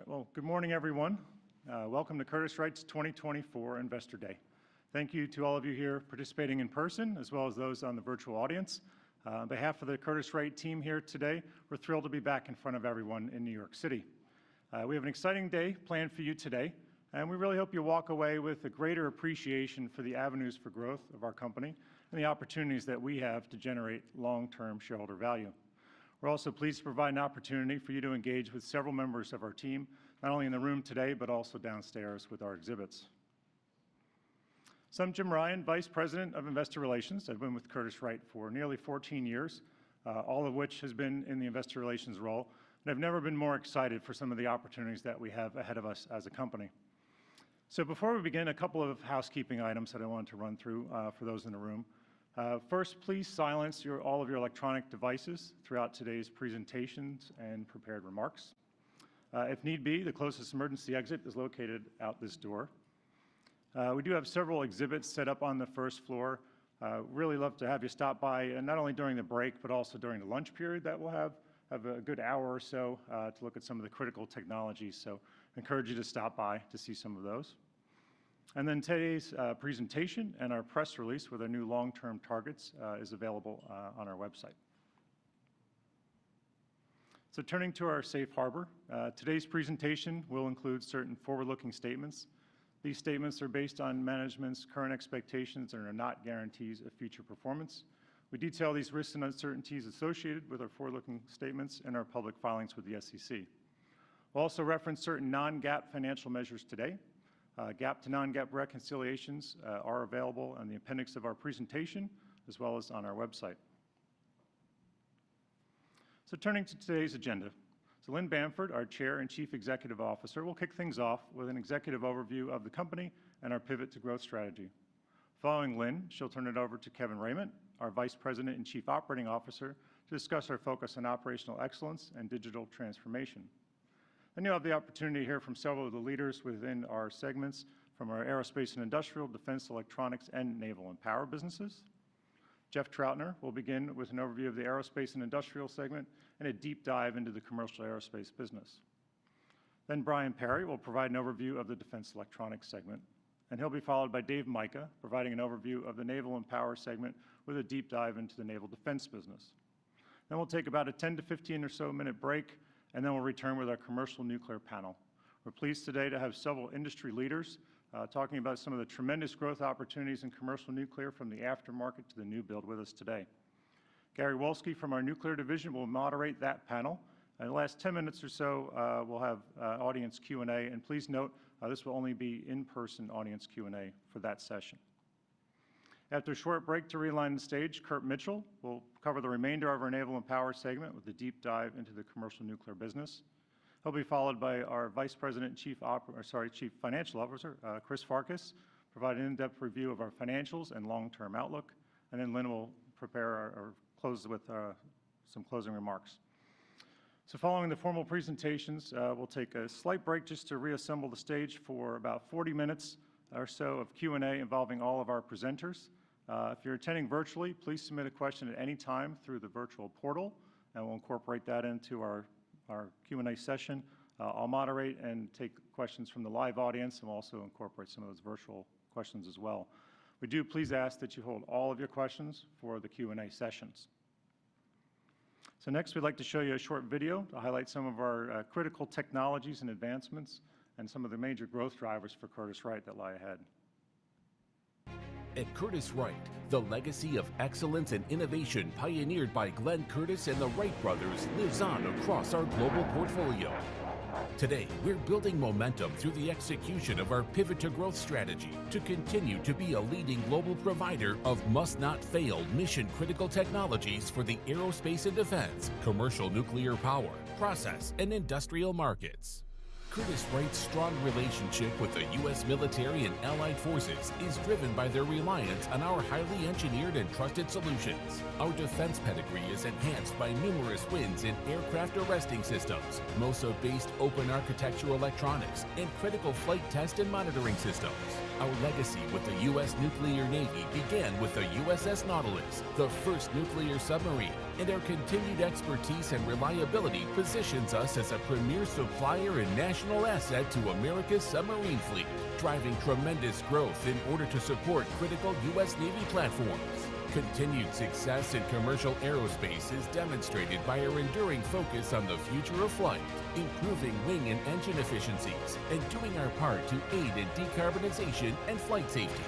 All right, well, good morning, everyone. Welcome to Curtiss-Wright's 2024 Investor Day. Thank you to all of you here participating in person, as well as those on the virtual audience. On behalf of the Curtiss-Wright team here today, we're thrilled to be back in front of everyone in New York City. We have an exciting day planned for you today, and we really hope you walk away with a greater appreciation for the avenues for growth of our company and the opportunities that we have to generate long-term shareholder value. We're also pleased to provide an opportunity for you to engage with several members of our team, not only in the room today, but also downstairs with our exhibits. So I'm Jim Ryan, Vice President of Investor Relations. I've been with Curtiss-Wright for nearly 14 years, all of which has been in the investor relations role, and I've never been more excited for some of the opportunities that we have ahead of us as a company. So before we begin, a couple of housekeeping items that I wanted to run through, for those in the room. First, please silence all of your electronic devices throughout today's presentations and prepared remarks. If need be, the closest emergency exit is located out this door. We do have several exhibits set up on the first floor. Really love to have you stop by, and not only during the break, but also during the lunch period that we'll have. Have a good hour or so to look at some of the critical technologies, so encourage you to stop by to see some of those. Then today's presentation and our press release with our new long-term targets is available on our website. Turning to our safe harbor, today's presentation will include certain forward-looking statements. These statements are based on management's current expectations and are not guarantees of future performance. We detail these risks and uncertainties associated with our forward-looking statements and our public filings with the SEC. We'll also reference certain non-GAAP financial measures today. GAAP to non-GAAP reconciliations are available on the appendix of our presentation, as well as on our website. Turning to today's agenda. Lynn Bamford, our Chair and Chief Executive Officer, will kick things off with an executive overview of the company and our Pivot to Growth strategy. Following Lynn, she'll turn it over to Kevin Rayment, our Vice President and Chief Operating Officer, to discuss our focus on operational excellence and digital transformation. Then you'll have the opportunity to hear from several of the leaders within our segments, from our Aerospace and Industrial, Defense Electronics, and Naval and Power businesses. Jeff Trautner will begin with an overview of the Aerospace and Industrial segment and a deep dive into the commercial aerospace business. Then Brian Perry will provide an overview of the defense electronics segment, and he'll be followed by Dave Mica, providing an overview of the Naval and Power segment with a deep dive into the naval defense business. Then we'll take about a 10-15 or so minute break, and then we'll return with our commercial nuclear panel. We're pleased today to have several industry leaders talking about some of the tremendous growth opportunities in commercial nuclear from the aftermarket to the new build with us today. Gary Wolski from our nuclear division will moderate that panel, and the last 10 minutes or so we'll have audience Q&A. And please note, this will only be in-person audience Q&A for that session. After a short break to realign the stage, Kurt Mitchell will cover the remainder of our Naval and Power segment with a deep dive into the commercial nuclear business. He'll be followed by our Vice President and Chief Financial Officer Chris Farkas to provide an in-depth review of our financials and long-term outlook. And then Lynn will prepare or close with some closing remarks. So following the formal presentations, we'll take a slight break just to reassemble the stage for about 40 minutes or so of Q&A involving all of our presenters. If you're attending virtually, please submit a question at any time through the virtual portal, and we'll incorporate that into our, our Q&A session. I'll moderate and take questions from the live audience and we'll also incorporate some of those virtual questions as well. We do please ask that you hold all of your questions for the Q&A sessions. So next, we'd like to show you a short video to highlight some of our critical technologies and advancements and some of the major growth drivers for Curtiss-Wright that lie ahead. At Curtiss-Wright, the legacy of excellence and innovation pioneered by Glenn Curtiss and the Wright brothers lives on across our global portfolio. Today, we're building momentum through the execution of our pivot to growth strategy to continue to be a leading global provider of must not fail, mission-critical technologies for the aerospace and defense, commercial nuclear power, process, and industrial markets. Curtiss-Wright's strong relationship with the U.S. military and allied forces is driven by their reliance on our highly engineered and trusted solutions. Our defense pedigree is enhanced by numerous wins in aircraft arresting systems, MOSA-based open architectural electronics, and critical flight test and monitoring systems. Our legacy with the U.S. Nuclear Navy began with the USS Nautilus, the first nuclear submarine, and our continued expertise and reliability positions us as a premier supplier and national asset to America's submarines fleet, driving tremendous growth in order to support critical U.S. Navy platforms. Continued success in commercial aerospace is demonstrated by our enduring focus on the future of flight, improving wing and engine efficiencies, and doing our part to aid in decarbonization and flight safety.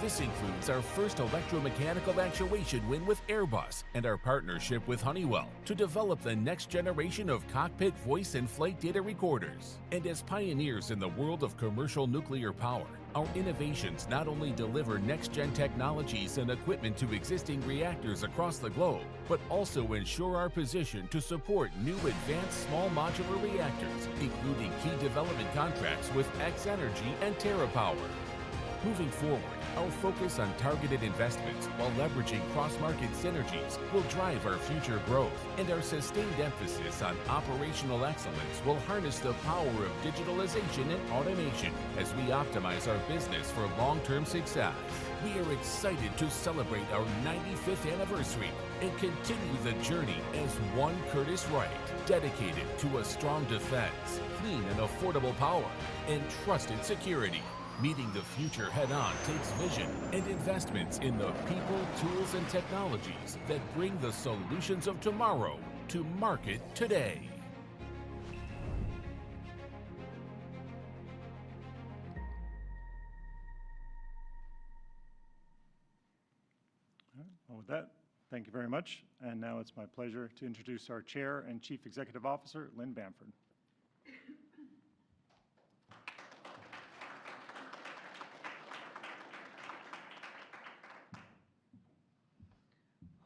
This includes our first electromechanical actuation win with Airbus and our partnership with Honeywell to develop the next generation of cockpit voice and flight data recorders. As pioneers in the world of commercial nuclear power, our innovations not only deliver next-gen technologies and equipment to existing reactors across the globe, but also ensure our position to support new advanced small modular reactors, including key development contracts with X-energy and TerraPower. Our focus on targeted investments while leveraging cross-market synergies will drive our future growth, and our sustained emphasis on operational excellence will harness the power of digitalization and automation as we optimize our business for long-term success. We are excited to celebrate our ninety-fifth anniversary and continue the journey as one Curtiss-Wright, dedicated to a strong defense, clean and affordable power, and trusted security. Meeting the future head-on takes vision and investments in the people, tools, and technologies that bring the solutions of tomorrow to market today. All right, well, with that, thank you very much. Now it's my pleasure to introduce our Chair and Chief Executive Officer, Lynn Bamford.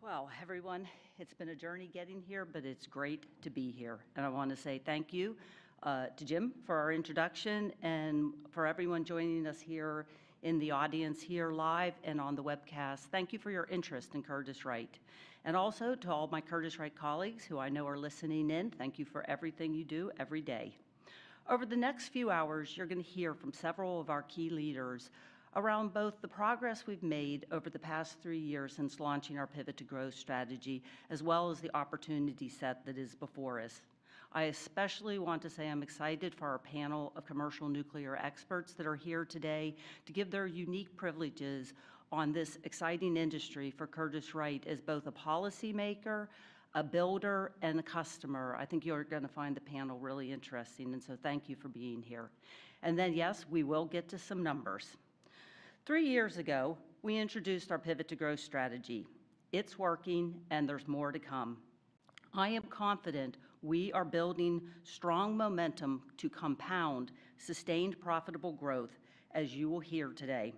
Well, everyone, it's been a journey getting here, but it's great to be here. I wanna say thank you to Jim for our introduction and for everyone joining us here in the audience here live and on the webcast. Thank you for your interest in Curtiss-Wright. Also to all my Curtiss-Wright colleagues who I know are listening in, thank you for everything you do every day. Over the next few hours, you're gonna hear from several of our key leaders around both the progress we've made over the past three years since launching our Pivot to Growth strategy, as well as the opportunity set that is before us. I especially want to say I'm excited for our panel of commercial nuclear experts that are here today to give their unique privileges on this exciting industry for Curtiss-Wright as both a policymaker, a builder, and a customer. I think you're gonna find the panel really interesting, and so thank you for being here. And then, yes, we will get to some numbers. 3 years ago, we introduced our Pivot to Growth strategy. It's working, and there's more to come. I am confident we are building strong momentum to compound sustained, profitable growth, as you will hear today.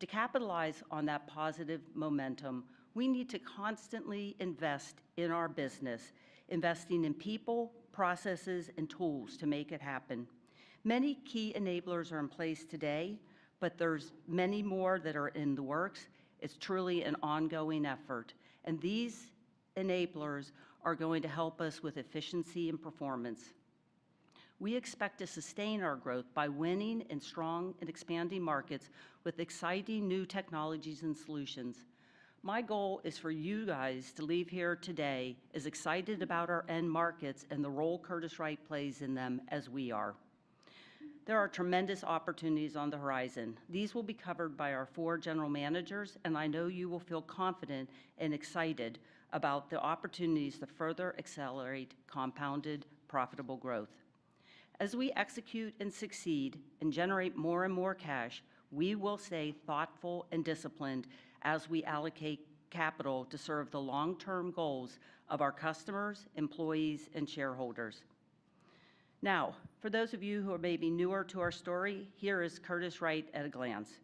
To capitalize on that positive momentum, we need to constantly invest in our business, investing in people, processes, and tools to make it happen. Many key enablers are in place today, but there's many more that are in the works. It's truly an ongoing effort, and these enablers are going to help us with efficiency and performance. We expect to sustain our growth by winning in strong and expanding markets with exciting new technologies and solutions. My goal is for you guys to leave here today as excited about our end markets and the role Curtiss-Wright plays in them as we are. There are tremendous opportunities on the horizon. These will be covered by our four general managers, and I know you will feel confident and excited about the opportunities to further accelerate compounded, profitable growth. As we execute and succeed and generate more and more cash, we will stay thoughtful and disciplined as we allocate capital to serve the long-term goals of our customers, employees, and shareholders. Now, for those of you who are maybe newer to our story, here is Curtiss-Wright at a glance.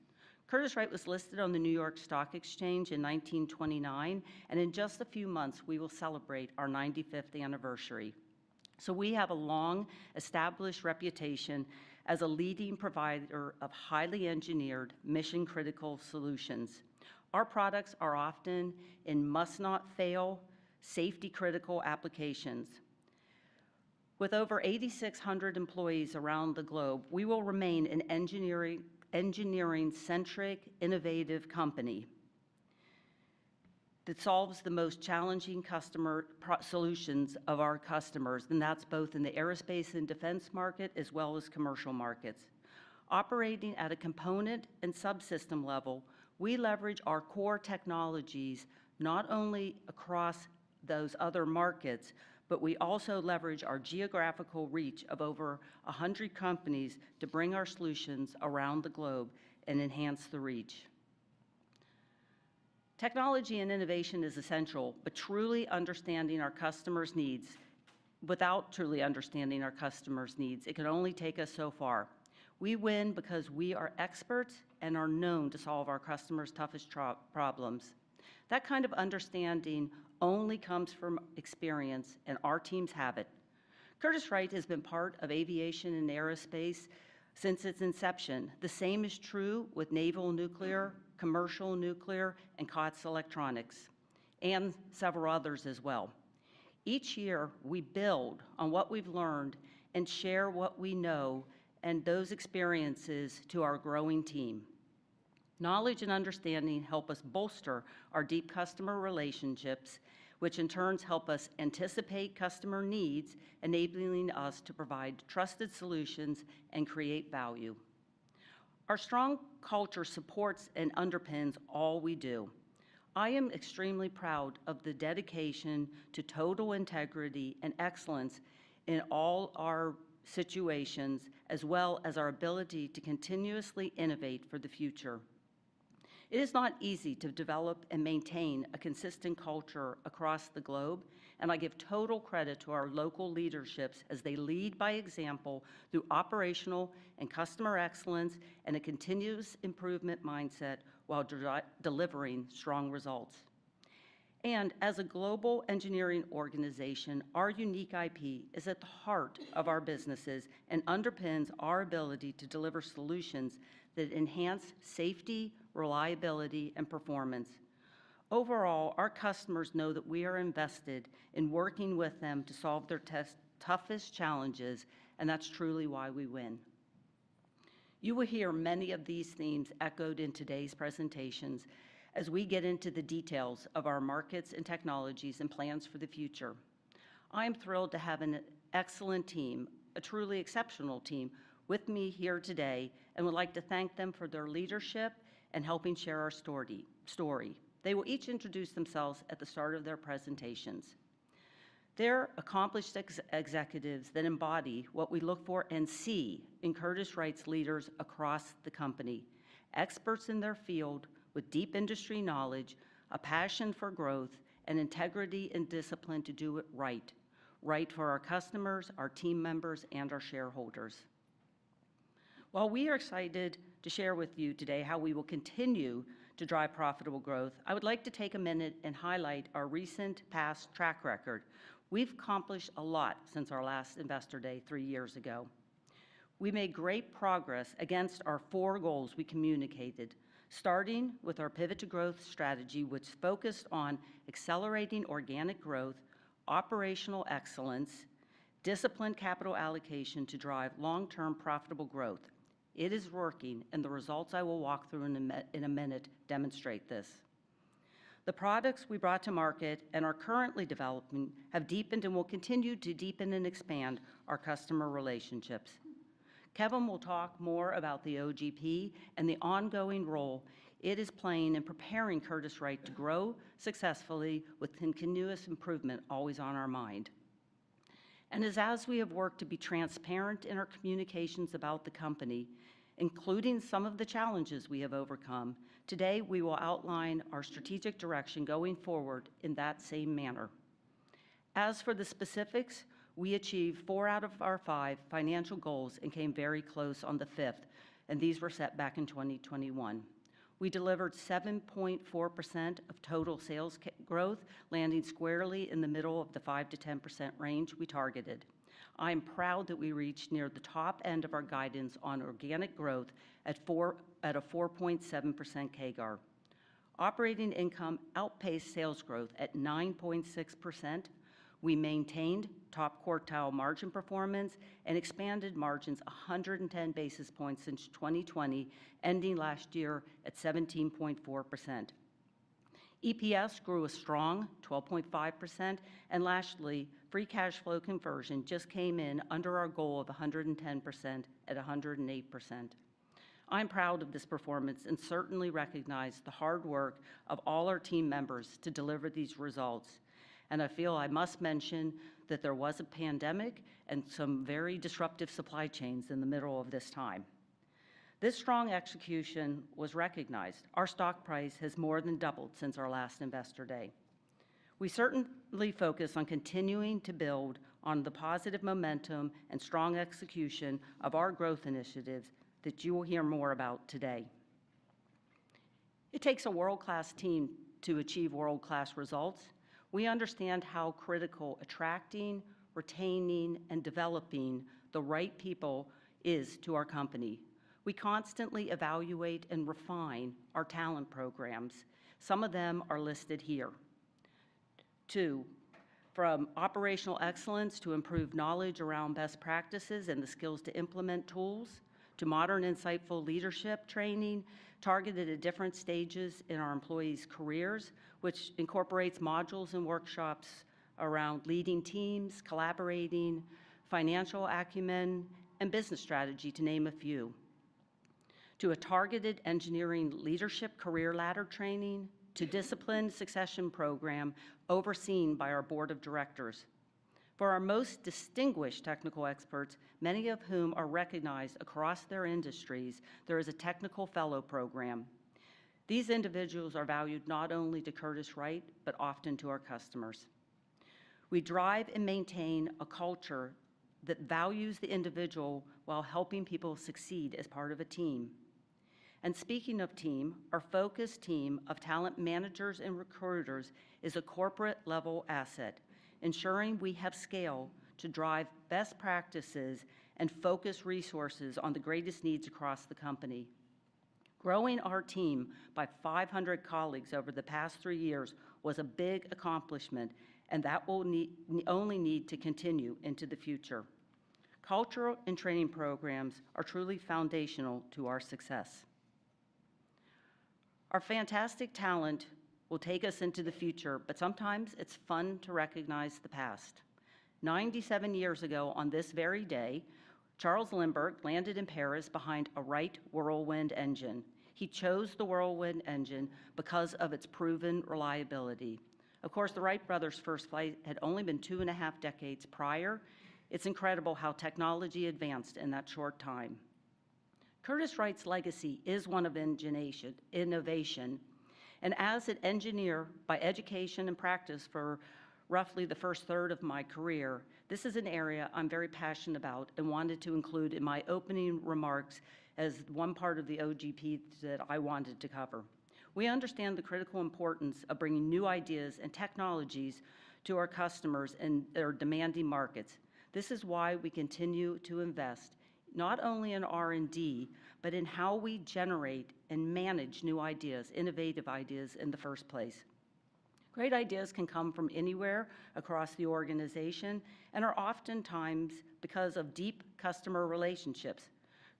Curtiss-Wright was listed on the New York Stock Exchange in 1929, and in just a few months, we will celebrate our 95th anniversary. So we have a long-established reputation as a leading provider of highly engineered, mission-critical solutions. Our products are often in must-not-fail, safety-critical applications. With over 8,600 employees around the globe, we will remain an engineering-centric, innovative company that solves the most challenging customer solutions of our customers, and that's both in the aerospace and defense market, as well as commercial markets. Operating at a component and subsystem level, we leverage our core technologies, not only across those other markets, but we also leverage our geographical reach of over 100 companies to bring our solutions around the globe and enhance the reach. Technology and innovation is essential, but without truly understanding our customers' needs, it can only take us so far. We win because we are experts and are known to solve our customers' toughest problems. That kind of understanding only comes from experience, and our teams have it. Curtiss-Wright has been part of aviation and aerospace since its inception. The same is true with naval nuclear, commercial nuclear, and COTS electronics, and several others as well. Each year, we build on what we've learned and share what we know and those experiences to our growing team. Knowledge and understanding help us bolster our deep customer relationships, which in turn help us anticipate customer needs, enabling us to provide trusted solutions and create value. Our strong culture supports and underpins all we do. I am extremely proud of the dedication to total integrity and excellence in all our situations, as well as our ability to continuously innovate for the future. It is not easy to develop and maintain a consistent culture across the globe, and I give total credit to our local leaderships as they lead by example through operational and customer excellence and a continuous improvement mindset while delivering strong results. As a global engineering organization, our unique IP is at the heart of our businesses and underpins our ability to deliver solutions that enhance safety, reliability, and performance. Overall, our customers know that we are invested in working with them to solve their toughest challenges, and that's truly why we win. You will hear many of these themes echoed in today's presentations as we get into the details of our markets and technologies and plans for the future. I'm thrilled to have an excellent team, a truly exceptional team, with me here today, and would like to thank them for their leadership and helping share our story. They will each introduce themselves at the start of their presentations. They're accomplished ex-executives that embody what we look for and see in Curtiss-Wright's leaders across the company, experts in their field with deep industry knowledge, a passion for growth, and integrity and discipline to do it right for our customers, our team members, and our shareholders. While we are excited to share with you today how we will continue to drive profitable growth, I would like to take a minute and highlight our recent past track record. We've accomplished a lot since our last Investor Day three years ago. We made great progress against our four goals we communicated, starting with our Pivot to Growth strategy, which focused on accelerating organic growth, operational excellence, disciplined capital allocation to drive long-term profitable growth. It is working, and the results I will walk through in a minute demonstrate this. The products we brought to market and are currently developing have deepened and will continue to deepen and expand our customer relationships. Kevin will talk more about the OGP and the ongoing role it is playing in preparing Curtiss-Wright to grow successfully, with continuous improvement always on our mind. As we have worked to be transparent in our communications about the company, including some of the challenges we have overcome, today we will outline our strategic direction going forward in that same manner. As for the specifics, we achieved four out of our five financial goals and came very close on the fifth, and these were set back in 2021. We delivered 7.4% of total sales growth, landing squarely in the middle of the 5%-10% range we targeted. I am proud that we reached near the top end of our guidance on organic growth at a 4.7% CAGR. Operating income outpaced sales growth at 9.6%. We maintained top-quartile margin performance and expanded margins 110 basis points since 2020, ending last year at 17.4%. EPS grew a strong 12.5%, and lastly, free cash flow conversion just came in under our goal of 110% at 108%. I'm proud of this performance and certainly recognize the hard work of all our team members to deliver these results, and I feel I must mention that there was a pandemic and some very disruptive supply chains in the middle of this time. This strong execution was recognized. Our stock price has more than doubled since our last Investor Day. We certainly focus on continuing to build on the positive momentum and strong execution of our growth initiatives that you will hear more about today. It takes a world-class team to achieve world-class results. We understand how critical attracting, retaining, and developing the right people is to our company. We constantly evaluate and refine our talent programs. Some of them are listed here. Two, from operational excellence to improve knowledge around best practices and the skills to implement tools, to modern, insightful leadership training targeted at different stages in our employees' careers, which incorporates modules and workshops around leading teams, collaborating, financial acumen, and business strategy, to name a few. To a targeted engineering leadership career ladder training, to disciplined succession program overseen by our board of directors. For our most distinguished technical experts, many of whom are recognized across their industries, there is a technical fellow program. These individuals are valued not only to Curtiss-Wright, but often to our customers. We drive and maintain a culture that values the individual while helping people succeed as part of a team. Speaking of team, our focused team of talent managers and recruiters is a corporate-level asset, ensuring we have scale to drive best practices and focus resources on the greatest needs across the company. Growing our team by 500 colleagues over the past 3 years was a big accomplishment, and that will only need to continue into the future. Cultural and training programs are truly foundational to our success. Our fantastic talent will take us into the future, but sometimes it's fun to recognize the past. 97 years ago, on this very day, Charles Lindbergh landed in Paris behind a Wright Whirlwind engine. He chose the Whirlwind engine because of its proven reliability. Of course, the Wright brothers' first flight had only been 2.5 decades prior. It's incredible how technology advanced in that short time. Curtiss-Wright's legacy is one of ingenuity-innovation, and as an engineer by education and practice for roughly the first third of my career, this is an area I'm very passionate about and wanted to include in my opening remarks as one part of the OGP that I wanted to cover. We understand the critical importance of bringing new ideas and technologies to our customers and their demanding markets. This is why we continue to invest, not only in R&D, but in how we generate and manage new ideas, innovative ideas, in the first place. Great ideas can come from anywhere across the organization and are oftentimes because of deep customer relationships.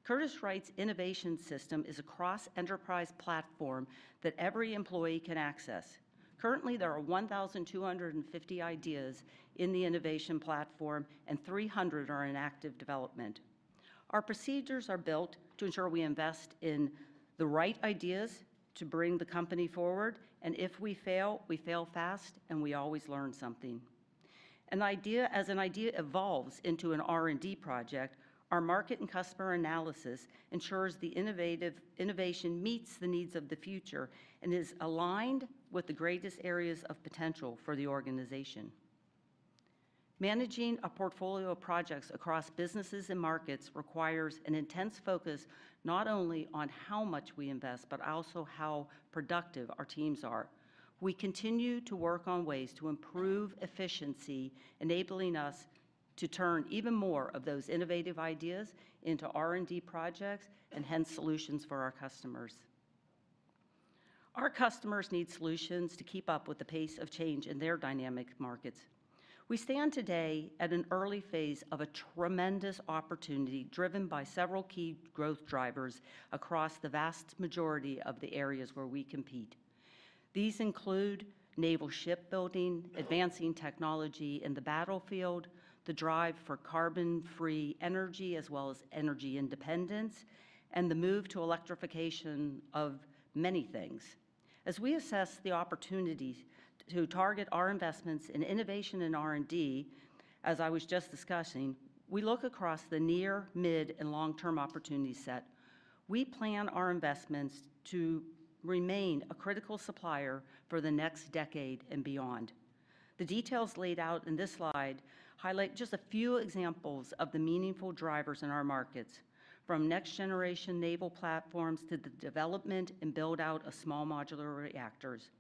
Curtiss-Wright's innovation system is a cross-enterprise platforms that every employee can access. Currently, there are 1,250 ideas in the innovation platforms, and 300 are in active development. Our procedures are built to ensure we invest in the right ideas to bring the company forward, and if we fail, we fail fast, and we always learn something. As an idea evolves into an R&D project, our market and customer analysis ensures the innovation meets the needs of the future and is aligned with the greatest areas of potential for the organization. Managing a portfolio of projects across businesses and markets requires an intense focus, not only on how much we invest, but also how productive our teams are. We continue to work on ways to improve efficiency, enabling us to turn even more of those innovative ideas into R&D projects and hence, solutions for our customers. Our customers need solutions to keep up with the pace of change in their dynamic markets. We stand today at an early phase of a tremendous opportunity, driven by several key growth drivers across the vast majority of the areas where we compete. These include naval shipbuilding, advancing technology in the battlefield, the drive for carbon-free energy, as well as energy independence, and the move to electrification of many things. As we assess the opportunities to target our investments in innovation and R&D, as I was just discussing, we look across the near, mid, and long-term opportunity set. We plan our investments to remain a critical supplier for the next decade and beyond. The details laid out in this slide highlight just a few examples of the meaningful drivers in our markets, from next-generation naval platforms to the development and build-out of small modular reactors.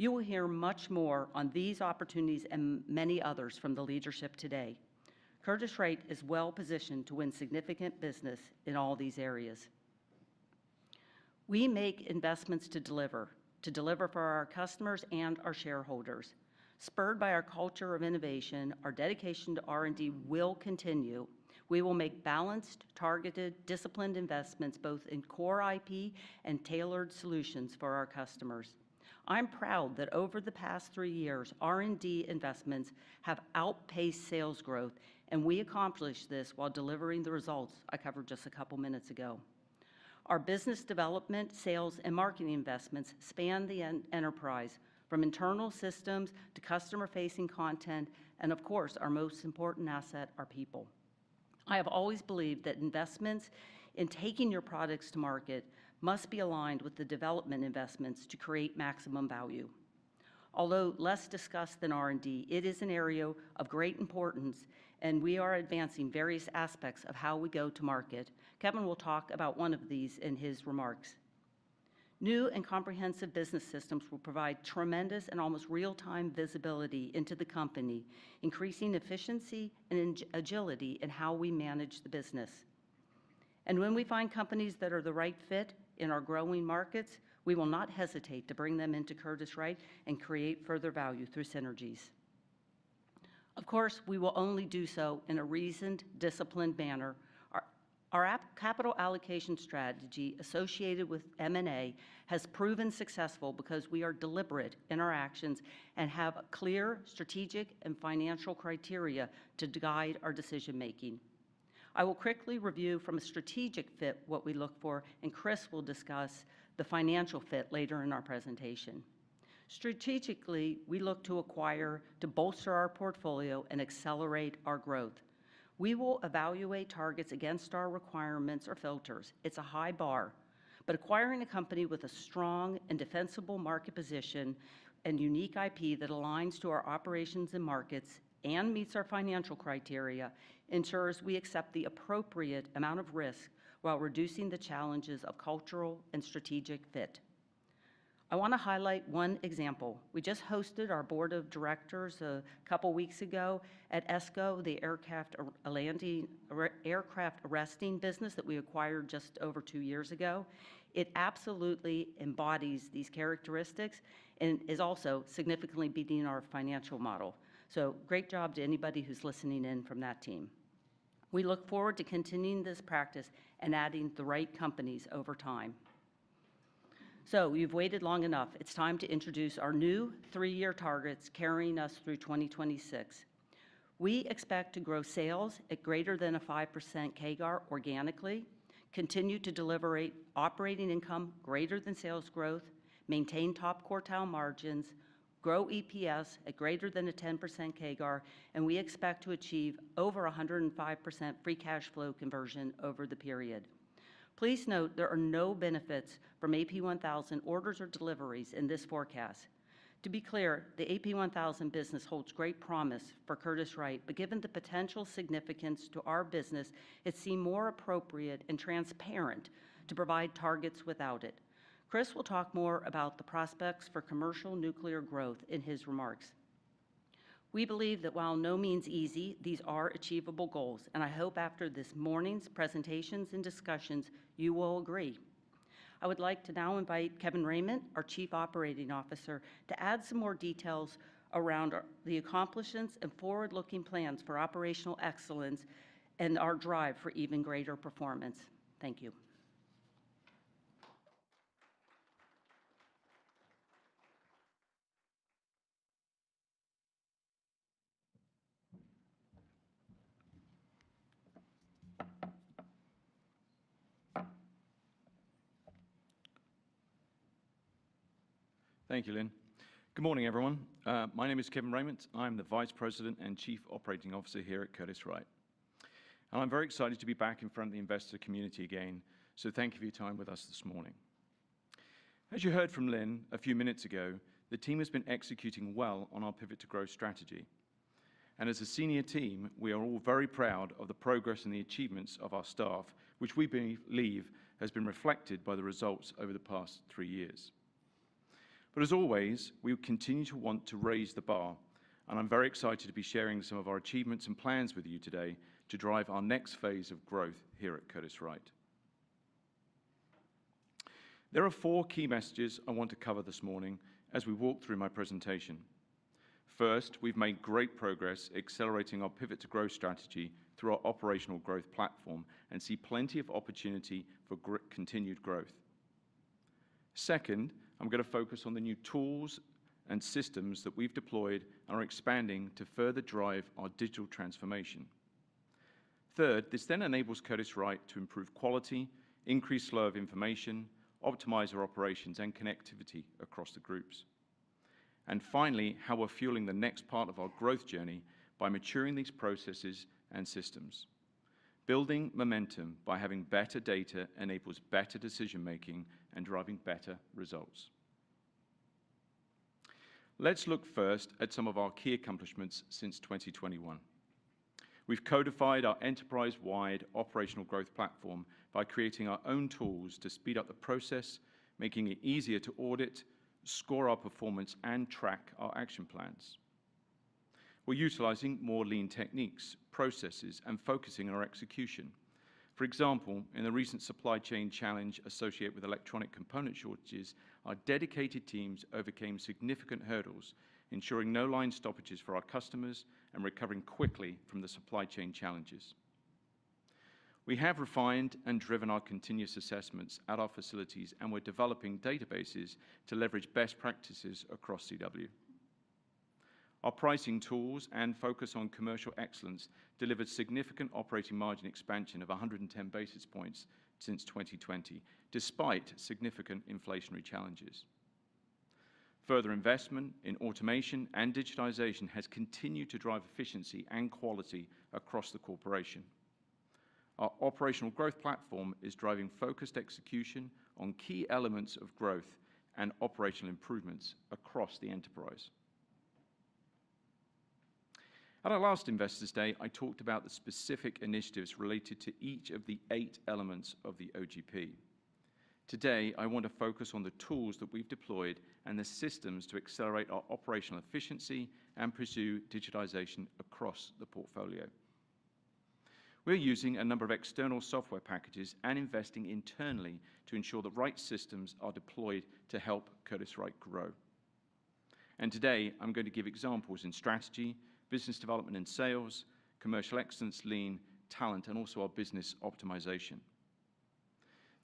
You will hear much more on these opportunities and many others from the leadership today. Curtiss-Wright is well-positioned to win significant business in all these areas. We make investments to deliver, to deliver for our customers and our shareholders. Spurred by our culture of innovation, our dedication to R&D will continue. We will make balanced, targeted, disciplined investments, both in core IP and tailored solutions for our customers. I'm proud that over the past three years, R&D investments have outpaced sales growth, and we accomplished this while delivering the results I covered just a couple minutes ago. Our business development, sales, and marketing investments span the enterprise, from internal systems to customer-facing content, and of course, our most important asset, our people. I have always believed that investments in taking your products to market must be aligned with the development investments to create maximum value. Although less discussed than R&D, it is an area of great importance, and we are advancing various aspects of how we go to market. Kevin will talk about one of these in his remarks. New and comprehensive business systems will provide tremendous and almost real-time visibility into the company, increasing efficiency and agility in how we manage the business. And when we find companies that are the right fit in our growing markets, we will not hesitate to bring them into Curtiss-Wright and create further value through synergies. Of course, we will only do so in a reasoned, disciplined manner. Our capital allocation strategy associated with M&A has proven successful because we are deliberate in our actions and have a clear strategic and financial criteria to guide our decision-making. I will quickly review from a strategic fit, what we look for, and Chris will discuss the financial fit later in our presentation. Strategically, we look to acquire to bolster our portfolio and accelerate our growth. We will evaluate targets against our requirements or filters. It's a high bar, but acquiring a company with a strong and defensible market position and unique IP that aligns to our operations and markets and meets our financial criteria, ensures we accept the appropriate amount of risk while reducing the challenges of cultural and strategic fit. I want to highlight one example. We just hosted our board of directors a couple weeks ago at ESCO, the Aircraft Arresting business that we acquired just over two years ago. It absolutely embodies these characteristics and is also significantly beating our financial model. So great job to anybody who's listening in from that team. We look forward to continuing this practice and adding the right companies over time. So you've waited long enough. It's time to introduce our new three-year targets, carrying us through 2026. We expect to grow sales at greater than a 5% CAGR organically, continue to deliver operating income greater than sales growth, maintain top-quartile margins, grow EPS at greater than a 10% CAGR, and we expect to achieve over 105% free cash flow conversion over the period. Please note there are no benefits from AP1000 orders or deliveries in this forecast. To be clear, the AP1000 business holds great promise for Curtiss-Wright, but given the potential significance to our business, it seemed more appropriate and transparent to provide targets without it. Chris will talk more about the prospects for commercial nuclear growth in his remarks.... We believe that while by no means easy, these are achievable goals, and I hope after this morning's presentations and discussions, you will agree. I would like to now invite Kevin Rayment, our Chief Operating Officer, to add some more details around our, the accomplishments and forward-looking plans for operational excellence and our drive for even greater performance. Thank you. Thank you, Lynn. Good morning, everyone. My name is Kevin Rayment. I'm the Vice President and Chief Operating Officer here at Curtiss-Wright. And I'm very excited to be back in front of the investor community again, so thank you for your time with us this morning. As you heard from Lynn a few minutes ago, the team has been executing well on our Pivot to Grow strategy. And as a senior team, we are all very proud of the progress and the achievements of our staff, which we believe has been reflected by the results over the past three years. But as always, we continue to want to raise the bar, and I'm very excited to be sharing some of our achievements and plans with you today to drive our next phase of growth here at Curtiss-Wright. There are four key messages I want to cover this morning as we walk through my presentation. First, we've made great progress accelerating our Pivot to Grow strategy through our Operational Growth Platform and see plenty of opportunity for continued growth. Second, I'm gonna focus on the new tools and systems that we've deployed and are expanding to further drive our digital transformation. Third, this then enables Curtiss-Wright to improve quality, increase flow of information, optimize our operations, and connectivity across the groups. And finally, how we're fueling the next part of our growth journey by maturing these processes and systems. Building momentum by having better data enables better decision-making and driving better results. Let's look first at some of our key accomplishments since 2021. We've codified our enterprise-wide Operational Growth Platform by creating our own tools to speed up the process, making it easier to audit, score our performance, and track our action plans. We're utilizing more lean techniques, processes, and focusing on our execution. For example, in the recent supply chain challenge associated with electronic component shortages, our dedicated teams overcame significant hurdles, ensuring no line stoppages for our customers and recovering quickly from the supply chain challenges. We have refined and driven our continuous assessments at our facilities, and we're developing databases to leverage best practices across CW. Our pricing tools and focus on commercial excellence delivered significant operating margin expansion of 100 basis points since 2020, despite significant inflationary challenges. Further investment in automation and digitization has continued to drive efficiency and quality across the corporation. Our Operational Growth Platform is driving focused execution on key elements of growth and operational improvements across the enterprise. At our last Investor Day, I talked about the specific initiatives related to each of the eight elements of the OGP. Today, I want to focus on the tools that we've deployed and the systems to accelerate our operational efficiency and pursue digitization across the portfolio. We're using a number of external software packages and investing internally to ensure the right systems are deployed to help Curtiss-Wright grow. And today, I'm going to give examples in strategy, business development and sales, commercial excellence, lean, talent, and also our business optimization.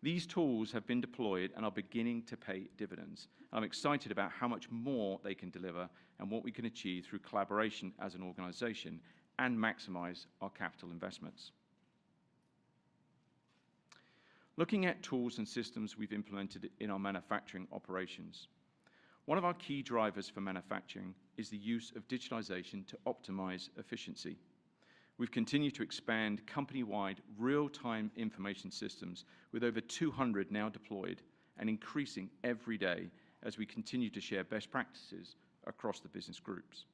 These tools have been deployed and are beginning to pay dividends, and I'm excited about how much more they can deliver and what we can achieve through collaboration as an organization and maximize our capital investments. Looking at tools and systems we've implemented in our manufacturing operations, one of our key drivers for manufacturing is the use of digitalization to optimize efficiency. We've continued to expand company-wide real-time information systems, with over 200 now deployed and increasing every day as we continue to share best practices across the business groups.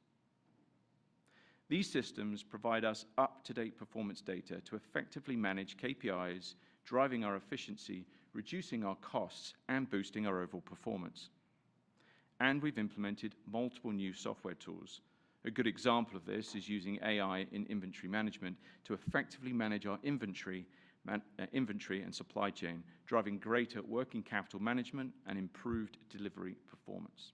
These systems provide us up-to-date performance data to effectively manage KPIs, driving our efficiency, reducing our costs, and boosting our overall performance. We've implemented multiple new software tools. A good example of this is using AI in inventory management to effectively manage our inventory and supply chain, driving greater working capital management and improved delivery performance.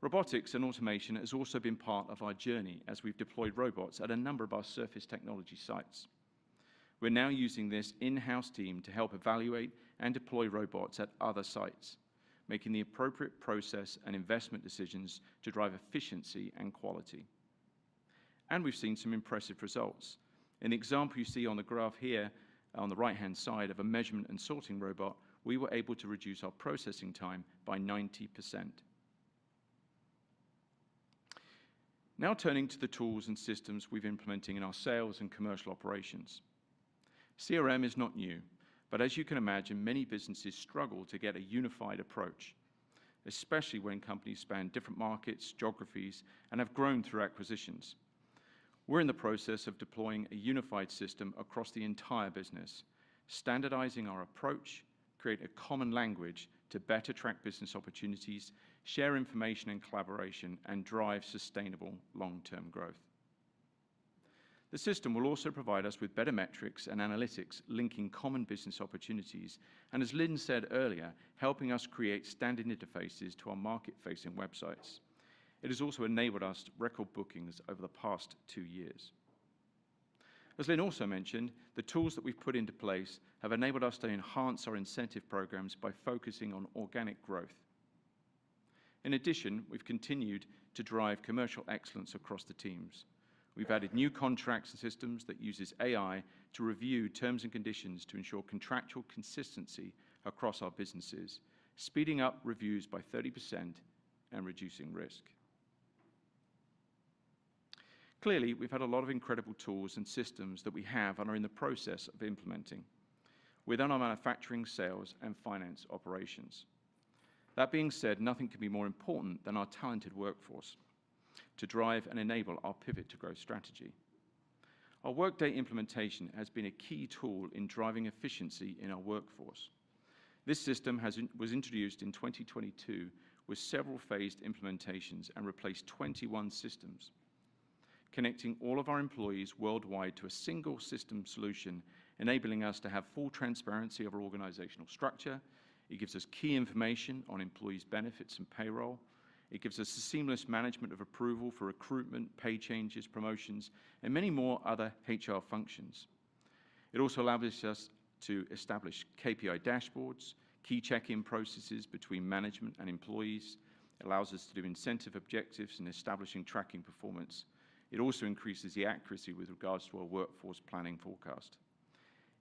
Robotics and automation has also been part of our journey as we've deployed robots at a number of our surface technology sites. We're now using this in-house team to help evaluate and deploy robots at other sites, making the appropriate process and investment decisions to drive efficiency and quality. We've seen some impressive results. An example you see on the graph here, on the right-hand side of a measurement and sorting robot, we were able to reduce our processing time by 90%. Now, turning to the tools and systems we've implementing in our sales and commercial operations. CRM is not new, but as you can imagine, many businesses struggle to get a unified approach, especially when companies span different markets, geographies, and have grown through acquisitions.... We're in the process of deploying a unified system across the entire business, standardizing our approach, create a common language to better track business opportunities, share information and collaboration, and drive sustainable long-term growth. The system will also provide us with better metrics and analytics, linking common business opportunities, and as Lynn said earlier, helping us create standard interfaces to our market-facing websites. It has also enabled us to record bookings over the past two years. As Lynn also mentioned, the tools that we've put into place have enabled us to enhance our incentive programs by focusing on organic growth. In addition, we've continued to drive commercial excellence across the teams. We've added new contracts and systems that uses AI to review terms and conditions to ensure contractual consistency across our businesses, speeding up reviews by 30% and reducing risk. Clearly, we've had a lot of incredible tools and systems that we have and are in the process of implementing within our manufacturing, sales, and finance operations. That being said, nothing can be more important than our talented workforce to drive and enable our Pivot to Growth strategy. Our Workday implementation has been a key tool in driving efficiency in our workforce. This system was introduced in 2022 with several phased implementations and replaced 21 systems, connecting all of our employees worldwide to a single system solution, enabling us to have full transparency of our organizational structure. It gives us key information on employees' benefits and payroll. It gives us seamless management of approval for recruitment, pay changes, promotions, and many more other HR functions. It also allows us to establish KPI dashboards, key check-in processes between management and employees. It allows us to do incentive objectives and establishing tracking performance. It also increases the accuracy with regards to our workforce planning forecast.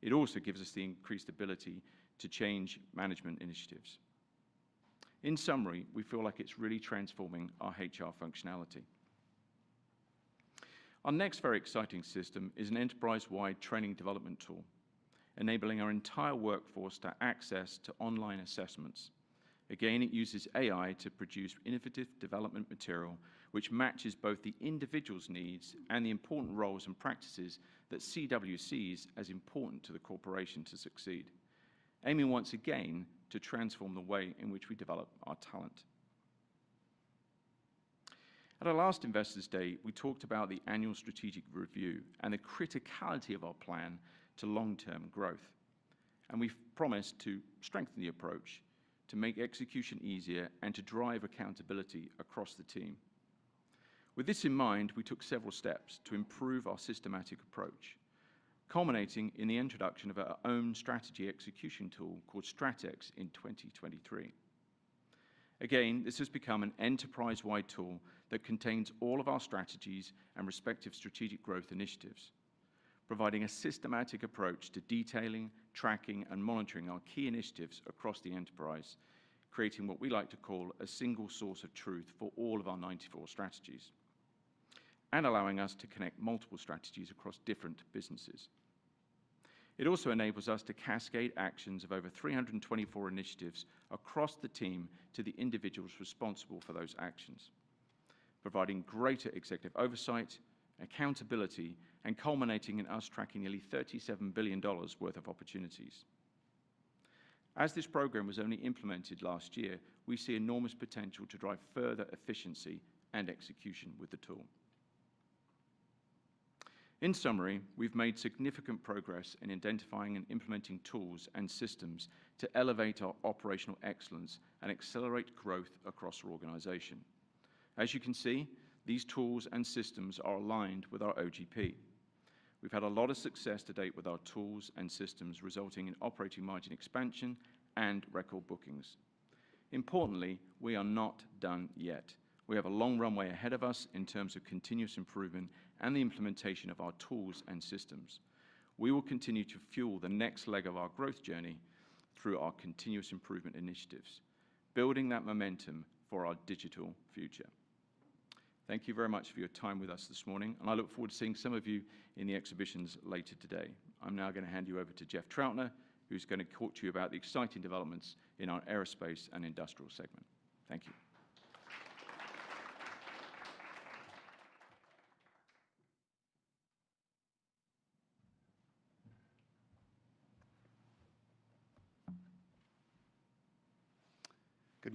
It also gives us the increased ability to change management initiatives. In summary, we feel like it's really transforming our HR functionality. Our next very exciting system is an enterprise-wide training development tool, enabling our entire workforce to access to online assessments. Again, it uses AI to produce innovative development material, which matches both the individual's needs and the important roles and practices that CWC sees as important to the corporation to succeed, aiming once again to transform the way in which we develop our talent. At our last Investors Day, we talked about the annual strategic review and the criticality of our plan to long-term growth, and we've promised to strengthen the approach, to make execution easier, and to drive accountability across the team. With this in mind, we took several steps to improve our systematic approach, culminating in the introduction of our own strategy execution tool called StratEx in 2023. Again, this has become an enterprise-wide tool that contains all of our strategies and respective strategic growth initiatives, providing a systematic approach to detailing, tracking, and monitoring our key initiatives across the enterprise, creating what we like to call a single source of truth for all of our 94 strategies and allowing us to connect multiple strategies across different businesses. It also enables us to cascade actions of over 324 initiatives across the team to the individuals responsible for those actions, providing greater executive oversight, accountability, and culminating in us tracking nearly $37 billion worth of opportunities. As this program was only implemented last year, we see enormous potential to drive further efficiency and execution with the tool. In summary, we've made significant progress in identifying and implementing tools and systems to elevate our operational excellence and accelerate growth across our organization. As you can see, these tools and systems are aligned with our OGP. We've had a lot of success to date with our tools and systems, resulting in operating margin expansion and record bookings. Importantly, we are not done yet. We have a long runway ahead of us in terms of continuous improvement and the implementation of our tools and systems. We will continue to fuel the next leg of our growth journey through our continuous improvement initiatives, building that momentum for our digital future. Thank you very much for your time with us this morning, and I look forward to seeing some of you in the exhibitions later today. I'm now gonna hand you over to Jeff Trautner, who's going to talk to you about the exciting developments in our aerospace and industrial segment. Thank you.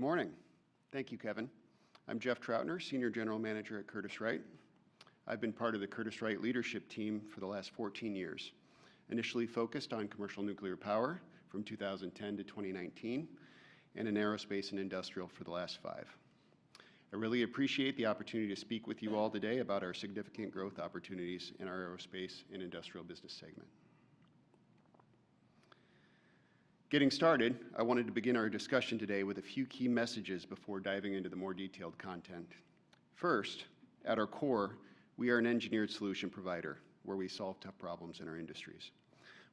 Good morning. Thank you, Kevin. I'm Jeff Trautner, Senior General Manager at Curtiss-Wright. I've been part of the Curtiss-Wright leadership team for the last 14 years, initially focused on commercial nuclear power from 2010 to 2019, and in aerospace and industrial for the last 5. I really appreciate the opportunity to speak with you all today about our significant growth opportunities in our aerospace and industrial business segment. Getting started, I wanted to begin our discussion today with a few key messages before diving into the more detailed content. First, at our core, we are an engineered solution provider, where we solve tough problems in our industries.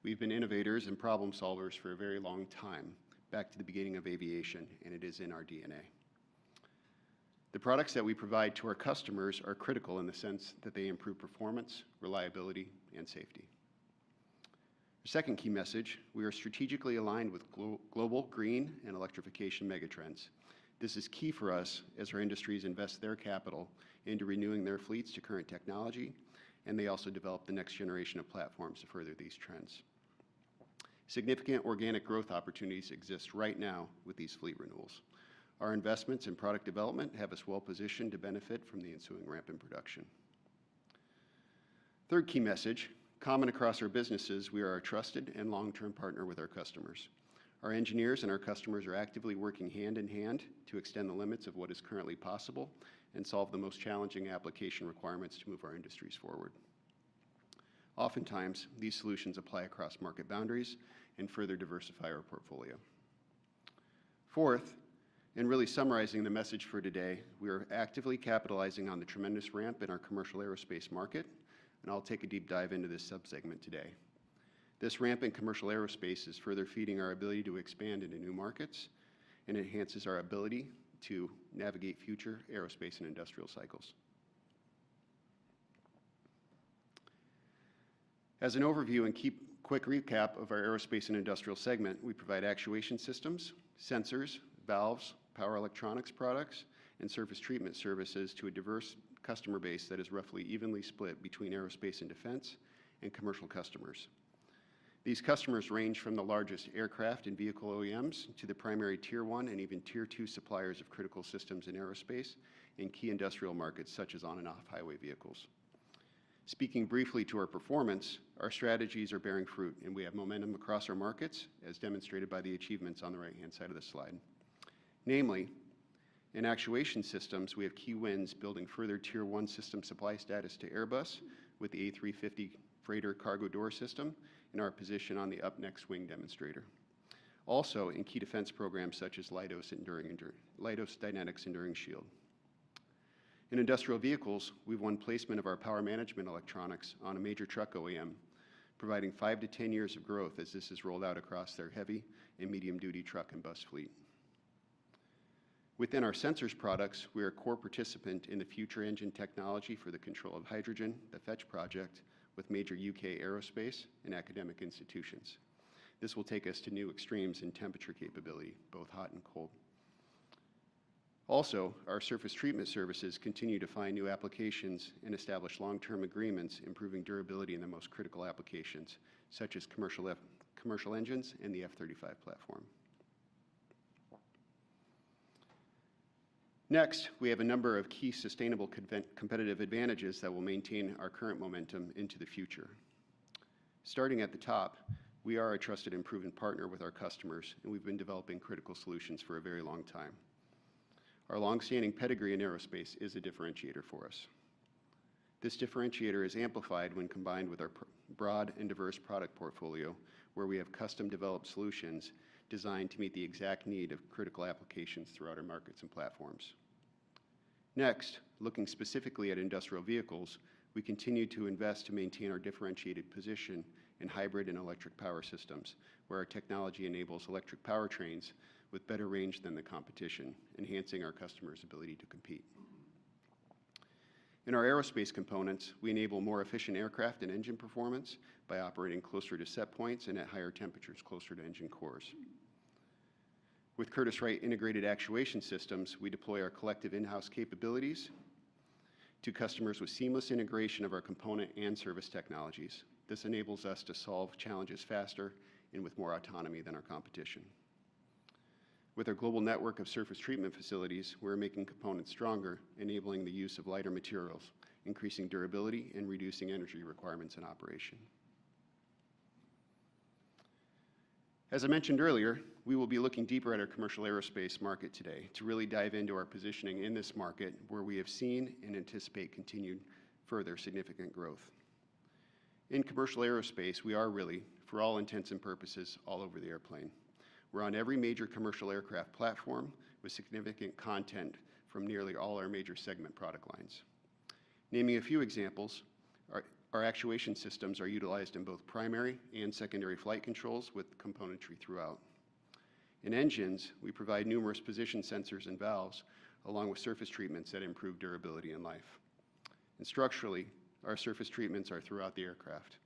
We've been innovators and problem solvers for a very long time, back to the beginning of aviation, and it is in our DNA. The products that we provide to our customers are critical in the sense that they improve performance, reliability, and safety. Second key message: we are strategically aligned with global green and electrification megatrends. This is key for us as our industries invest their capital into renewing their fleets to current technology, and they also develop the next generation of platforms to further these trends. Significant organic growth opportunities exist right now with these fleet renewals. Our investments in product development have us well-positioned to benefit from the ensuing ramp in production. Third key message: common across our businesses, we are a trusted and long-term partner with our customers. Our engineers and our customers are actively working hand-in-hand to extend the limits of what is currently possible and solve the most challenging application requirements to move our industries forward. Oftentimes, these solutions apply across market boundaries and further diversify our portfolio. Fourth, and really summarizing the message for today, we are actively capitalizing on the tremendous ramp in our commercial aerospace market, and I'll take a deep dive into this sub-segment today. This ramp in commercial aerospace is further feeding our ability to expand into new markets and enhances our ability to navigate future aerospace and industrial cycles. As an overview and quick recap of our Aerospace and Industrial Segment, we provide actuation systems, sensors, valves, power electronics products, and surface treatment services to a diverse customer base that is roughly evenly split between aerospace and defense and commercial customers. These customers range from the largest aircraft and vehicle OEMs to the primary Tier One and even Tier Two suppliers of critical systems in aerospace and key industrial markets, such as on and off-highway vehicles. Speaking briefly to our performance, our strategies are bearing fruit, and we have momentum across our markets, as demonstrated by the achievements on the right-hand side of this slide. Namely, in actuation systems, we have key wins building further Tier One system supply status to Airbus with the A350 freighter cargo door system and our position on the UpNext wing demonstrator. Also, in key defense programs such as Leidos Dynetics Enduring Shield. In industrial vehicles, we've won placement of our power management electronics on a major truck OEM, providing 5-10 years of growth as this is rolled out across their heavy- and medium-duty truck and bus fleet. Within our sensors products, we are a core participant in the Future Engine Technology for the Control of Hydrogen, the FETCH project, with major UK aerospace and academic institutions. This will take us to new extremes in temperature capability, both hot and cold. Also, our surface treatment services continue to find new applications and establish long-term agreements, improving durability in the most critical applications, such as commercial engines and the F-35 platform. Next, we have a number of key sustainable competitive advantages that will maintain our current momentum into the future. Starting at the top, we are a trusted and proven partner with our customers, and we've been developing critical solutions for a very long time. Our long-standing pedigree in aerospace is a differentiator for us. This differentiator is amplified when combined with our broad and diverse product portfolio, where we have custom-developed solutions designed to meet the exact need of critical applications throughout our markets and platforms. Next, looking specifically at industrial vehicles, we continue to invest to maintain our differentiated position in hybrid and electric power systems, where our technology enables electric powertrains with better range than the competition, enhancing our customers' ability to compete. In our aerospace components, we enable more efficient aircraft and engine performance by operating closer to set points and at higher temperatures closer to engine cores. With Curtiss-Wright Integrated Actuation Systems, we deploy our collective in-house capabilities to customers with seamless integration of our component and service technologies. This enables us to solve challenges faster and with more autonomy than our competition. With our global network of surface treatment facilities, we're making components stronger, enabling the use of lighter materials, increasing durability, and reducing energy requirements in operation. As I mentioned earlier, we will be looking deeper at our commercial aerospace market today to really dive into our positioning in this market, where we have seen and anticipate continued further significant growth. In commercial aerospace, we are really, for all intents and purposes, all over the airplane. We're on every major commercial aircraft platform with significant content from nearly all our major segment product lines. Naming a few examples, our actuation systems are utilized in both primary and secondary flight controls with componentry throughout. In engines, we provide numerous position sensors and valves, along with surface treatments that improve durability and life. Structurally, our surface treatments are throughout the aircraft,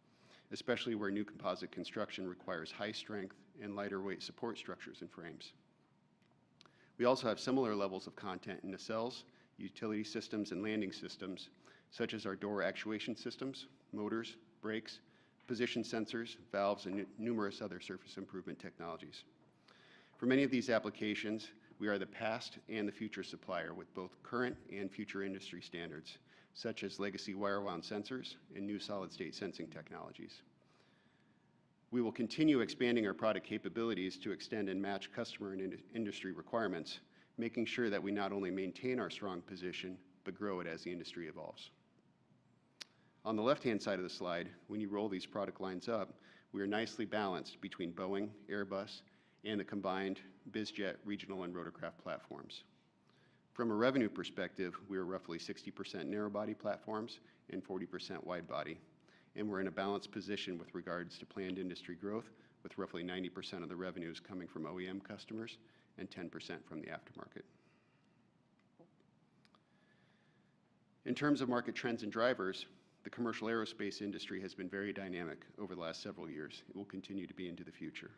especially where new composite construction requires high strength and lighter weight support structures and frames. We also have similar levels of content in the cells, utility systems, and landing systems, such as our door actuation systems, motors, brakes, position sensors, valves, and numerous other surface improvement technologies. For many of these applications, we are the past and the future supplier with both current and future industry standards, such as legacy wire-wound sensors and new solid-state sensing technologies. We will continue expanding our product capabilities to extend and match customer and industry requirements, making sure that we not only maintain our strong position but grow it as the industry evolves. On the left-hand side of the slide, when you roll these product lines up, we are nicely balanced between Boeing, Airbus, and the combined biz jet, regional, and rotorcraft platforms. From a revenue perspective, we are roughly 60% narrow-body platforms and 40% wide-body, and we're in a balanced position with regards to planned industry growth, with roughly 90% of the revenues coming from OEM customers and 10% from the aftermarket. In terms of market trends and drivers, the commercial aerospace industry has been very dynamic over the last several years and will continue to be into the future.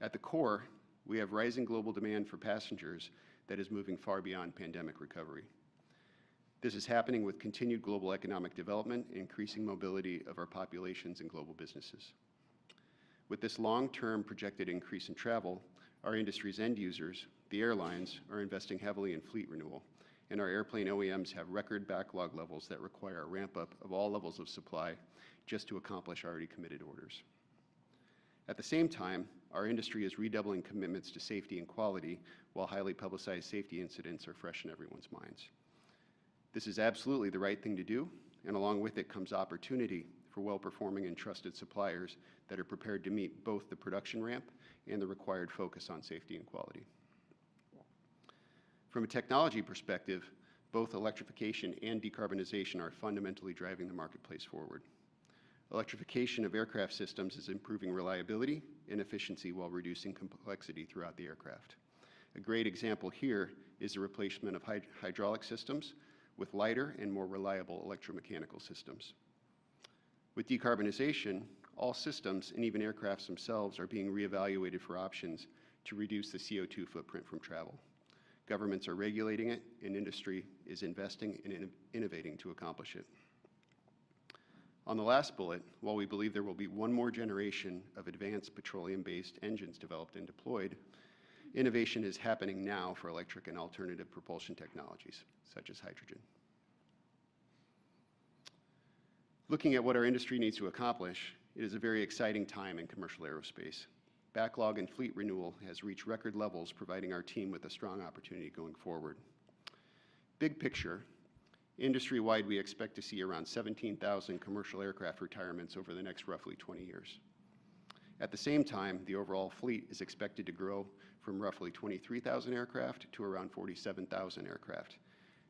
At the core, we have rising global demand for passengers that is moving far beyond pandemic recovery. This is happening with continued global economic development, increasing mobility of our populations and global businesses. With this long-term projected increase in travel, our industry's end users, the airlines, are investing heavily in fleet renewal, and our airplane OEMs have record backlog levels that require a ramp-up of all levels of supply just to accomplish already committed orders. At the same time, our industry is redoubling commitments to safety and quality, while highly publicized safety incidents are fresh in everyone's minds. This is absolutely the right thing to do, and along with it comes opportunity for well-performing and trusted suppliers that are prepared to meet both the production ramp and the required focus on safety and quality. From a technology perspective, both electrification and decarbonization are fundamentally driving the marketplace forward. Electrification of aircraft systems is improving reliability and efficiency while reducing complexity throughout the aircraft. A great example here is the replacement of hydraulic systems with lighter and more reliable electromechanical systems. With decarbonization, all systems and even aircraft themselves are being reevaluated for options to reduce the CO₂ footprint from travel. Governments are regulating it, and industry is investing and innovating to accomplish it. On the last bullet, while we believe there will be one more generation of advanced petroleum-based engines developed and deployed, innovation is happening now for electric and alternative propulsion technologies, such as hydrogen. Looking at what our industry needs to accomplish, it is a very exciting time in commercial aerospace. Backlog and fleet renewal has reached record levels, providing our team with a strong opportunity going forward. Big picture, industry-wide, we expect to see around 17,000 commercial aircraft retirements over the next roughly 20 years. At the same time, the overall fleet is expected to grow from roughly 23,000 aircraft to around 47,000 aircraft.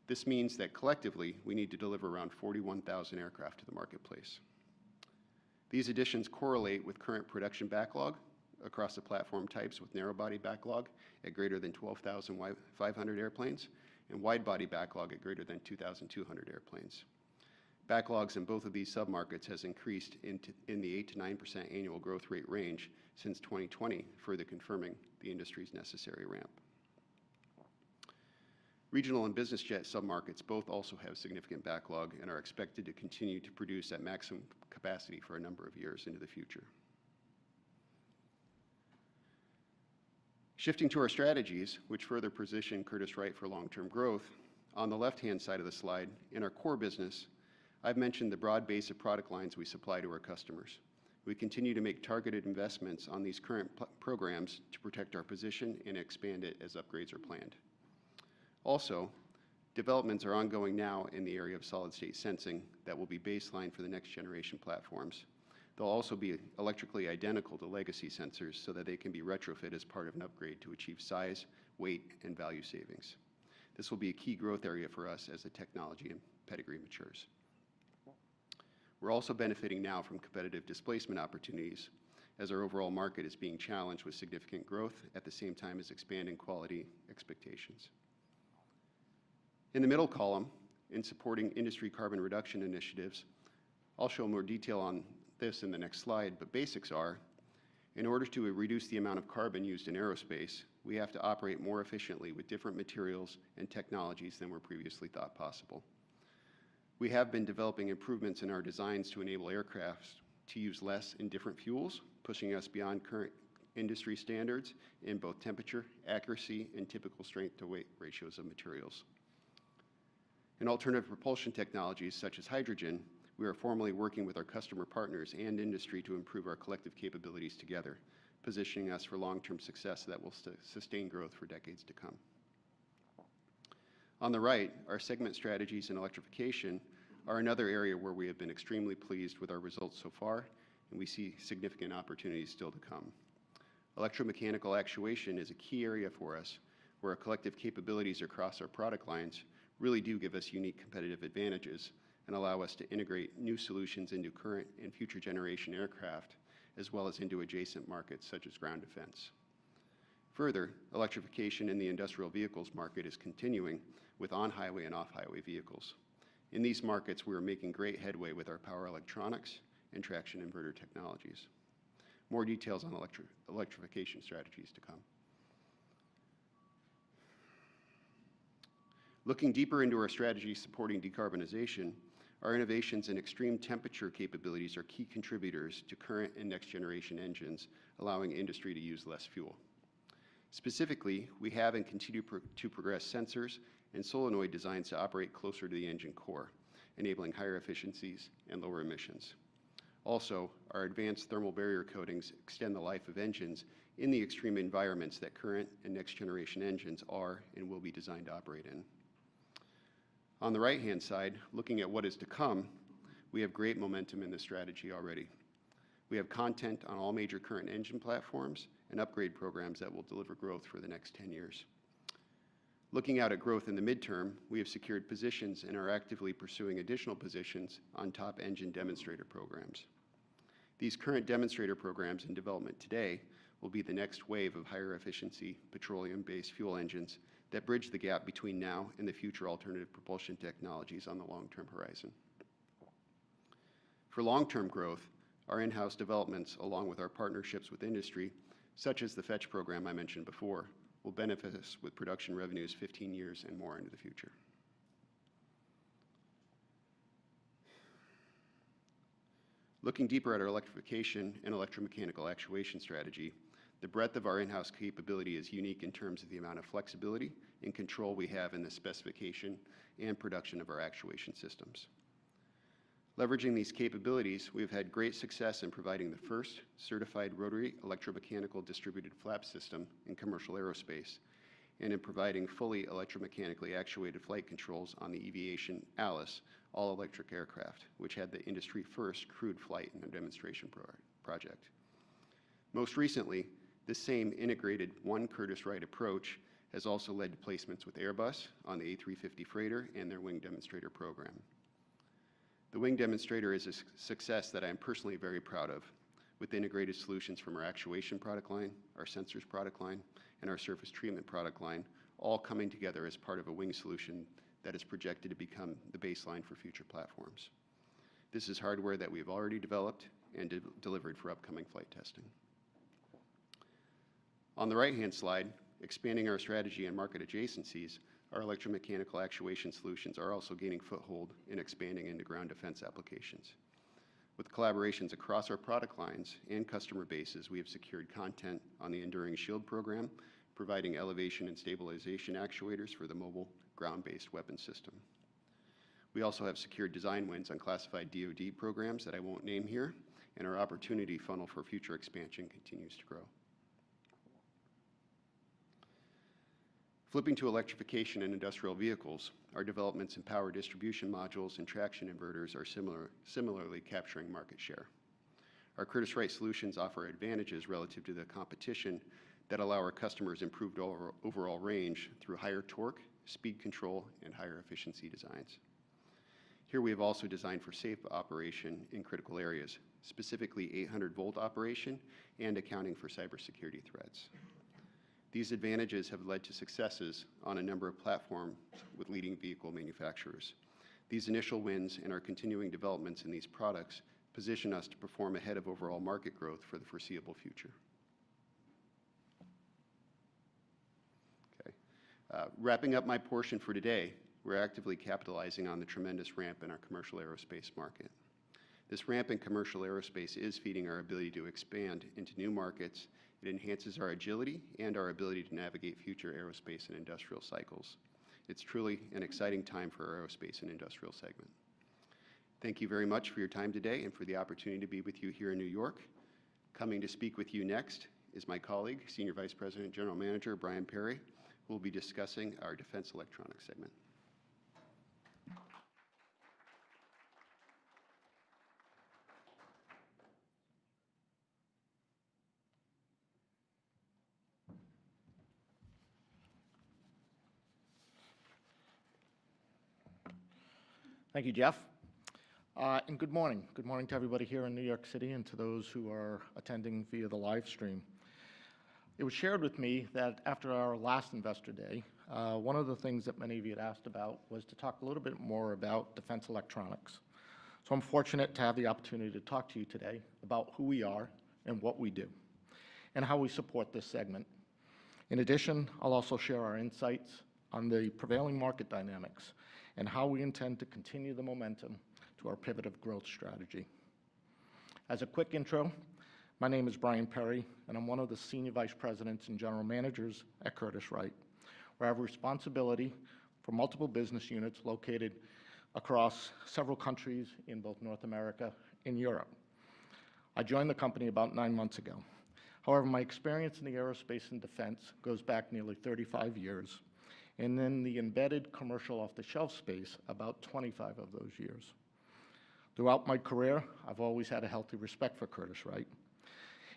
This means that collectively, we need to deliver around 41,000 aircraft to the marketplace. These additions correlate with current production backlog across the platform types, with narrow-body backlog at greater than 12,500 airplanes and wide-body backlog at greater than 2,200 airplanes. Backlogs in both of these submarkets has increased in the 8%-9% annual growth rate range since 2020, further confirming the industry's necessary ramp. Regional and business jet submarkets both also have significant backlog and are expected to continue to produce at maximum capacity for a number of years into the future. Shifting to our strategies, which further position Curtiss-Wright for long-term growth, on the left-hand side of the slide, in our core business, I've mentioned the broad base of product lines we supply to our customers. We continue to make targeted investments on these current programs to protect our position and expand it as upgrades are planned. Also, developments are ongoing now in the area of solid-state sensing that will be baseline for the next generation platforms. They'll also be electrically identical to legacy sensors so that they can be retrofit as part of an upgrade to achieve size, weight, and value savings. This will be a key growth area for us as the technology and pedigree matures. We're also benefiting now from competitive displacement opportunities as our overall market is being challenged with significant growth at the same time as expanding quality expectations. In the middle column, in supporting industry carbon reduction initiatives, I'll show more detail on this in the next slide, but basics are: in order to reduce the amount of carbon used in aerospace, we have to operate more efficiently with different materials and technologies than were previously thought possible. We have been developing improvements in our designs to enable aircrafts to use less and different fuels, pushing us beyond current industry standards in both temperature, accuracy, and typical strength-to-weight ratios of materials. In alternative propulsion technologies, such as hydrogen, we are formally working with our customer partners and industry to improve our collective capabilities together, positioning us for long-term success that will sustain growth for decades to come. On the right, our segment strategies and electrification are another area where we have been extremely pleased with our results so far, and we see significant opportunities still to come. Electromechanical actuation is a key area for us, where our collective capabilities across our product lines really do give us unique competitive advantages and allow us to integrate new solutions into current and future generation aircraft, as well as into adjacent markets such as ground defense. Further, electrification in the industrial vehicles market is continuing with on-highway and off-highway vehicles. In these markets, we are making great headway with our power electronics and traction inverter technologies. More details on electrification strategies to come. Looking deeper into our strategy supporting decarbonization, our innovations and extreme temperature capabilities are key contributors to current and next-generation engines, allowing industry to use less fuel. Specifically, we have and continue to progress sensors and solenoid designs to operate closer to the engine core, enabling higher efficiencies and lower emissions. Also, our advanced thermal barrier coatings extend the life of engines in the extreme environments that current and next-generation engines are and will be designed to operate in. On the right-hand side, looking at what is to come, we have great momentum in this strategy already. We have content on all major current engine platforms and upgrade programs that will deliver growth for the next 10 years. Looking out at growth in the midterm, we have secured positions and are actively pursuing additional positions on top engine demonstrator programs.... These current demonstrator programs in development today will be the next wave of higher efficiency, petroleum-based fuel engines that bridge the gap between now and the future alternative propulsion technologies on the long-term horizon. For long-term growth, our in-house developments, along with our partnerships with industry, such as the FETCH program I mentioned before, will benefit us with production revenues 15 years and more into the future. Looking deeper at our electrification and electromechanical actuation strategy, the breadth of our in-house capability is unique in terms of the amount of flexibility and control we have in the specification and production of our actuation systems. Leveraging these capabilities, we've had great success in providing the first certified rotary electromechanical distributed flap system in commercial aerospace, and in providing fully electromechanically actuated flight controls on the Eviation Alice all-electric aircraft, which had the industry-first crewed flight in a demonstration project. Most recently, this same integrated Curtiss-Wright approach has also led to placements with Airbus on the A350 freighter and their wing demonstrator program. The wing demonstrator is a success that I'm personally very proud of, with integrated solutions from our actuation product line, our sensors product line, and our surface treatment product line, all coming together as part of a wing solution that is projected to become the baseline for future platforms. This is hardware that we've already developed and delivered for upcoming flight testing. On the right-hand slide, expanding our strategy and market adjacencies, our electromechanical actuation solutions are also gaining foothold in expanding into ground defense applications. With collaborations across our product lines and customer bases, we have secured content on the Enduring Shield program, providing elevation and stabilization actuators for the mobile ground-based weapon system. We also have secured design wins on classified DoD programs that I won't name here, and our opportunity funnel for future expansion continues to grow. Flipping to electrification and industrial vehicles, our developments in power distribution modules and traction inverters are similarly capturing market share. Our Curtiss-Wright solutions offer advantages relative to the competition that allow our customers improved overall range through higher torque, speed control, and higher efficiency designs. Here we have also designed for safe operation in critical areas, specifically 800-volt operation and accounting for cybersecurity threats. These advantages have led to successes on a number of platform with leading vehicle manufacturers. These initial wins and our continuing developments in these products position us to perform ahead of overall market growth for the foreseeable future. Okay, wrapping up my portion for today, we're actively capitalizing on the tremendous ramp in our commercial aerospace market. This ramp in commercial aerospace is feeding our ability to expand into new markets. It enhances our agility and our ability to navigate future aerospace and industrial cycles. It's truly an exciting time for our aerospace and industrial segment. Thank you very much for your time today and for the opportunity to be with you here in New York. Coming to speak with you next is my colleague, Senior Vice President and General Manager, Brian Perry, who will be discussing our defense electronics segment. Thank you, Jeff. And good morning. Good morning to everybody here in New York City and to those who are attending via the live stream. It was shared with me that after our last Investor Day, one of the things that many of you had asked about was to talk a little bit more about defense electronics. So I'm fortunate to have the opportunity to talk to you today about who we are and what we do, and how we support this segment. In addition, I'll also share our insights on the prevailing market dynamics and how we intend to continue the momentum to our pivot of growth strategy. As a quick intro, my name is Brian Perry, and I'm one of the Senior Vice Presidents and General Managers at Curtiss-Wright, where I have responsibility for multiple business units located across several countries in both North America and Europe. I joined the company about 9 months ago. However, my experience in the aerospace and defense goes back nearly 35 years, and in the embedded commercial off-the-shelf space, about 25 of those years. Throughout my career, I've always had a healthy respect for Curtiss-Wright,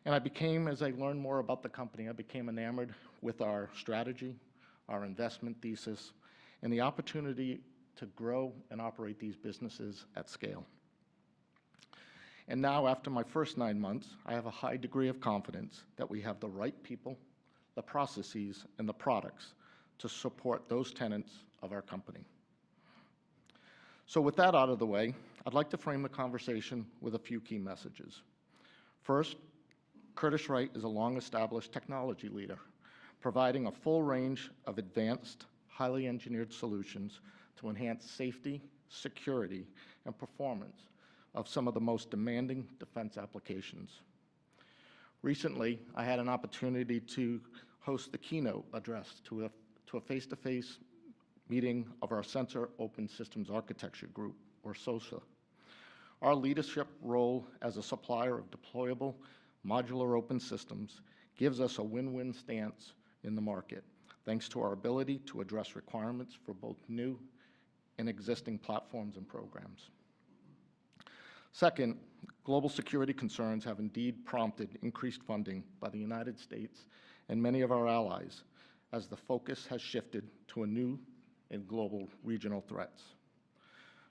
and as I learned more about the company, I became enamored with our strategy, our investment thesis, and the opportunity to grow and operate these businesses at scale. And now, after my first 9 months, I have a high degree of confidence that we have the right people, the processes, and the products to support those tenets of our company. So with that out of the way, I'd like to frame the conversation with a few key messages. First, Curtiss-Wright is a long-established technology leader, providing a full range of advanced, highly engineered solutions to enhance safety, security, and performance of some of the most demanding defense applications. Recently, I had an opportunity to host the keynote address to a face-to-face meeting of our Sensor Open Systems Architecture group, or SOSA. Our leadership role as a supplier of deployable modular open systems gives us a win-win stance in the market, thanks to our ability to address requirements for both new and existing platforms and programs. Second, global security concerns have indeed prompted increased funding by the United States and many of our allies, as the focus has shifted to a new and global regional threats.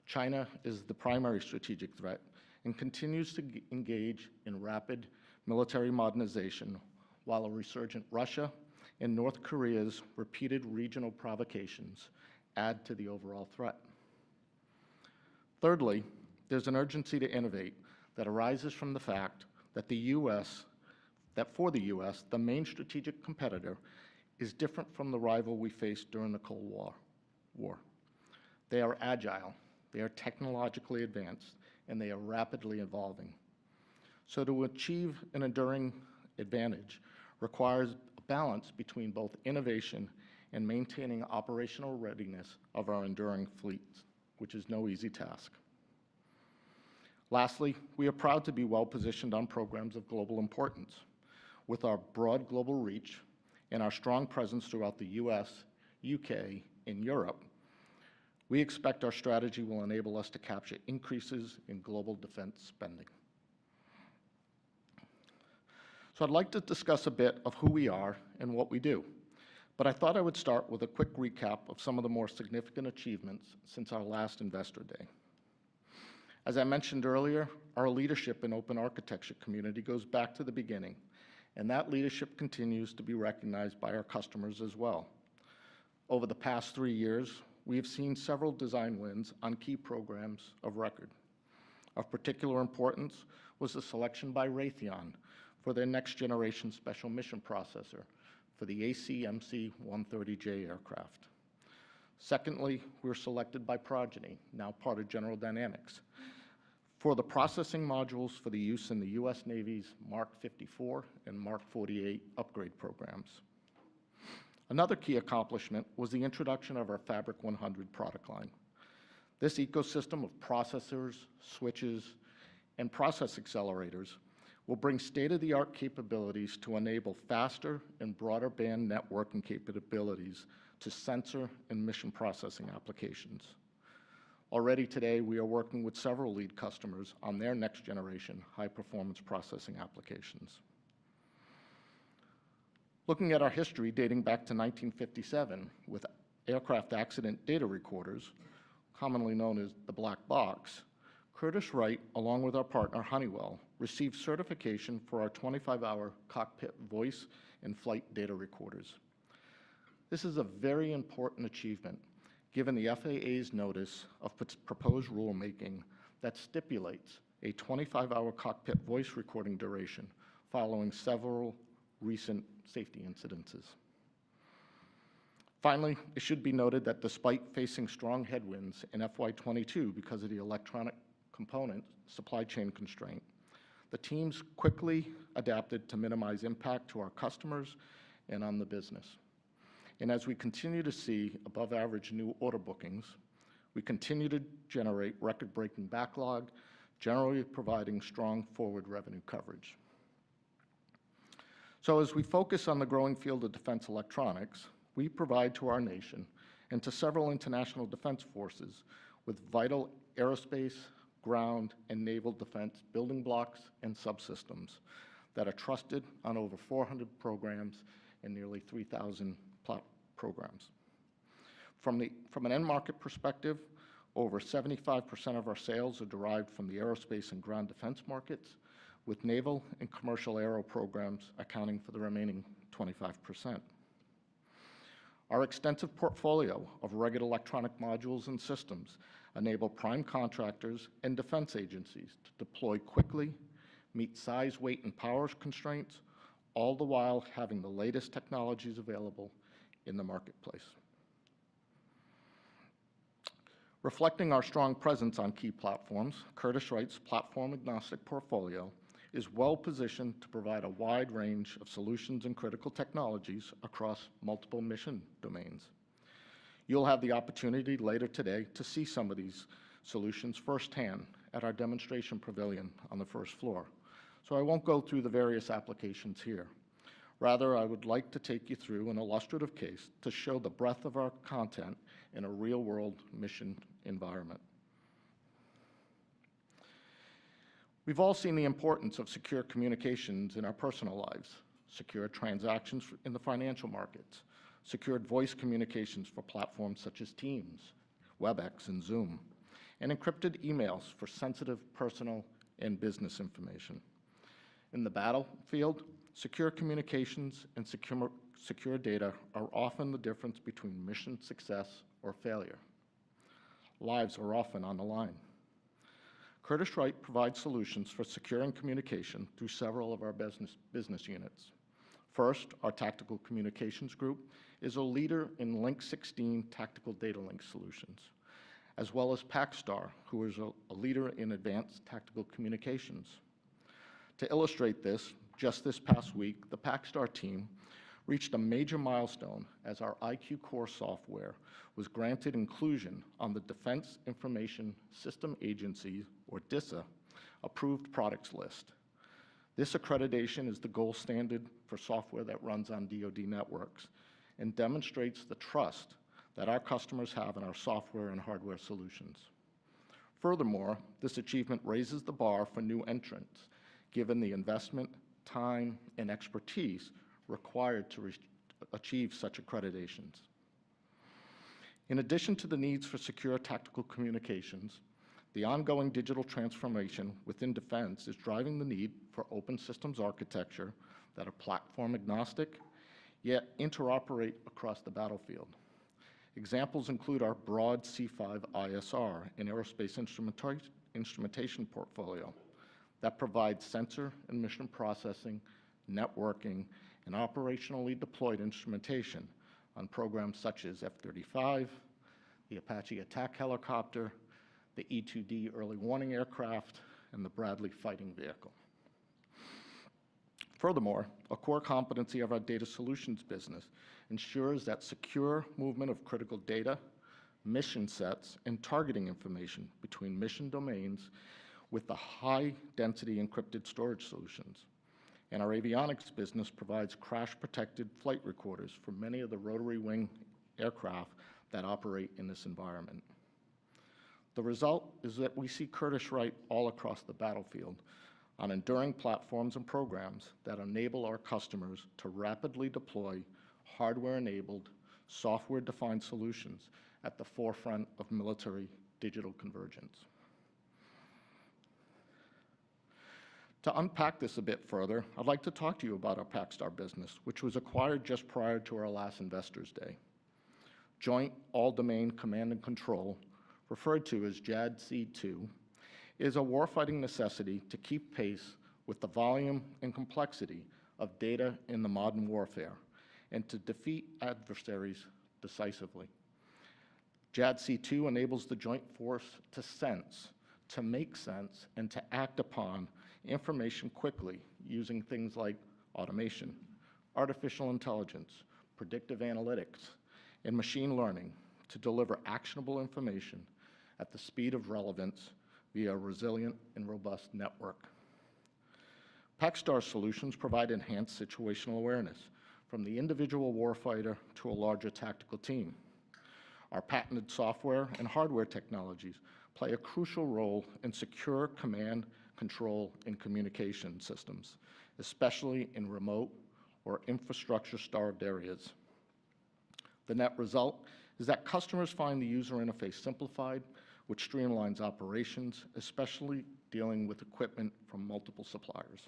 China is the primary strategic threat and continues to engage in rapid military modernization, while a resurgent Russia and North Korea's repeated regional provocations add to the overall threat. Thirdly, there's an urgency to innovate that arises from the fact that the U.S. that for the U.S., the main strategic competitor is different from the rival we faced during the Cold War. They are agile, they are technologically advanced, and they are rapidly evolving. So to achieve an enduring advantage requires a balance between both innovation and maintaining operational readiness of our enduring fleets, which is no easy task. Lastly, we are proud to be well-positioned on programs of global importance. With our broad global reach and our strong presence throughout the U.S., U.K., and Europe, we expect our strategy will enable us to capture increases in global defense spending. I'd like to discuss a bit of who we are and what we do, but I thought I would start with a quick recap of some of the more significant achievements since our last Investor Day. As I mentioned earlier, our leadership in open architecture community goes back to the beginning, and that leadership continues to be recognized by our customers as well. Over the past three years, we have seen several design wins on key programs of record. Of particular importance was the selection by Raytheon for their next generation special mission processor for the AC-130J aircraft. Secondly, we were selected by Progeny, now part of General Dynamics, for the processing modules for the use in the U.S. Navy's Mark 54 and Mark 48 upgrade programs. Another key accomplishment was the introduction of our Fabric100 product line. This ecosystem of processors, switches, and process accelerators will bring state-of-the-art capabilities to enable faster and broadband networking capabilities to sensor and mission processing applications. Already today, we are working with several lead customers on their next generation high-performance processing applications. Looking at our history dating back to 1957 with aircraft accident data recorders, commonly known as the black box, Curtiss-Wright, along with our partner, Honeywell, received certification for our 25-hour cockpit voice and flight data recorders. This is a very important achievement, given the FAA's notice of proposed rulemaking that stipulates a 25-hour cockpit voice recording duration following several recent safety incidents. Finally, it should be noted that despite facing strong headwinds in FY 22 because of the electronic component supply chain constraint, the teams quickly adapted to minimize impact to our customers and on the business. As we continue to see above average new order bookings, we continue to generate record-breaking backlog, generally providing strong forward revenue coverage. As we focus on the growing field of defense electronics, we provide to our nation and to several international defense forces with vital aerospace, ground, and naval defense building blocks and subsystems that are trusted on over 400 programs and nearly 3,000 platform programs. From an end market perspective, over 75% of our sales are derived from the aerospace and ground defense markets, with naval and commercial aero programs accounting for the remaining 25%. Our extensive portfolio of rugged electronic modules and systems enable prime contractors and defense agencies to deploy quickly, meet size, weight, and power constraints, all the while having the latest technologies available in the marketplace. Reflecting our strong presence on key platforms, Curtiss-Wright's platform agnostic portfolio is well-positioned to provide a wide range of solutions and critical technologies across multiple mission domains. You'll have the opportunity later today to see some of these solutions firsthand at our demonstration pavilion on the first floor, so I won't go through the various applications here. Rather, I would like to take you through an illustrative case to show the breadth of our content in a real-world mission environment. We've all seen the importance of secure communications in our personal lives, secure transactions in the financial markets, secured voice communications for platforms such as Teams, WebEx, and Zoom, and encrypted emails for sensitive personal and business information. In the battlefield, secure communications and secure data are often the difference between mission success or failure. Lives are often on the line. Curtiss-Wright provides solutions for securing communication through several of our business units. First, our tactical communications group is a leader in Link 16 tactical data link solutions, as well as PacStar, who is a leader in advanced tactical communications. To illustrate this, just this past week, the PacStar team reached a major milestone as our IQ-Core software was granted inclusion on the Defense Information Systems Agency, or DISA, approved products list. This accreditation is the gold standard for software that runs on DoD networks and demonstrates the trust that our customers have in our software and hardware solutions. Furthermore, this achievement raises the bar for new entrants, given the investment, time, and expertise required to re-achieve such accreditations. In addition to the needs for secure tactical communications, the ongoing digital transformation within defense is driving the need for open systems architecture that are platform-agnostic, yet interoperate across the battlefield. Examples include our broad C5ISR and aerospace instrumentation portfolio that provides sensor and mission processing, networking, and operationally deployed instrumentation on programs such as F-35, the Apache attack helicopter, the E-2D early warning aircraft, and the Bradley Fighting Vehicle. Furthermore, a core competency of our data solutions business ensures that secure movement of critical data, mission sets, and targeting information between mission domains with the high-density encrypted storage solutions. Our avionics business provides crash-protected flight recorders for many of the rotary wing aircraft that operate in this environment. The result is that we see Curtiss-Wright all across the battlefield on enduring platforms and programs that enable our customers to rapidly deploy hardware-enabled, software-defined solutions at the forefront of military digital convergence. To unpack this a bit further, I'd like to talk to you about our PacStar business, which was acquired just prior to our last Investor's Day. Joint All-Domain Command and Control, referred to as JADC2, is a warfighting necessity to keep pace with the volume and complexity of data in the modern warfare and to defeat adversaries decisively. JADC2 enables the joint force to sense, to make sense, and to act upon information quickly using things like automation, artificial intelligence, predictive analytics, and machine learning to deliver actionable information at the speed of relevance via a resilient and robust network. PacStar solutions provide enhanced situational awareness from the individual warfighter to a larger tactical team. Our patented software and hardware technologies play a crucial role in secure command, control, and communication systems, especially in remote or infrastructure-starved areas. The net result is that customers find the user interface simplified, which streamlines operations, especially dealing with equipment from multiple suppliers.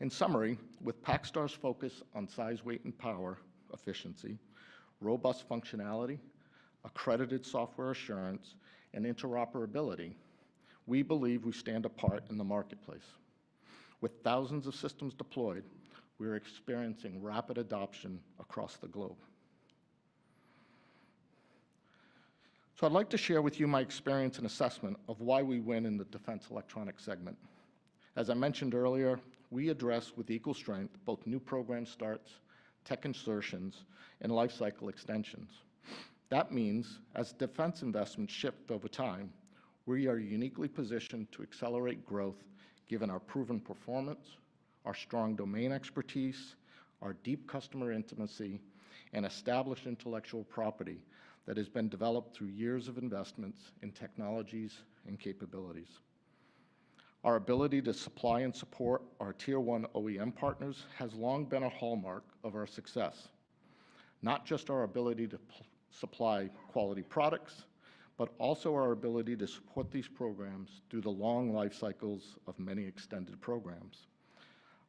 In summary, with PacStar's focus on size, weight, and power efficiency, robust functionality, accredited software assurance, and interoperability, we believe we stand apart in the marketplace. With thousands of systems deployed, we're experiencing rapid adoption across the globe. So I'd like to share with you my experience and assessment of why we win in the defense electronics segment. As I mentioned earlier, we address with equal strength both new program starts, tech insertions, and lifecycle extensions. That means as defense investments shift over time, we are uniquely positioned to accelerate growth given our proven performance, our strong domain expertise, our deep customer intimacy, and established intellectual property that has been developed through years of investments in technologies and capabilities. Our ability to supply and support our Tier One OEM partners has long been a hallmark of our success, not just our ability to supply quality products, but also our ability to support these programs through the long life cycles of many extended programs.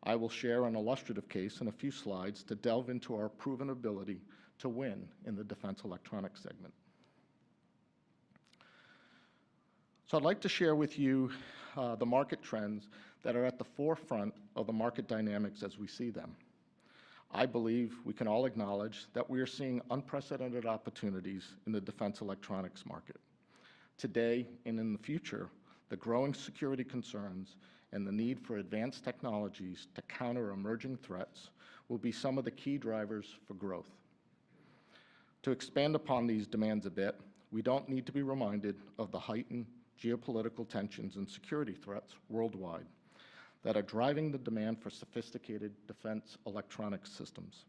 I will share an illustrative case in a few slides to delve into our proven ability to win in the defense electronics segment. So I'd like to share with you the market trends that are at the forefront of the market dynamics as we see them. I believe we can all acknowledge that we are seeing unprecedented opportunities in the defense electronics market. Today and in the future, the growing security concerns and the need for advanced technologies to counter emerging threats will be some of the key drivers for growth. To expand upon these demands a bit, we don't need to be reminded of the heightened geopolitical tensions and security threats worldwide that are driving the demand for sophisticated defense electronic systems.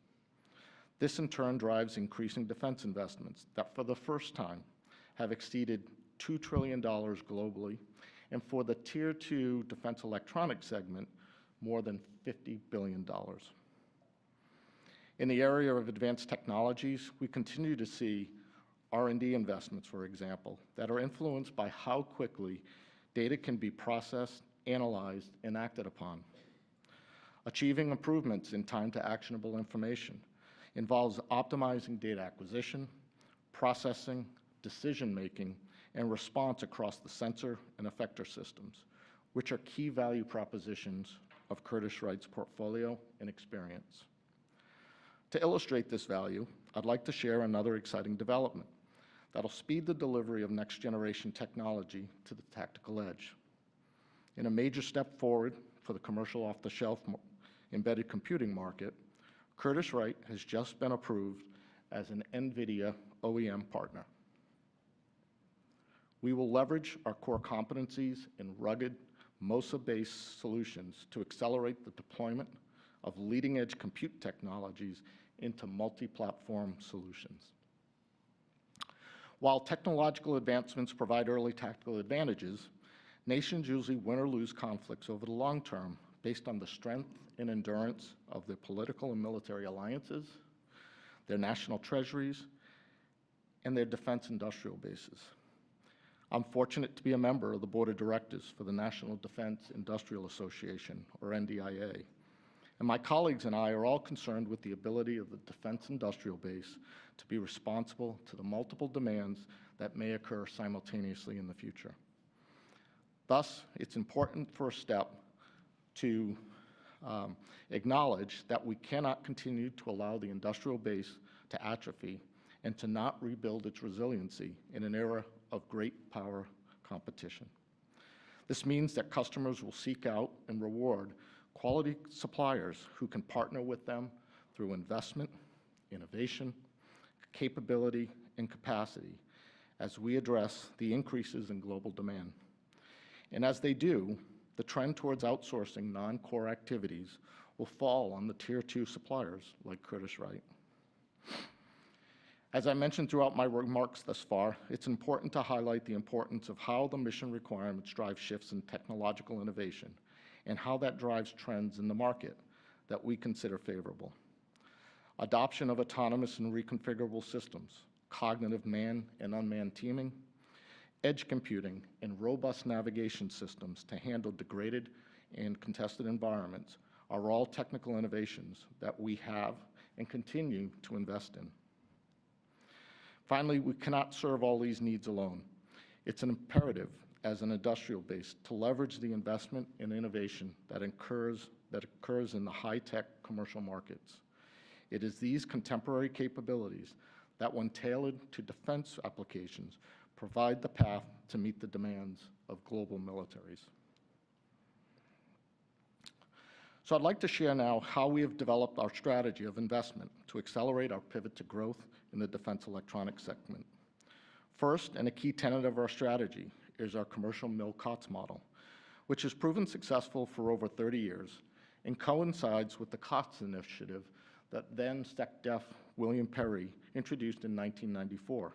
This, in turn, drives increasing defense investments that, for the first time, have exceeded $2 trillion globally, and for the Tier Two defense electronics segment, more than $50 billion. In the area of advanced technologies, we continue to see R&D investments, for example, that are influenced by how quickly data can be processed, analyzed, and acted upon. Achieving improvements in time to actionable information involves optimizing data acquisition, processing, decision-making, and response across the sensor and effector systems, which are key value propositions of Curtiss-Wright's portfolio and experience. To illustrate this value, I'd like to share another exciting development that'll speed the delivery of next-generation technology to the tactical edge. In a major step forward for the commercial off-the-shelf embedded computing market, Curtiss-Wright has just been approved as an NVIDIA OEM partner. We will leverage our core competencies in rugged, MOSA-based solutions to accelerate the deployment of leading-edge compute technologies into multi-platform solutions.... While technological advancements provide early tactical advantages, nations usually win or lose conflicts over the long term based on the strength and endurance of their political and military alliances, their national treasuries, and their defense industrial bases. I'm fortunate to be a member of the board of directors for the National Defense Industrial Association, or NDIA, and my colleagues and I are all concerned with the ability of the defense industrial base to be responsible to the multiple demands that may occur simultaneously in the future. Thus, it's important first step to acknowledge that we cannot continue to allow the industrial base to atrophy and to not rebuild its resiliency in an era of great power competition. This means that customers will seek out and reward quality suppliers who can partner with them through investment, innovation, capability, and capacity as we address the increases in global demand. And as they do, the trend towards outsourcing non-core activities will fall on the tier two suppliers like Curtiss-Wright. As I mentioned throughout my remarks thus far, it's important to highlight the importance of how the mission requirements drive shifts in technological innovation and how that drives trends in the market that we consider favorable. Adoption of autonomous and reconfigurable systems, cognitive manned and unmanned teaming, edge computing, and robust navigation systems to handle degraded and contested environments are all technical innovations that we have and continue to invest in. Finally, we cannot serve all these needs alone. It's an imperative as an industrial base to leverage the investment in innovation that occurs in the high-tech commercial markets. It is these contemporary capabilities that, when tailored to defense applications, provide the path to meet the demands of global militaries. So I'd like to share now how we have developed our strategy of investment to accelerate our pivot to growth in the defense electronics segment. First, and a key tenet of our strategy, is our commercial MIL-COTS model, which has proven successful for over 30 years and coincides with the COTS initiative that then SECDEF William Perry introduced in 1994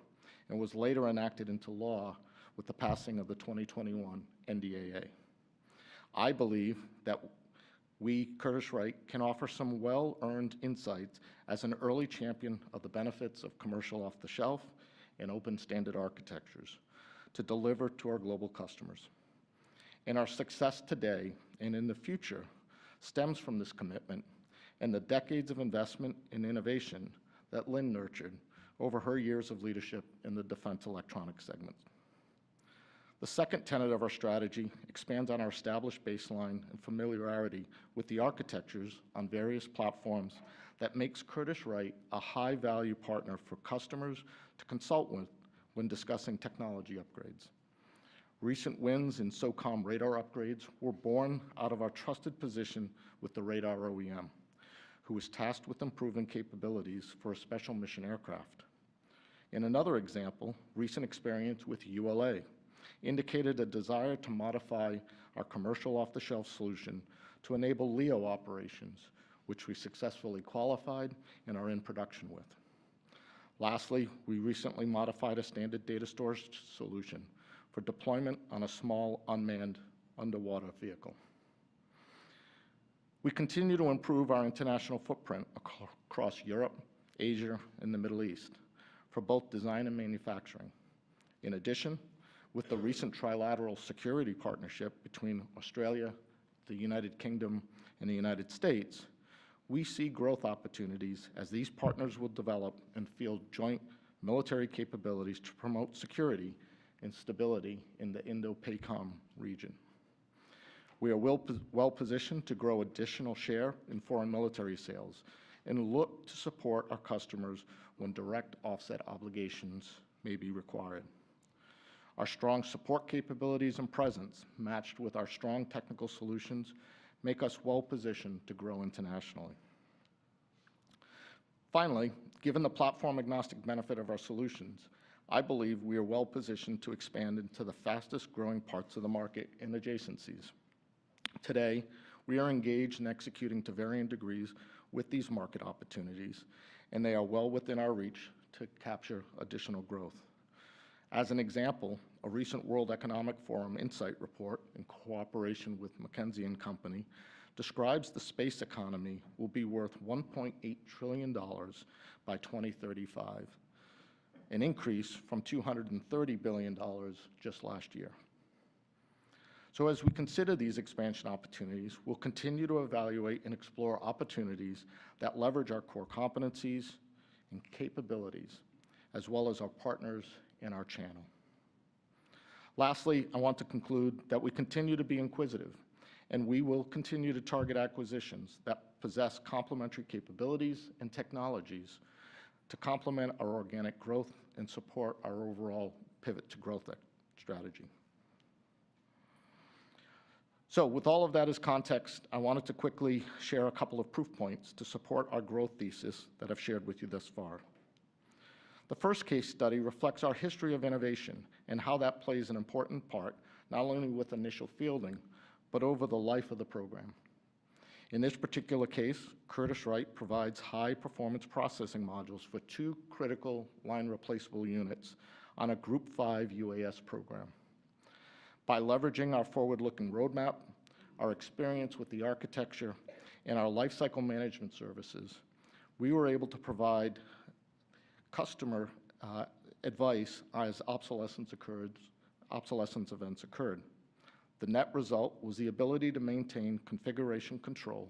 and was later enacted into law with the passing of the 2021 NDAA. I believe that we, Curtiss-Wright, can offer some well-earned insights as an early champion of the benefits of commercial off-the-shelf and open standard architectures to deliver to our global customers. Our success today, and in the future, stems from this commitment and the decades of investment in innovation that Lynn nurtured over her years of leadership in the defense electronics segment. The second tenet of our strategy expands on our established baseline and familiarity with the architectures on various platforms that makes Curtiss-Wright a high-value partner for customers to consult with when discussing technology upgrades. Recent wins in SOCOM radar upgrades were born out of our trusted position with the radar OEM, who was tasked with improving capabilities for a special mission aircraft. In another example, recent experience with ULA indicated a desire to modify our commercial off-the-shelf solution to enable LEO operations, which we successfully qualified and are in production with. Lastly, we recently modified a standard data storage solution for deployment on a small, unmanned underwater vehicle. We continue to improve our international footprint across Europe, Asia, and the Middle East for both design and manufacturing. In addition, with the recent trilateral security partnership between Australia, the United Kingdom, and the United States, we see growth opportunities as these partners will develop and field joint military capabilities to promote security and stability in the INDOPACOM region. We are well-positioned to grow additional share in foreign military sales and look to support our customers when direct offset obligations may be required. Our strong support capabilities and presence, matched with our strong technical solutions, make us well-positioned to grow internationally. Finally, given the platform-agnostic benefit of our solutions, I believe we are well-positioned to expand into the fastest-growing parts of the market in adjacencies. Today, we are engaged and executing to varying degrees with these market opportunities, and they are well within our reach to capture additional growth. As an example, a recent World Economic Forum insight report, in cooperation with McKinsey & Company, describes the space economy will be worth $1.8 trillion by 2035, an increase from $230 billion just last year. So as we consider these expansion opportunities, we'll continue to evaluate and explore opportunities that leverage our core competencies and capabilities, as well as our partners in our channel. Lastly, I want to conclude that we continue to be inquisitive, and we will continue to target acquisitions that possess complementary capabilities and technologies to complement our organic growth and support our overall pivot to growth strategy. So with all of that as context, I wanted to quickly share a couple of proof points to support our growth thesis that I've shared with you thus far. The first case study reflects our history of innovation and how that plays an important part, not only with initial fielding, but over the life of the program. In this particular case, Curtiss-Wright provides high-performance processing modules for two critical line replaceable units on a Group 5 UAS program. By leveraging our forward-looking roadmap, our experience with the architecture, and our lifecycle management services, we were able to provide customer advice as obsolescence occurred, obsolescence events occurred. The net result was the ability to maintain configuration control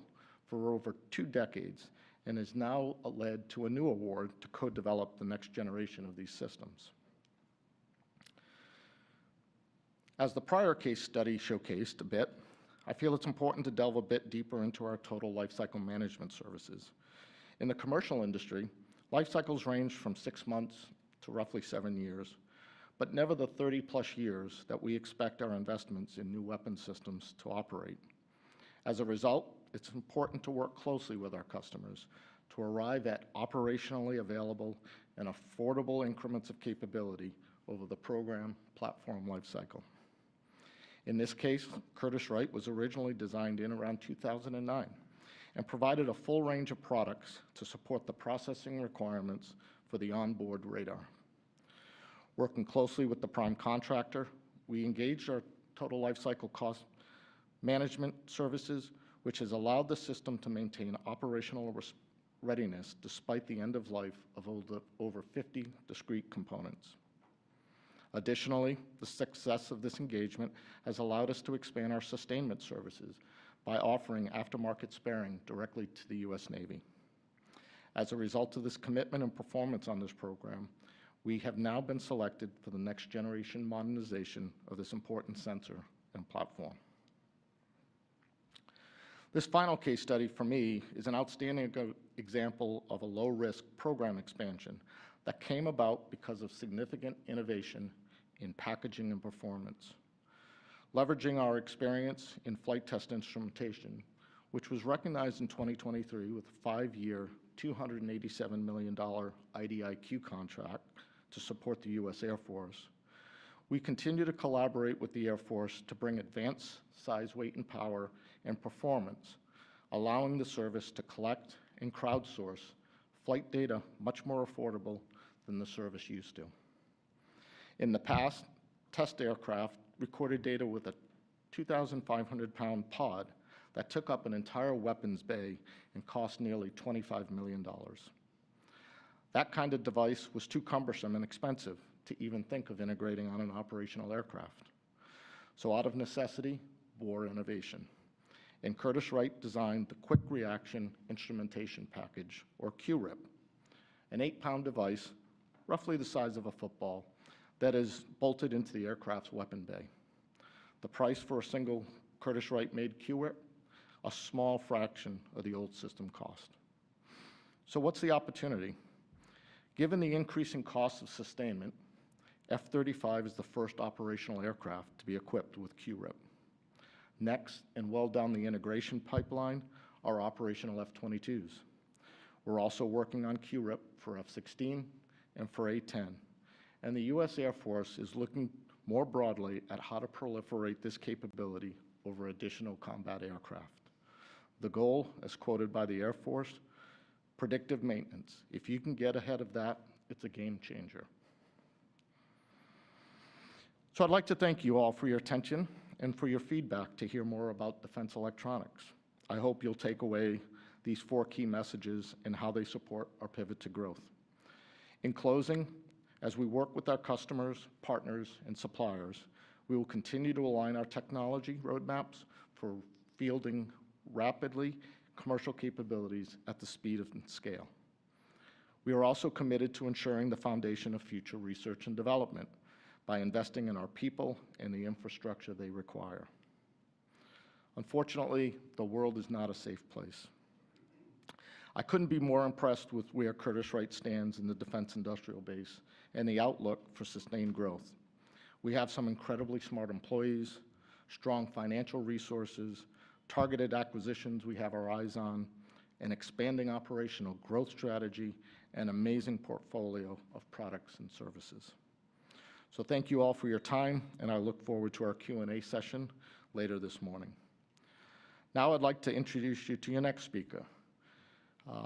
for over two decades and has now led to a new award to co-develop the next generation of these systems. As the prior case study showcased a bit, I feel it's important to delve a bit deeper into our total lifecycle management services. In the commercial industry, life cycles range from six months to roughly seven years, but never the 30-plus years that we expect our investments in new weapon systems to operate. As a result, it's important to work closely with our customers to arrive at operationally available and affordable increments of capability over the program platform lifecycle. In this case, Curtiss-Wright was originally designed in around 2009 and provided a full range of products to support the processing requirements for the onboard radar. Working closely with the prime contractor, we engaged our total lifecycle cost management services, which has allowed the system to maintain operational readiness despite the end of life of over 50 discrete components. Additionally, the success of this engagement has allowed us to expand our sustainment services by offering aftermarket sparing directly to the U.S. Navy. As a result of this commitment and performance on this program, we have now been selected for the next generation modernization of this important sensor and platform. This final case study for me is an outstanding example of a low-risk program expansion that came about because of significant innovation in packaging and performance. Leveraging our experience in flight test instrumentation, which was recognized in 2023 with a 5-year, $287 million IDIQ contract to support the U.S. Air Force, we continue to collaborate with the Air Force to bring advanced size, weight, and power and performance, allowing the service to collect and crowdsource flight data much more affordable than the service used to. In the past, test aircraft recorded data with a 2,500-pound pod that took up an entire weapons bay and cost nearly $25 million. That kind of device was too cumbersome and expensive to even think of integrating on an operational aircraft. So out of necessity, bore innovation, and Curtiss-Wright designed the Quick Reaction Instrumentation Package, or QRIP, an 8-pound device, roughly the size of a football, that is bolted into the aircraft's weapon bay. The price for a single Curtiss-Wright made QRIP, a small fraction of the old system cost. So what's the opportunity? Given the increasing cost of sustainment, F-35 is the first operational aircraft to be equipped with QRIP. Next, and well down the integration pipeline, are operational F-22s. We're also working on QRIP for F-16 and for A-10, and the U.S. Air Force is looking more broadly at how to proliferate this capability over additional combat aircraft. The goal, as quoted by the Air Force: "Predictive maintenance. If you can get ahead of that, it's a game changer." So I'd like to thank you all for your attention and for your feedback to hear more about defense electronics. I hope you'll take away these four key messages and how they support our pivot to growth. In closing, as we work with our customers, partners, and suppliers, we will continue to align our technology roadmaps for fielding rapidly commercial capabilities at the speed of scale. We are also committed to ensuring the foundation of future research and development by investing in our people and the infrastructure they require. Unfortunately, the world is not a safe place. I couldn't be more impressed with where Curtiss-Wright stands in the defense industrial base and the outlook for sustained growth. We have some incredibly smart employees, strong financial resources, targeted acquisitions we have our eyes on, an expanding operational growth strategy, and amazing portfolio of products and services. So thank you all for your time, and I look forward to our Q&A session later this morning. Now, I'd like to introduce you to your next speaker,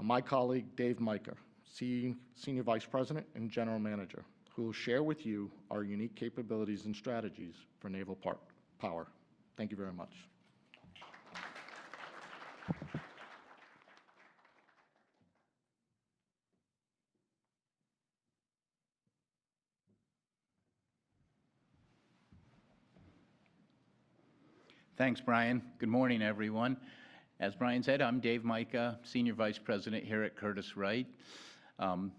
my colleague, Dave Mica, Senior Vice President and General Manager, who will share with you our unique capabilities and strategies for naval power. Thank you very much. Thanks, Brian. Good morning, everyone. As Brian said, I'm Dave Mica, Senior Vice President here at Curtiss-Wright.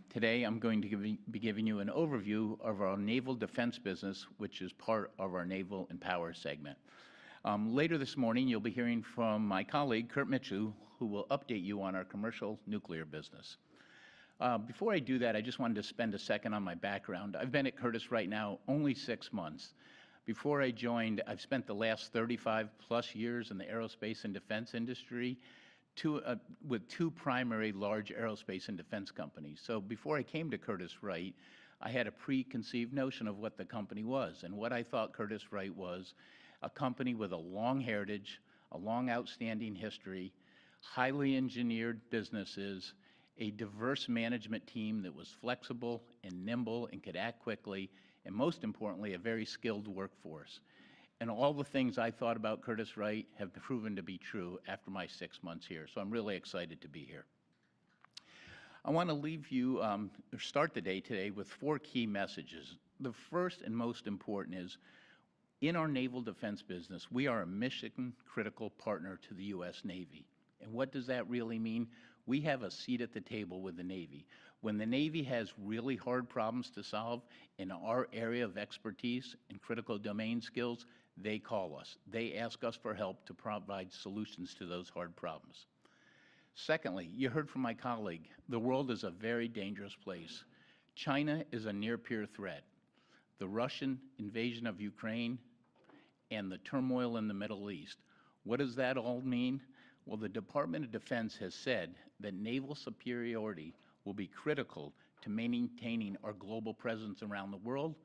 Today, I'm going to be giving you an overview of our naval defense business, which is part of our Naval and Power segment. Later this morning, you'll be hearing from my colleague, Kurt Mitchell, who will update you on our commercial nuclear business. Before I do that, I just wanted to spend a second on my background. I've been at Curtiss right now only six months. Before I joined, I've spent the last 35+ years in the aerospace and defense industry, two, with two primary large aerospace and defense companies. Before I came to Curtiss-Wright, I had a preconceived notion of what the company was, and what I thought Curtiss-Wright was: a company with a long heritage, a long outstanding history, highly engineered businesses, a diverse management team that was flexible and nimble and could act quickly, and most importantly, a very skilled workforce. All the things I thought about Curtiss-Wright have proven to be true after my six months here, so I'm really excited to be here. I wanna leave you, or start the day today with four key messages. The first and most important is, in our naval defense business, we are a mission-critical partner to the U.S. Navy. What does that really mean? We have a seat at the table with the Navy. When the Navy has really hard problems to solve in our area of expertise and critical domain skills, they call us. They ask us for help to provide solutions to those hard problems. Secondly, you heard from my colleague, the world is a very dangerous place. China is a near-peer threat. The Russian invasion of Ukraine and the turmoil in the Middle East, what does that all mean? Well, the Department of Defense has said that naval superiority will be critical to maintaining our global presence around the world,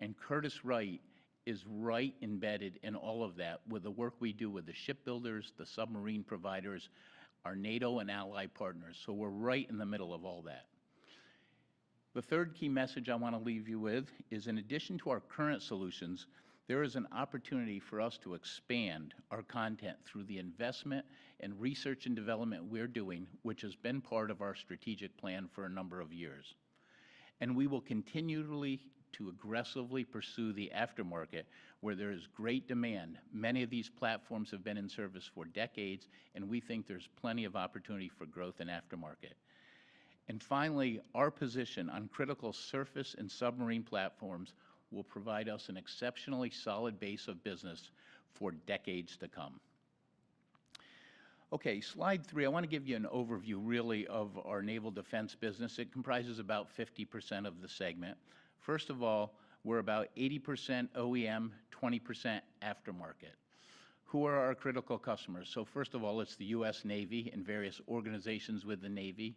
and Curtiss-Wright is right embedded in all of that with the work we do with the shipbuilders, the submarine providers, our NATO and ally partners, so we're right in the middle of all that. The third key message I wanna leave you with is, in addition to our current solutions, there is an opportunity for us to expand our content through the investment and research and development we're doing, which has been part of our strategic plan for a number of years, and we will continually to aggressively pursue the aftermarket where there is great demand. Many of these platforms have been in service for decades, and we think there's plenty of opportunity for growth in aftermarket. And finally, our position on critical surface and submarine platforms will provide us an exceptionally solid base of business for decades to come. Okay, slide 3, I wanna give you an overview, really, of our naval defense business. It comprises about 50% of the segment. First of all, we're about 80% OEM, 20% aftermarket. Who are our critical customers? So first of all, it's the U.S. Navy and various organizations with the Navy,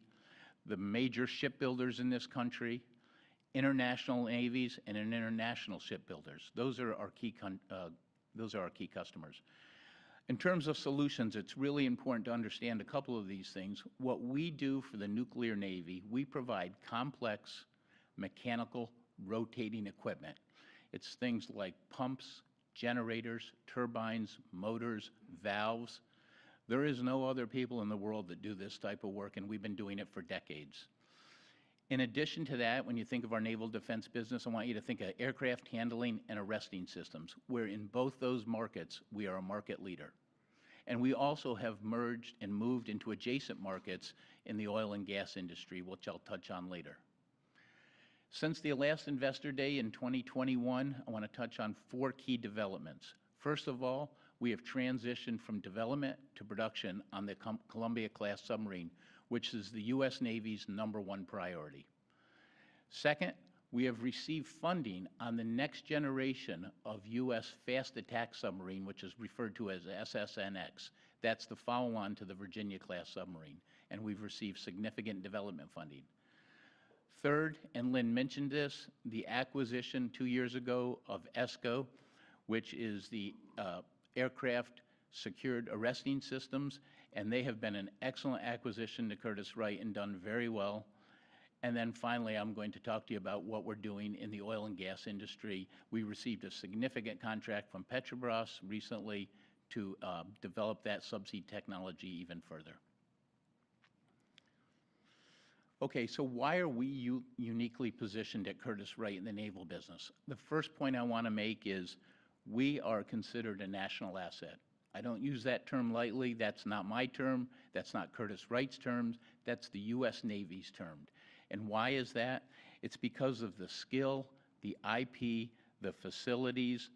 the major shipbuilders in this country, international navies, and international shipbuilders. Those are our key customers. In terms of solutions, it's really important to understand a couple of these things. What we do for the nuclear Navy, we provide complex mechanical rotating equipment. It's things like pumps, generators, turbines, motors, valves. There is no other people in the world that do this type of work, and we've been doing it for decades. In addition to that, when you think of our naval defense business, I want you to think of aircraft handling and arresting systems, where in both those markets, we are a market leader. We also have merged and moved into adjacent markets in the oil and gas industry, which I'll touch on later. Since the last Investor Day in 2021, I wanna touch on 4 key developments. First of all, we have transitioned from development to production on the Columbia-class submarine, which is the U.S. Navy's number one priority. Second, we have received funding on the next generation of U.S. fast attack submarine, which is referred to as SSN(X). That's the follow-on to the Virginia-class submarine, and we've received significant development funding. Third, and Lynn mentioned this, the acquisition 2 years ago of ESCO, which is the aircraft arresting systems, and they have been an excellent acquisition to Curtiss-Wright and done very well. And then finally, I'm going to talk to you about what we're doing in the oil and gas industry. We received a significant contract from Petrobras recently to develop that subsea technology even further. Okay, so why are we uniquely positioned at Curtiss-Wright in the naval business? The first point I wanna make is, we are considered a national asset. I don't use that term lightly. That's not my term. That's not Curtiss-Wright's term. That's the U.S. Navy's term. And why is that? It's because of the skill, the IP, the facilities,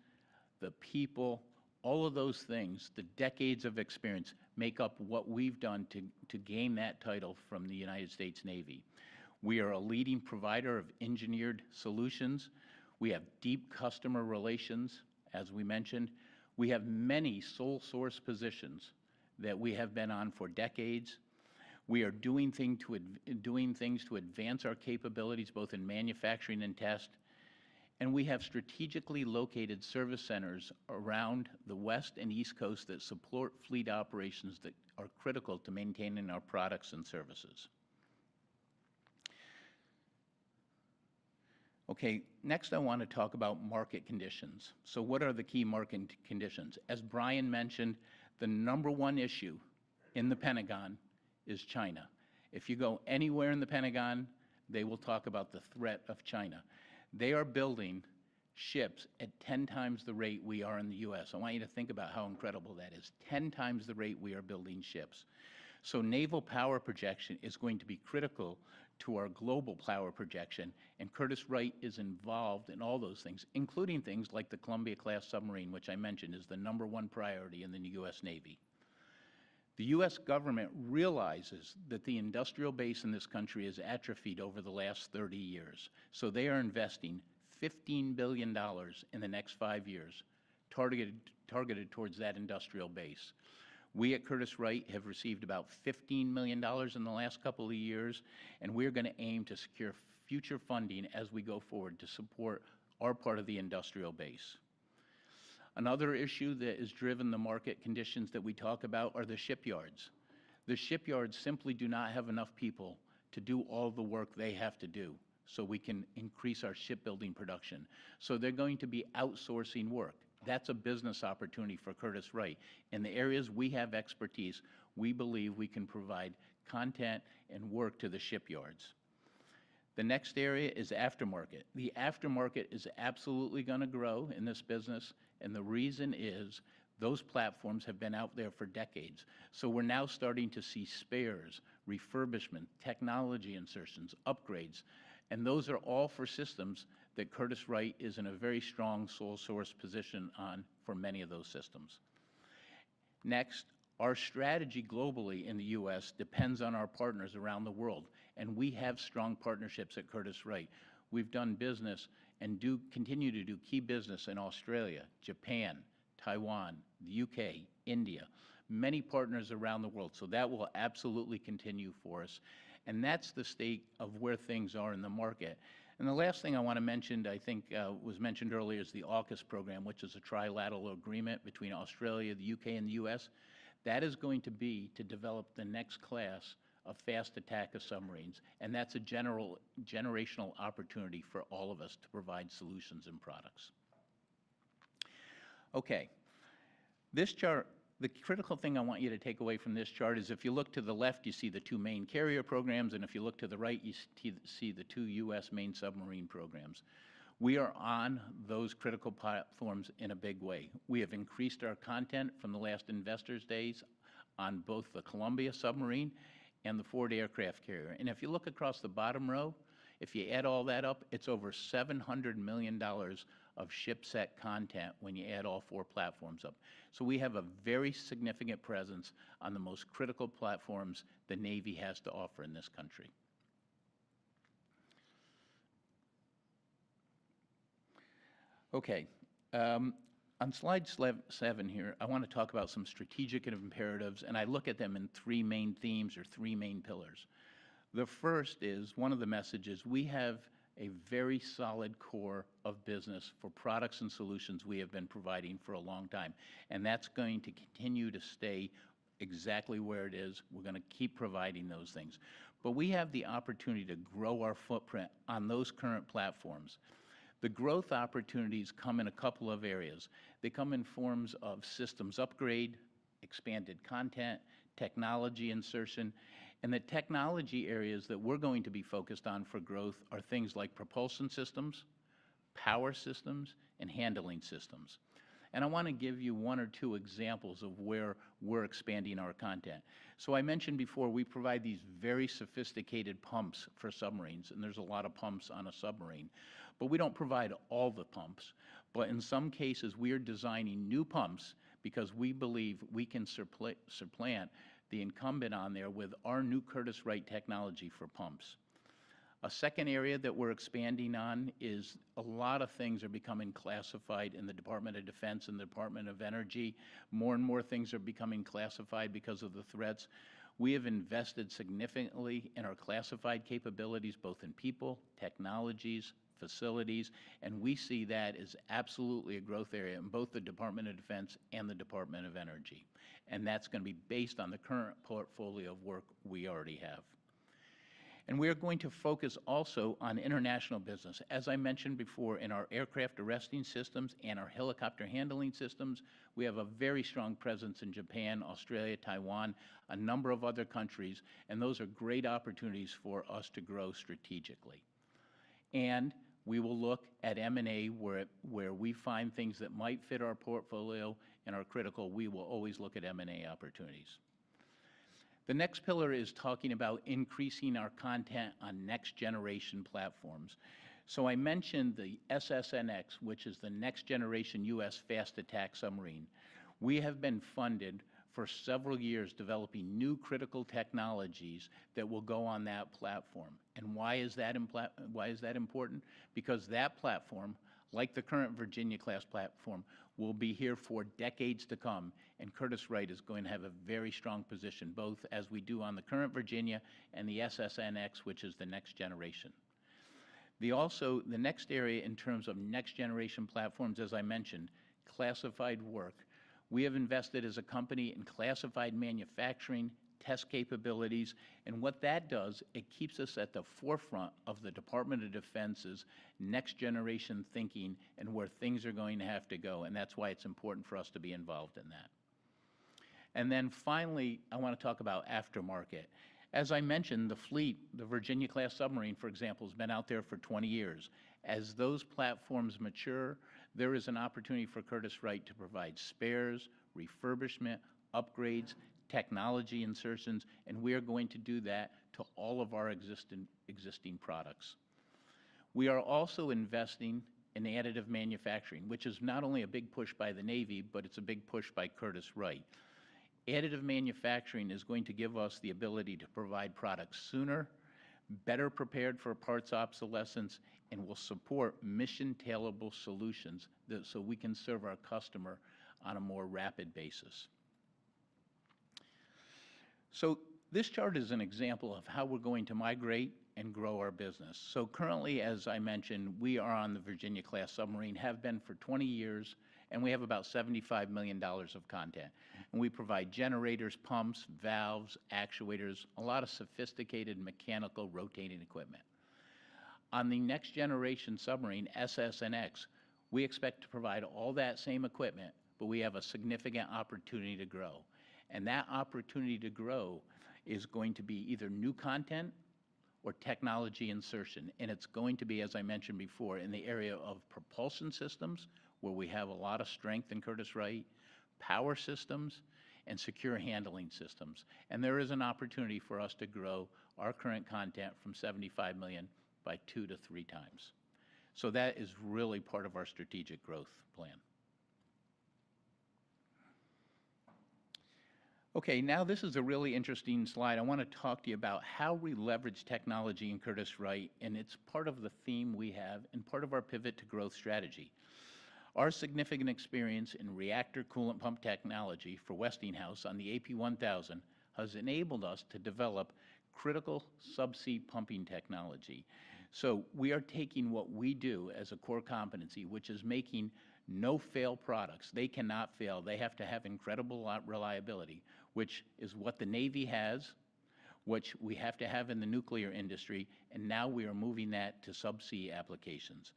the people, all of those things, the decades of experience, make up what we've done to gain that title from the United States Navy. We are a leading provider of engineered solutions. We have deep customer relations, as we mentioned. We have many sole-source positions that we have been on for decades. We are doing things to advance our capabilities, both in manufacturing and test. We have strategically located service centers around the West Coast and East Coast that support fleet operations that are critical to maintaining our products and services. Okay, next I wanna talk about market conditions. So what are the key market conditions? As Brian mentioned, the number one issue in the Pentagon is China. If you go anywhere in the Pentagon, they will talk about the threat of China. They are building ships at 10 times the rate we are in the U.S. I want you to think about how incredible that is, 10 times the rate we are building ships. So naval power projection is going to be critical to our global power projection, and Curtiss-Wright is involved in all those things, including things like the Columbia-class submarine, which I mentioned is the number one priority in the U.S. Navy. The U.S. government realizes that the industrial base in this country has atrophied over the last 30 years, so they are investing $15 billion in the next 5 years, targeted, targeted towards that industrial base. We at Curtiss-Wright have received about $15 million in the last couple of years, and we're gonna aim to secure future funding as we go forward to support our part of the industrial base. Another issue that has driven the market conditions that we talk about are the shipyards. The shipyards simply do not have enough people to do all the work they have to do, so we can increase our shipbuilding production. So they're going to be outsourcing work. That's a business opportunity for Curtiss-Wright. In the areas we have expertise, we believe we can provide content and work to the shipyards. The next area is aftermarket. The aftermarket is absolutely gonna grow in this business, and the reason is, those platforms have been out there for decades. So we're now starting to see spares, refurbishment, technology insertions, upgrades, and those are all for systems that Curtiss-Wright is in a very strong sole source position on for many of those systems. Next, our strategy globally in the U.S. depends on our partners around the world, and we have strong partnerships at Curtiss-Wright. We've done business and do continue to do key business in Australia, Japan, Taiwan, the UK, India, many partners around the world. So that will absolutely continue for us, and that's the state of where things are in the market. And the last thing I wanna mention, I think, was mentioned earlier, is the AUKUS program, which is a trilateral agreement between Australia, the UK, and the U.S.. That is going to be to develop the next class of fast-attack submarines, and that's a generational opportunity for all of us to provide solutions and products. Okay, this chart, the critical thing I want you to take away from this chart is, if you look to the left, you see the two main carrier programs, and if you look to the right, you see, see the two U.S. main submarine programs. We are on those critical platforms in a big way. We have increased our content from the last investors' days on both the Columbia-class submarine and the Ford-class aircraft carrier. And if you look across the bottom row, if you add all that up, it's over $700 million of shipset content when you add all four platforms up. So we have a very significant presence on the most critical platforms the Navy has to offer in this country. Okay, on slide seventeen here, I wanna talk about some strategic initiatives imperatives, and I look at them in three main themes or three main pillars. The first is, one of the messages, we have a very solid core of business for products and solutions we have been providing for a long time, and that's going to continue to stay exactly where it is. We're gonna keep providing those things. But we have the opportunity to grow our footprint on those current platforms. The growth opportunities come in a couple of areas. They come in forms of systems upgrade, expanded content, technology insertion, and the technology areas that we're going to be focused on for growth are things like propulsion systems, power systems, and handling systems. I wanna give you one or two examples of where we're expanding our content. So I mentioned before, we provide these very sophisticated pumps for submarines, and there's a lot of pumps on a submarine. But we don't provide all the pumps. But in some cases, we are designing new pumps because we believe we can supplant the incumbent on there with our new Curtiss-Wright technology for pumps. A second area that we're expanding on is a lot of things are becoming classified in the Department of Defense and the Department of Energy. More and more things are becoming classified because of the threats. We have invested significantly in our classified capabilities, both in people, technologies, facilities, and we see that as absolutely a growth area in both the Department of Defense and the Department of Energy, and that's gonna be based on the current portfolio of work we already have. We are going to focus also on international business. As I mentioned before, in our aircraft arresting systems and our helicopter handling systems, we have a very strong presence in Japan, Australia, Taiwan, a number of other countries, and those are great opportunities for us to grow strategically. We will look at M&A, where we find things that might fit our portfolio and are critical, we will always look at M&A opportunities. The next pillar is talking about increasing our content on next-generation platforms. So I mentioned the SSNX, which is the next-generation U.S. fast-attack submarine. We have been funded for several years, developing new critical technologies that will go on that platform. Why is that important? Because that platform, like the current Virginia-class platform, will be here for decades to come, and Curtiss-Wright is going to have a very strong position, both as we do on the current Virginia and the SSNX, which is the next generation. The next area in terms of next-generation platforms, as I mentioned, classified work. We have invested as a company in classified manufacturing, test capabilities, and what that does, it keeps us at the forefront of the Department of Defense's next-generation thinking and where things are going to have to go, and that's why it's important for us to be involved in that. Then finally, I wanna talk about aftermarket. As I mentioned, the fleet, the Virginia-class submarine, for example, has been out there for 20 years. As those platforms mature, there is an opportunity for Curtiss-Wright to provide spares, refurbishment, upgrades, technology insertions, and we are going to do that to all of our existing, existing products. We are also investing in additive manufacturing, which is not only a big push by the Navy, but it's a big push by Curtiss-Wright. Additive manufacturing is going to give us the ability to provide products sooner, better prepared for parts obsolescence, and will support mission tailorable solutions that so we can serve our customer on a more rapid basis. So this chart is an example of how we're going to migrate and grow our business. So currently, as I mentioned, we are on the Virginia-class submarine, have been for 20 years, and we have about $75 million of content. We provide generators, pumps, valves, actuators, a lot of sophisticated mechanical rotating equipment. On the next generation submarine, SSN(X), we expect to provide all that same equipment, but we have a significant opportunity to grow. That opportunity to grow is going to be either new content or technology insertion, and it's going to be, as I mentioned before, in the area of propulsion systems, where we have a lot of strength in Curtiss-Wright, power systems, and secure handling systems. There is an opportunity for us to grow our current content from $75 million by 2-3 times. So that is really part of our strategic growth plan. Okay, now this is a really interesting slide. I wanna talk to you about how we leverage technology in Curtiss-Wright, and it's part of the theme we have and part of our pivot to growth strategy. Our significant experience in reactor coolant pump technology for Westinghouse on the AP1000 has enabled us to develop critical subsea pumping technology. So we are taking what we do as a core competency, which is making no-fail products. They cannot fail. They have to have incredible reliability, which is what the Navy has, which we have to have in the nuclear industry, and now we are moving that to subsea applications.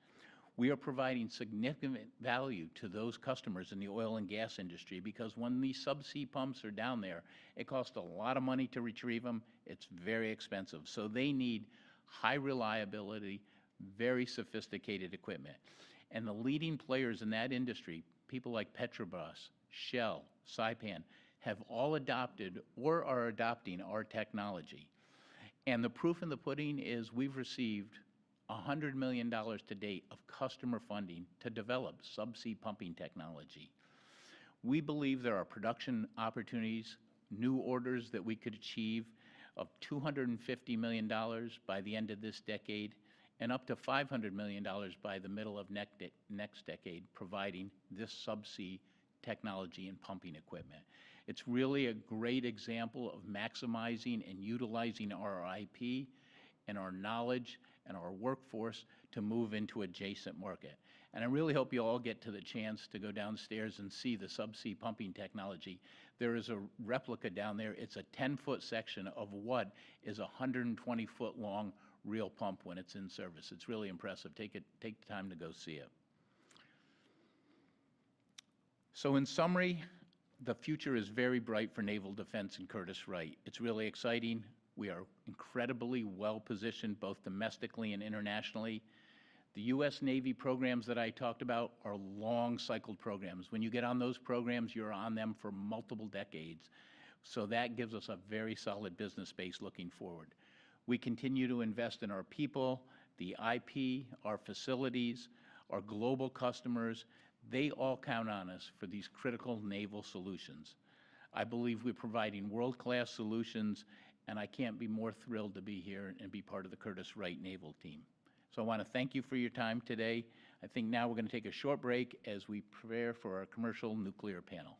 We are providing significant value to those customers in the oil and gas industry, because when these subsea pumps are down there, it costs a lot of money to retrieve them. It's very expensive, so they need high reliability, very sophisticated equipment. And the leading players in that industry, people like Petrobras, Shell, Saipem, have all adopted or are adopting our technology. The proof in the pudding is we've received $100 million to date of customer funding to develop subsea pumping technology. We believe there are production opportunities, new orders that we could achieve of $250 million by the end of this decade, and up to $500 million by the middle of next decade, providing this subsea technology and pumping equipment. It's really a great example of maximizing and utilizing our IP and our knowledge and our workforce to move into adjacent market. I really hope you all get to the chance to go downstairs and see the subsea pumping technology. There is a replica down there. It's a 10-foot section of what is a 120-foot long real pump when it's in service. It's really impressive. Take it, take the time to go see it. In summary, the future is very bright for naval defense in Curtiss-Wright. It's really exciting. We are incredibly well-positioned, both domestically and internationally. The U.S. Navy programs that I talked about are long-cycled programs. When you get on those programs, you're on them for multiple decades, so that gives us a very solid business base looking forward. We continue to invest in our people, the IP, our facilities, our global customers. They all count on us for these critical naval solutions. I believe we're providing world-class solutions, and I can't be more thrilled to be here and be part of the Curtiss-Wright Naval team. I wanna thank you for your time today. I think now we're gonna take a short break as we prepare for our commercial nuclear panel.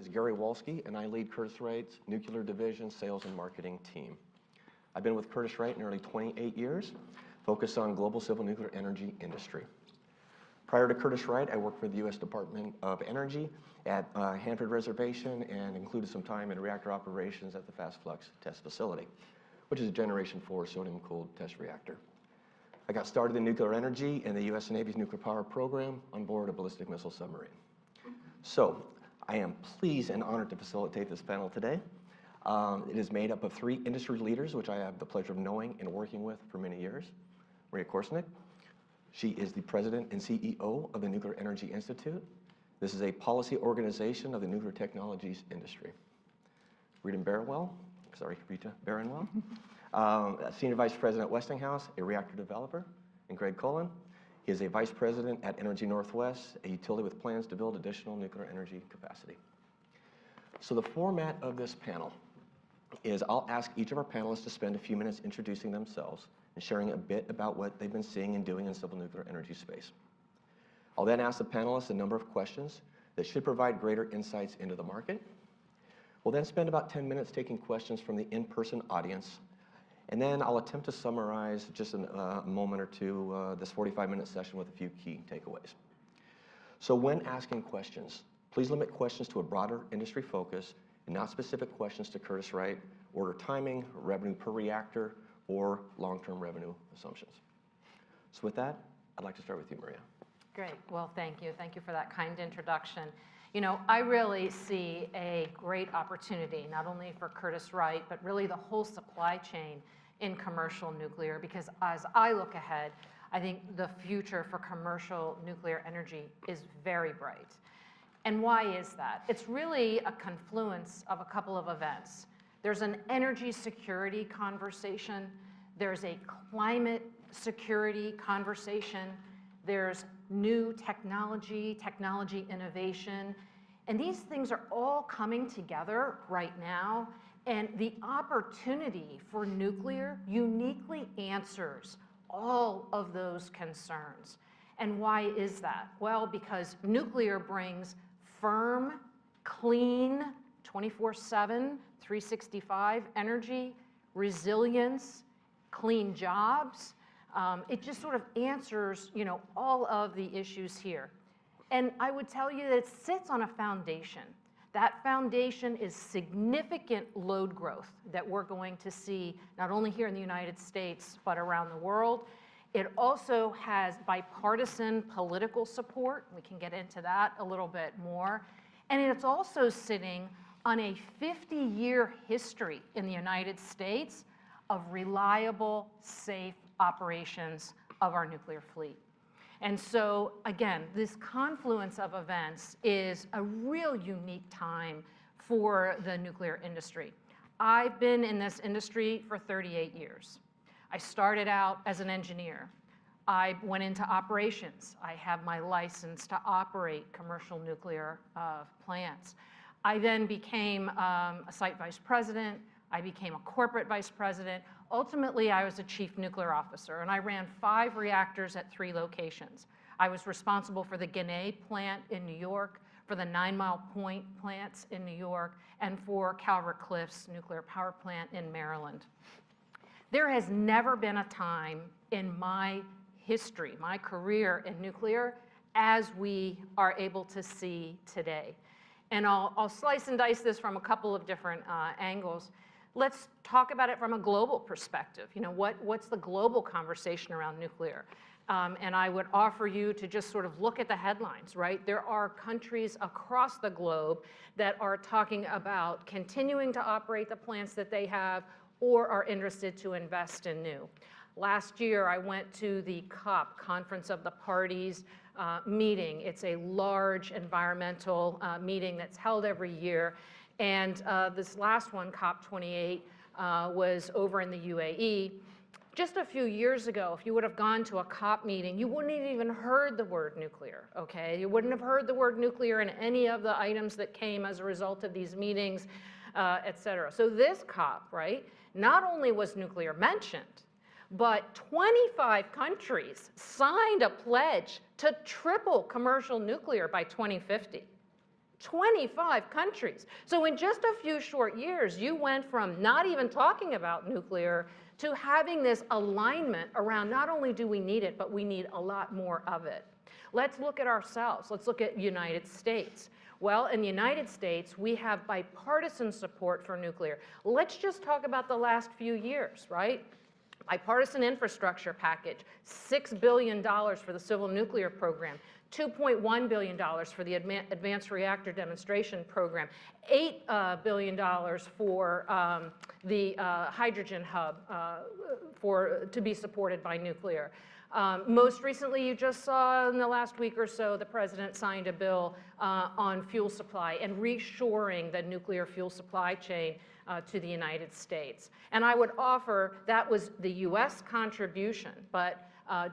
My name is Gary Wolski, and I lead Curtiss-Wright's Nuclear Division Sales and Marketing team. I've been with Curtiss-Wright nearly 28 years, focused on global civil nuclear energy industry. Prior to Curtiss-Wright, I worked for the U.S. Department of Energy at Hanford Reservation, and included some time in reactor operations at the Fast Flux Test Facility, which is a Generation IV sodium-cooled test reactor. I got started in nuclear energy in the U.S. Navy's nuclear power program on board a ballistic missile submarine. So I am pleased and honored to facilitate this panel today. It is made up of three industry leaders, which I have the pleasure of knowing and working with for many years. Maria Korsnick. She is the President and CEO of the Nuclear Energy Institute. This is a policy organization of the nuclear technologies industry. Rita Baranwal, sorry, Rita Baranwal, Senior Vice President, Westinghouse, a reactor developer, and Greg Cullen. He is a Vice President at Energy Northwest, a utility with plans to build additional nuclear energy capacity. So the format of this panel is, I'll ask each of our panelists to spend a few minutes introducing themselves and sharing a bit about what they've been seeing and doing in civil nuclear energy space. I'll then ask the panelists a number of questions that should provide greater insights into the market. We'll then spend about 10 minutes taking questions from the in-person audience, and then I'll attempt to summarize just in a moment or two, this 45-minute session with a few key takeaways. So when asking questions, please limit questions to a broader industry focus and not specific questions to Curtiss-Wright, order timing, revenue per reactor, or long-term revenue assumptions. With that, I'd like to start with you, Maria. Great. Well, thank you. Thank you for that kind introduction. You know, I really see a great opportunity, not only for Curtiss-Wright, but really the whole supply chain in commercial nuclear, because as I look ahead, I think the future for commercial nuclear energy is very bright. And why is that? It's really a confluence of a couple of events. There's an energy security conversation, there's a climate security conversation, there's new technology, technology innovation, and these things are all coming together right now, and the opportunity for nuclear uniquely answers all of those concerns. And why is that? Well, because nuclear brings firm, clean, 24/7, 365 energy, resilience, clean jobs. It just sort of answers, you know, all of the issues here. And I would tell you that it sits on a foundation. That foundation is significant load growth that we're going to see, not only here in the United States, but around the world. It also has bipartisan political support, and we can get into that a little bit more. It's also sitting on a 50-year history in the United States of reliable, safe operations of our nuclear fleet. So again, this confluence of events is a real unique time for the nuclear industry. I've been in this industry for 38 years. I started out as an engineer. I went into operations. I have my license to operate commercial nuclear plants. I then became a site vice president. I became a corporate vice president. Ultimately, I was a chief nuclear officer, and I ran 5 reactors at 3 locations. I was responsible for the Ginna Plant in New York, for the Nine Mile Point plants in New York, and for Calvert Cliffs Nuclear Power Plant in Maryland. There has never been a time in my history, my career in nuclear, as we are able to see today, and I'll, I'll slice and dice this from a couple of different angles. Let's talk about it from a global perspective. You know, what, what's the global conversation around nuclear? And I would offer you to just sort of look at the headlines, right? There are countries across the globe that are talking about continuing to operate the plants that they have or are interested to invest in new. Last year, I went to the COP, Conference of the Parties, meeting. It's a large environmental meeting that's held every year, and this last one, COP28, was over in the UAE. Just a few years ago, if you would have gone to a COP meeting, you wouldn't even have heard the word nuclear, okay? You wouldn't have heard the word nuclear in any of the items that came as a result of these meetings, et cetera. So this COP, right, not only was nuclear mentioned, but 25 countries signed a pledge to triple commercial nuclear by 2050. 25 countries! So in just a few short years, you went from not even talking about nuclear to having this alignment around, not only do we need it, but we need a lot more of it. Let's look at ourselves. Let's look at United States. Well, in the United States, we have bipartisan support for nuclear. Let's just talk about the last few years, right? Bipartisan infrastructure package, $6 billion for the civil nuclear program, $2.1 billion for the advanced reactor demonstration program, $8 billion for the hydrogen hub to be supported by nuclear. Most recently, you just saw in the last week or so, the president signed a bill on fuel supply and reshoring the nuclear fuel supply chain to the United States. I would offer that was the U.S. contribution.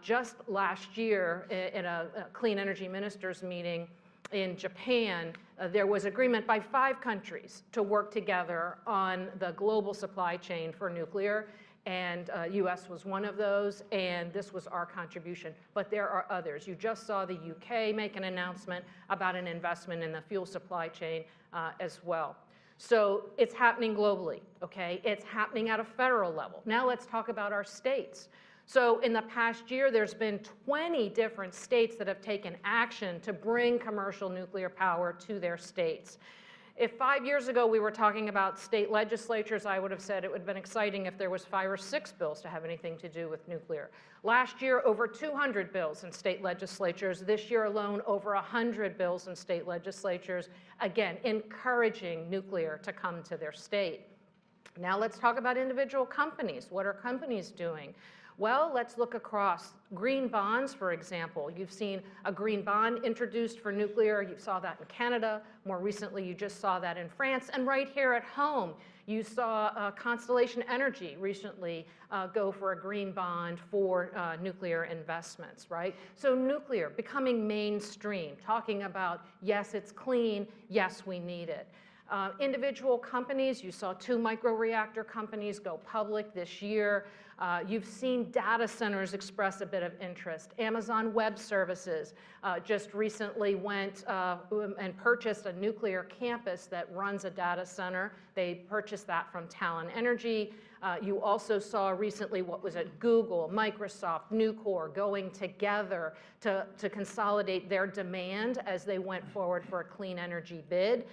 Just last year, in a clean energy ministers meeting in Japan, there was agreement by five countries to work together on the global supply chain for nuclear, and U.S. was one of those, and this was our contribution. There are others. You just saw the UK make an announcement about an investment in the fuel supply chain, as well. So it's happening globally, okay? It's happening at a federal level. Now, let's talk about our states. So in the past year, there's been 20 different states that have taken action to bring commercial nuclear power to their states. If five years ago, we were talking about state legislatures, I would have said it would've been exciting if there was five or six bills to have anything to do with nuclear. Last year, over 200 bills in state legislatures. This year alone, over 100 bills in state legislatures, again, encouraging nuclear to come to their state. Now, let's talk about individual companies. What are companies doing? Well, let's look across green bonds, for example. You've seen a green bond introduced for nuclear. You saw that in Canada. More recently, you just saw that in France, and right here at home, you saw Constellation Energy recently go for a green bond for nuclear investments, right? So nuclear becoming mainstream, talking about, yes, it's clean, yes, we need it. Individual companies, you saw two microreactor companies go public this year. You've seen data centers express a bit of interest. Amazon Web Services just recently went and purchased a nuclear campus that runs a data center. They purchased that from Talen Energy. You also saw recently, what was it? Google, Microsoft, Nucor, going together to consolidate their demand as they went forward for a clean energy bid.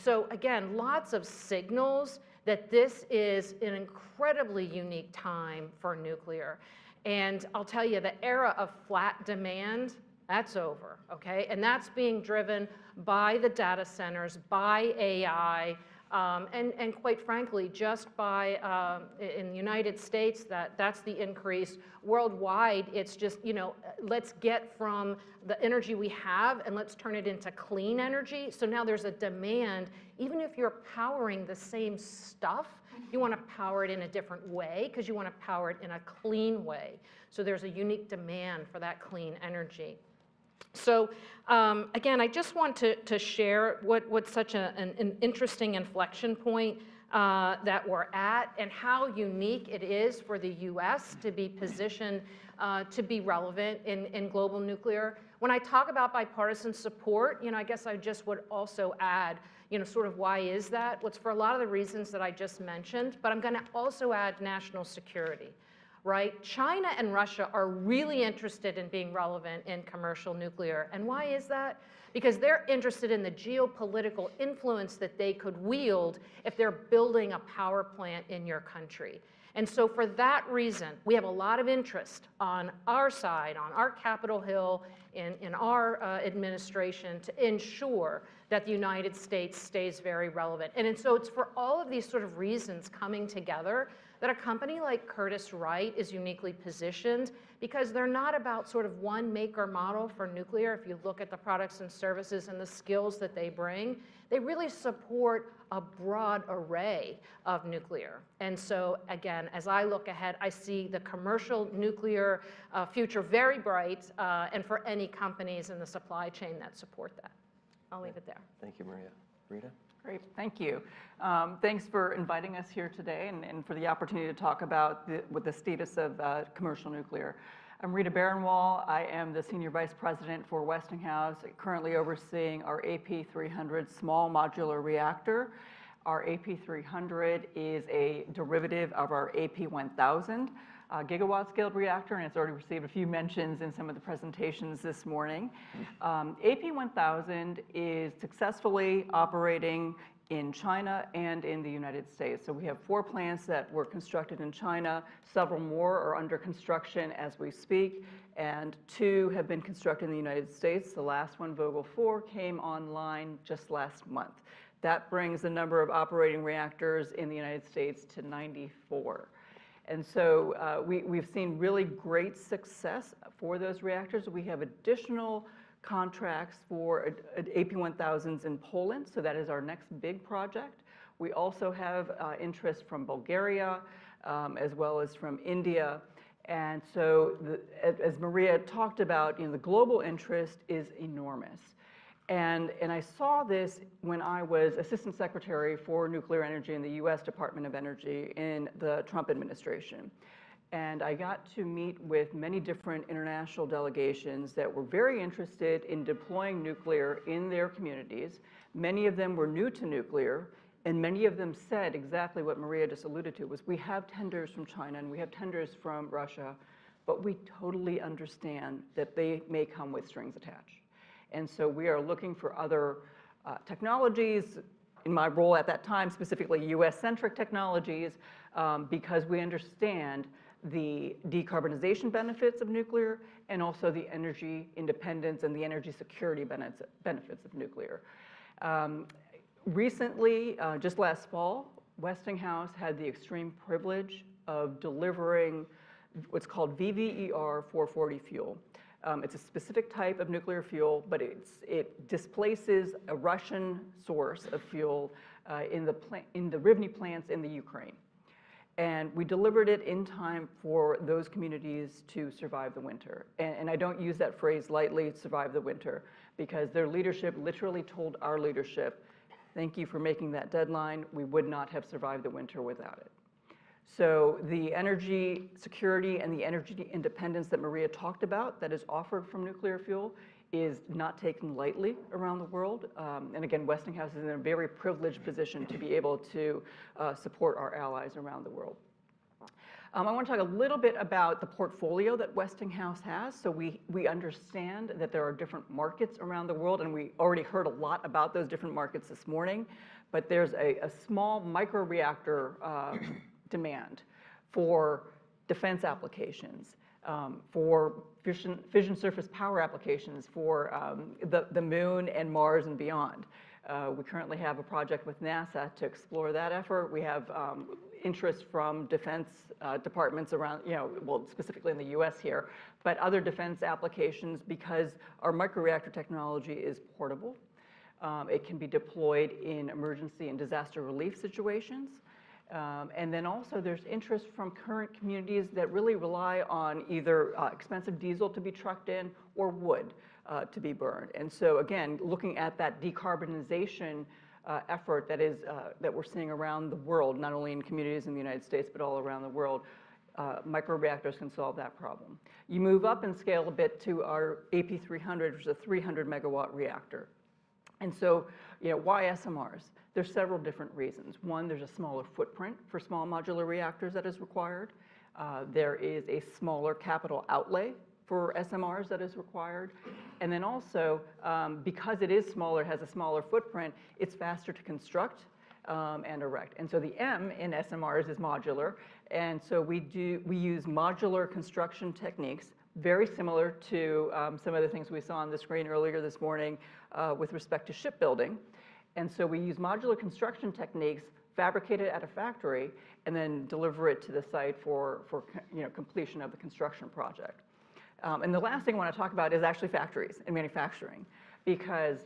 So again, lots of signals that this is an incredibly unique time for nuclear. And I'll tell you, the era of flat demand, that's over, okay? That's being driven by the data centers, by AI, and quite frankly, just by in the United States, that's the increase. Worldwide, it's just, you know, let's get from the energy we have and let's turn it into clean energy. So now there's a demand. Even if you're powering the same stuff, you wanna power it in a different way 'cause you wanna power it in a clean way. So there's a unique demand for that clean energy. So, again, I just want to share what an interesting inflection point that we're at and how unique it is for the U.S. to be positioned to be relevant in global nuclear. When I talk about bipartisan support, you know, I guess I just would also add, you know, sort of why is that? Well, it's for a lot of the reasons that I just mentioned, but I'm gonna also add national security, right? China and Russia are really interested in being relevant in commercial nuclear. And why is that? Because they're interested in the geopolitical influence that they could wield if they're building a power plant in your country. And so for that reason, we have a lot of interest on our side, on our Capitol Hill, in our administration, to ensure that the United States stays very relevant. And so it's for all of these sort of reasons coming together that a company like Curtiss-Wright is uniquely positioned because they're not about sort of one make or model for nuclear. If you look at the products and services and the skills that they bring, they really support a broad array of nuclear. And so again, as I look ahead, I see the commercial nuclear future very bright, and for any companies in the supply chain that support that. I'll leave it there. Thank you, Maria. Rita? Great. Thank you. Thanks for inviting us here today and for the opportunity to talk about the status of commercial nuclear. I'm Rita Baranwal. I am the Senior Vice President for Westinghouse, currently overseeing our AP300 small modular reactor. Our AP300 is a derivative of our AP1000, a gigawatt-scaled reactor, and it's already received a few mentions in some of the presentations this morning. AP1000 is successfully operating in China and in the United States. So we have 4 plants that were constructed in China. Several more are under construction as we speak, and 2 have been constructed in the United States. The last one, Vogtle 4, came online just last month. That brings the number of operating reactors in the United States to 94. And so, we've seen really great success for those reactors. We have additional contracts for AP1000s in Poland, so that is our next big project. We also have interest from Bulgaria, as well as from India. And so as Maria talked about, you know, the global interest is enormous. And I saw this when I was assistant secretary for nuclear energy in the U.S. Department of Energy in the Trump administration, and I got to meet with many different international delegations that were very interested in deploying nuclear in their communities. Many of them were new to nuclear, and many of them said exactly what Maria just alluded to, was, "We have tenders from China, and we have tenders from Russia, but we totally understand that they may come with strings attached."... And so we are looking for other technologies, in my role at that time, specifically U.S.-centric technologies, because we understand the decarbonization benefits of nuclear and also the energy independence and the energy security benefits of nuclear. Recently, just last fall, Westinghouse had the extreme privilege of delivering what's called VVER-440 fuel. It's a specific type of nuclear fuel, but it's, it displaces a Russian source of fuel, in the Rivne plants in the Ukraine. And we delivered it in time for those communities to survive the winter. And I don't use that phrase lightly, "Survive the winter," because their leadership literally told our leadership: "Thank you for making that deadline. We would not have survived the winter without it." So the energy security and the energy independence that Maria talked about, that is offered from nuclear fuel, is not taken lightly around the world. And again, Westinghouse is in a very privileged position to be able to support our allies around the world. I wanna talk a little bit about the portfolio that Westinghouse has. So we understand that there are different markets around the world, and we already heard a lot about those different markets this morning. But there's a small microreactor demand for defense applications, for fission surface power applications, for the Moon and Mars and beyond. We currently have a project with NASA to explore that effort. We have interest from defense departments around, you know, well, specifically in the U.S. here, but other defense applications, because our microreactor technology is portable, it can be deployed in emergency and disaster relief situations. And then also there's interest from current communities that really rely on either expensive diesel to be trucked in or wood to be burned. And so again, looking at that decarbonization effort that we're seeing around the world, not only in communities in the United States, but all around the world, microreactors can solve that problem. You move up in scale a bit to our AP300, which is a 300-megawatt reactor. And so, you know, why SMRs? There's several different reasons. One, there's a smaller footprint for small modular reactors that is required. There is a smaller capital outlay for SMRs that is required. And then also, because it is smaller, has a smaller footprint, it's faster to construct, and erect. And so the M in SMRs is modular, and so we use modular construction techniques, very similar to some of the things we saw on the screen earlier this morning, with respect to shipbuilding. And so we use modular construction techniques, fabricate it at a factory, and then deliver it to the site for you know, completion of the construction project. And the last thing I wanna talk about is actually factories and manufacturing, because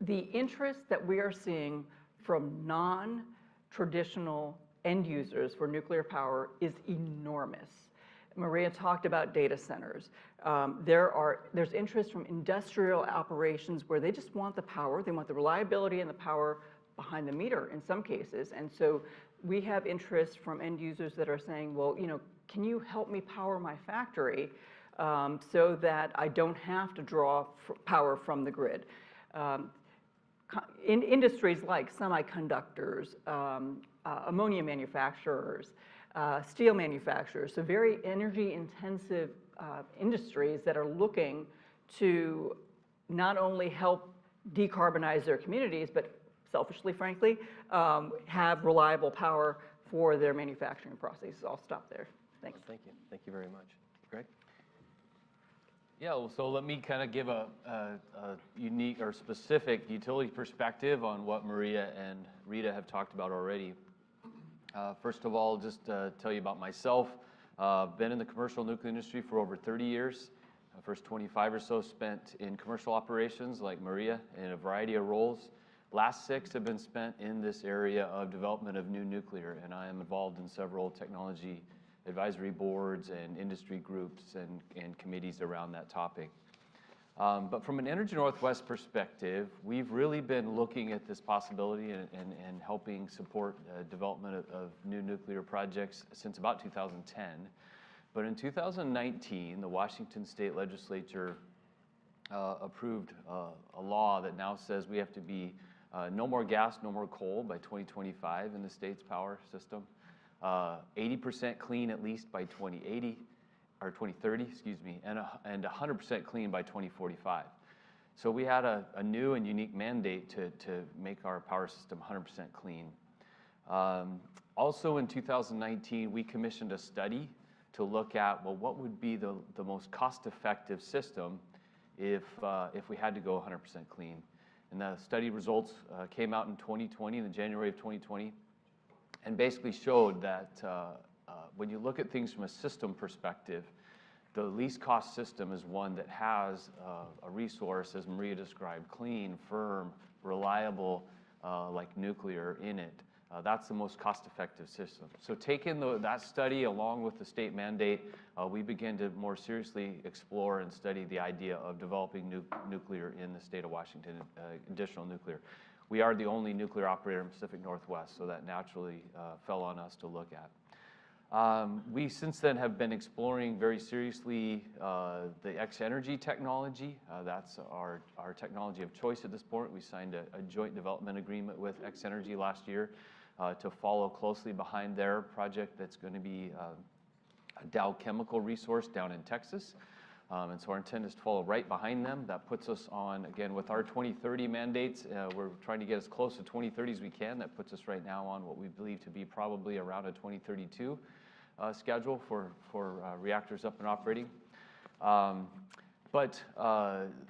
the interest that we are seeing from non-traditional end users for nuclear power is enormous. Maria talked about data centers. There's interest from industrial operations where they just want the power, they want the reliability and the power behind the meter in some cases. And so we have interest from end users that are saying: "Well, you know, can you help me power my factory, so that I don't have to draw power from the grid?" In industries like semiconductors, ammonia manufacturers, steel manufacturers, so very energy-intensive industries that are looking to not only help decarbonize their communities, but selfishly, frankly, have reliable power for their manufacturing processes. So I'll stop there. Thank you. Thank you. Thank you very much. Greg? Yeah, well, so let me kind of give a unique or specific utility perspective on what Maria and Rita have talked about already. First of all, just to tell you about myself, been in the commercial nuclear industry for over 30 years. First 25 or so spent in commercial operations like Maria, in a variety of roles. Last 6 have been spent in this area of development of new nuclear, and I am involved in several technology advisory boards and industry groups and committees around that topic. But from an Energy Northwest perspective, we've really been looking at this possibility and helping support development of new nuclear projects since about 2010. But in 2019, the Washington State Legislature approved a law that now says we have to be no more gas, no more coal by 2025 in the state's power system. 80% clean at least by 2030, excuse me, and 100% clean by 2045. So we had a new and unique mandate to make our power system 100% clean. Also in 2019, we commissioned a study to look at, well, what would be the most cost-effective system if we had to go 100% clean? The study results came out in 2020, in January of 2020, and basically showed that when you look at things from a system perspective, the least cost system is one that has a resource, as Maria described, clean, firm, reliable, like nuclear in it. That's the most cost-effective system. So taking that study along with the state mandate, we began to more seriously explore and study the idea of developing nuclear in the state of Washington, additional nuclear. We are the only nuclear operator in the Pacific Northwest, so that naturally fell on us to look at. We since then have been exploring very seriously the X-energy technology. That's our technology of choice at this point. We signed a joint development agreement with X-energy last year to follow closely behind their project that's gonna be a Dow Chemical resource down in Texas. And so our intent is to follow right behind them. That puts us on, again, with our 2030 mandates, we're trying to get as close to 2030 as we can. That puts us right now on what we believe to be probably around a 2032 schedule for reactors up and operating. But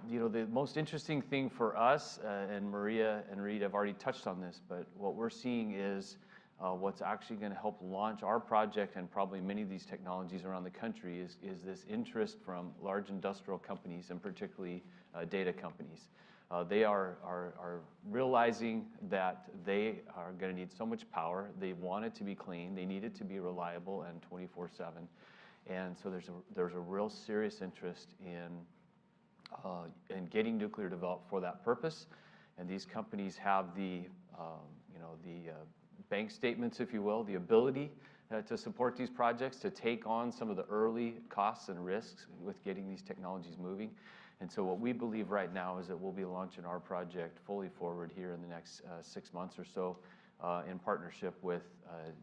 you know, the most interesting thing for us, and Maria and Rita have already touched on this, but what we're seeing is what's actually gonna help launch our project and probably many of these technologies around the country is this interest from large industrial companies, and particularly data companies. They are realizing that they are gonna need so much power. They want it to be clean, they need it to be reliable, and 24/7. And so there's a real serious interest in getting nuclear developed for that purpose. And these companies have the, you know, the ability to support these projects, to take on some of the early costs and risks with getting these technologies moving. And so what we believe right now is that we'll be launching our project fully forward here in the next six months or so, in partnership with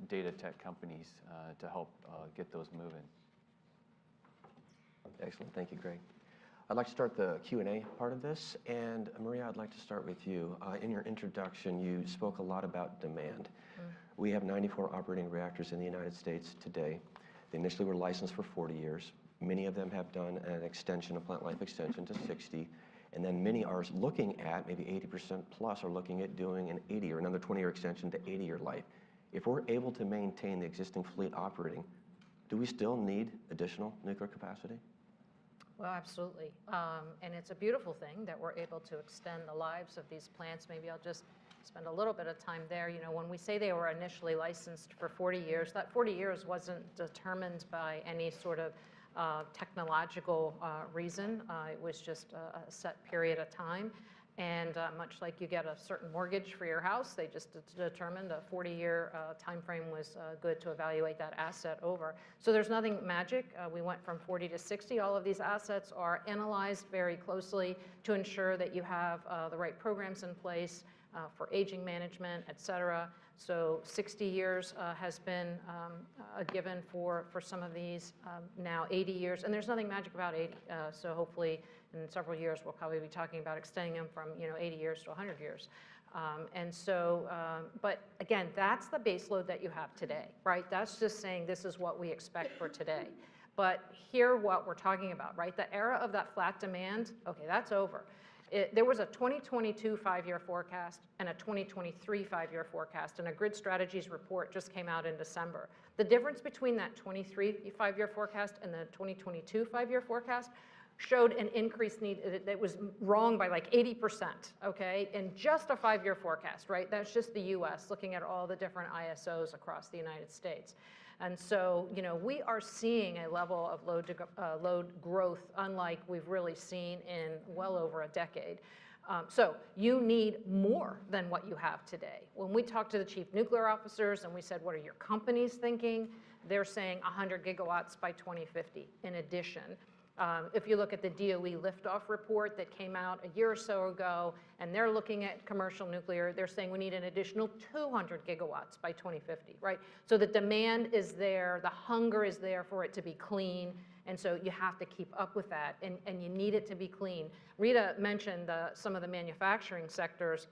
data tech companies, to help get those moving. Excellent. Thank you, Greg. I'd like to start the Q&A part of this. Maria, I'd like to start with you. In your introduction, you spoke a lot about demand. We have 94 operating reactors in the United States today. They initially were licensed for 40 years. Many of them have done an extension of plant life extension to 60, and then many are looking at, maybe 80% plus, are looking at doing an 80 or another 20-year extension to 80-year life. If we're able to maintain the existing fleet operating, do we still need additional nuclear capacity? Well, absolutely. And it's a beautiful thing that we're able to extend the lives of these plants. Maybe I'll just spend a little bit of time there. You know, when we say they were initially licensed for 40 years, that 40 years wasn't determined by any sort of technological reason. It was just a set period of time. And much like you get a certain mortgage for your house, they just determined a 40-year timeframe was good to evaluate that asset over. So there's nothing magic. We went from 40 to 60. All of these assets are analyzed very closely to ensure that you have the right programs in place for aging management, et cetera. So 60 years has been a given for some of these, now 80 years. And there's nothing magic about 80, so hopefully in several years we'll probably be talking about extending them from, you know, 80 years to 100 years. But again, that's the base load that you have today, right? That's just saying, "This is what we expect for today." But hear what we're talking about, right? The era of that flat demand, okay, that's over. There was a 2022 five-year forecast and a 2023 five-year forecast, and a Grid Strategies report just came out in December. The difference between that 2023 five-year forecast and the 2022 five-year forecast showed an increased need that was wrong by, like, 80%, okay? In just a five-year forecast, right? That's just the U.S., looking at all the different ISOs across the United States. And so, you know, we are seeing a level of load growth unlike we've really seen in well over a decade. So you need more than what you have today. When we talked to the chief nuclear officers and we said, "What are your companies thinking?" They're saying 100 gigawatts by 2050, in addition. If you look at the DOE Liftoff Report that came out a year or so ago, and they're looking at commercial nuclear, they're saying we need an additional 200 gigawatts by 2050, right? So the demand is there, the hunger is there for it to be clean, and so you have to keep up with that, and, and you need it to be clean. Rita mentioned the, some of the manufacturing sectors,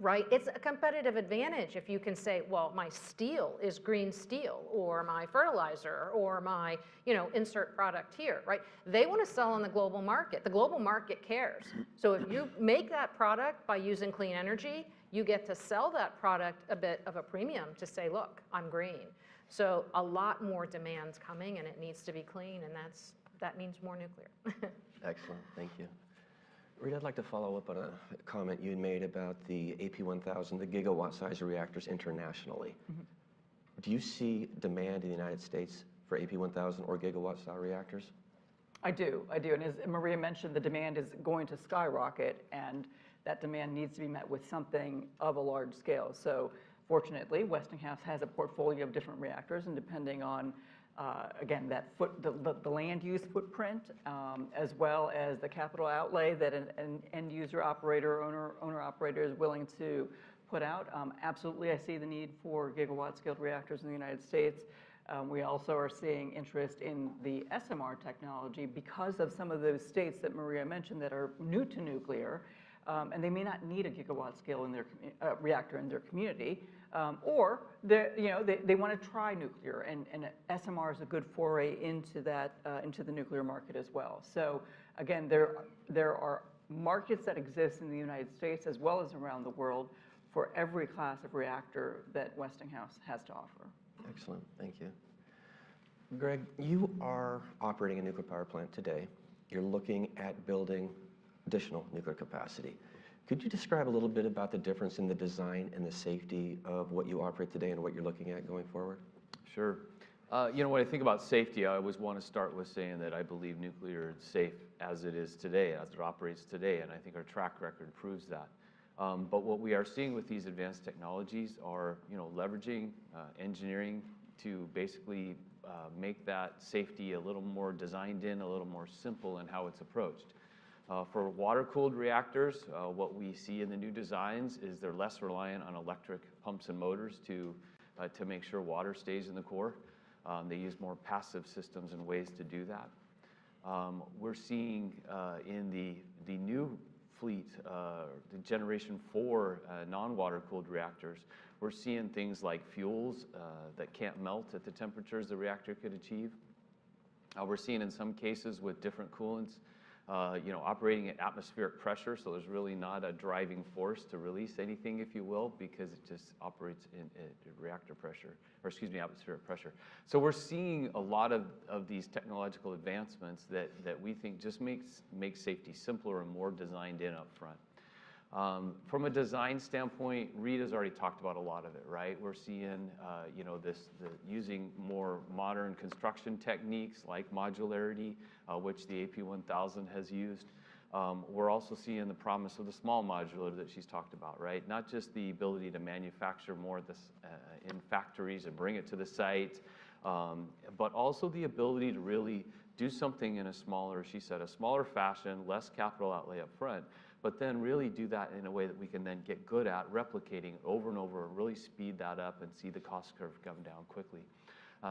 right? It's a competitive advantage if you can say, "Well, my steel is green steel," or, "My fertilizer," or, "My, you know, insert product here," right? They wanna sell on the global market. The global market cares. So if you make that product by using clean energy, you get to sell that product a bit of a premium to say, "Look, I'm green." So a lot more demand's coming, and it needs to be clean, and that's, that means more nuclear. Excellent. Thank you. Rita, I'd like to follow up on a comment you had made about the AP1000, the gigawatt size of reactors internationally. Do you see demand in the United States for AP1000 or gigawatt-style reactors? I do. I do. And as Maria mentioned, the demand is going to skyrocket, and that demand needs to be met with something of a large scale. So fortunately, Westinghouse has a portfolio of different reactors, and depending on, again, that footprint, the land use footprint, as well as the capital outlay that an end user operator, owner, owner-operator is willing to put out, absolutely, I see the need for gigawatt-scaled reactors in the United States. We also are seeing interest in the SMR technology because of some of those states that Maria mentioned that are new to nuclear. And they may not need a gigawatt scale in their reactor in their community, or they're, you know, they wanna try nuclear. And SMR is a good foray into that, into the nuclear market as well. So again, there are markets that exist in the United States as well as around the world, for every class of reactor that Westinghouse has to offer. Excellent. Thank you. Greg, you are operating a nuclear power plant today. You're looking at building additional nuclear capacity. Could you describe a little bit about the difference in the design and the safety of what you operate today and what you're looking at going forward? Sure. You know, when I think about safety, I always wanna start with saying that I believe nuclear is safe as it is today, as it operates today, and I think our track record proves that. But what we are seeing with these advanced technologies are, you know, leveraging engineering to basically make that safety a little more designed in, a little more simple in how it's approached. For water-cooled reactors, what we see in the new designs is they're less reliant on electric pumps and motors to make sure water stays in the core. They use more passive systems and ways to do that. We're seeing, in the new fleet, the Generation IV non-water cooled reactors, we're seeing things like fuels that can't melt at the temperatures the reactor could achieve. We're seeing in some cases with different coolants, you know, operating at atmospheric pressure, so there's really not a driving force to release anything, if you will, because it just operates in reactor pressure, or excuse me, atmospheric pressure. So we're seeing a lot of these technological advancements that we think just makes safety simpler and more designed in upfront. From a design standpoint, Rita's already talked about a lot of it, right? We're seeing this, the using more modern construction techniques like modularity, which the AP1000 has used. We're also seeing the promise of the small modular that she's talked about, right? Not just the ability to manufacture more of this in factories and bring it to the site, but also the ability to really do something in a smaller, she said, a smaller fashion, less capital outlay upfront, but then really do that in a way that we can then get good at replicating over and over, and really speed that up and see the cost curve come down quickly.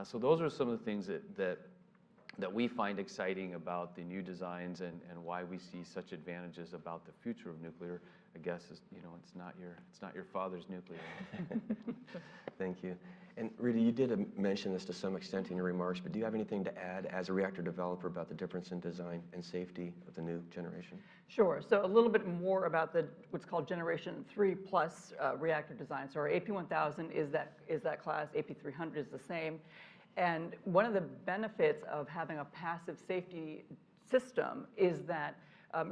So those are some of the things that we find exciting about the new designs and why we see such advantages about the future of nuclear. I guess, you know, it's not your, it's not your father's nuclear. Thank you. And Rita, you did mention this to some extent in your remarks, but do you have anything to add as a reactor developer about the difference in design and safety of the new generation? Sure. So a little bit more about the, what's called Generation III+ reactor design. So our AP1000 is that, is that class, AP300 is the same. And one of the benefits of having a passive safety system is that,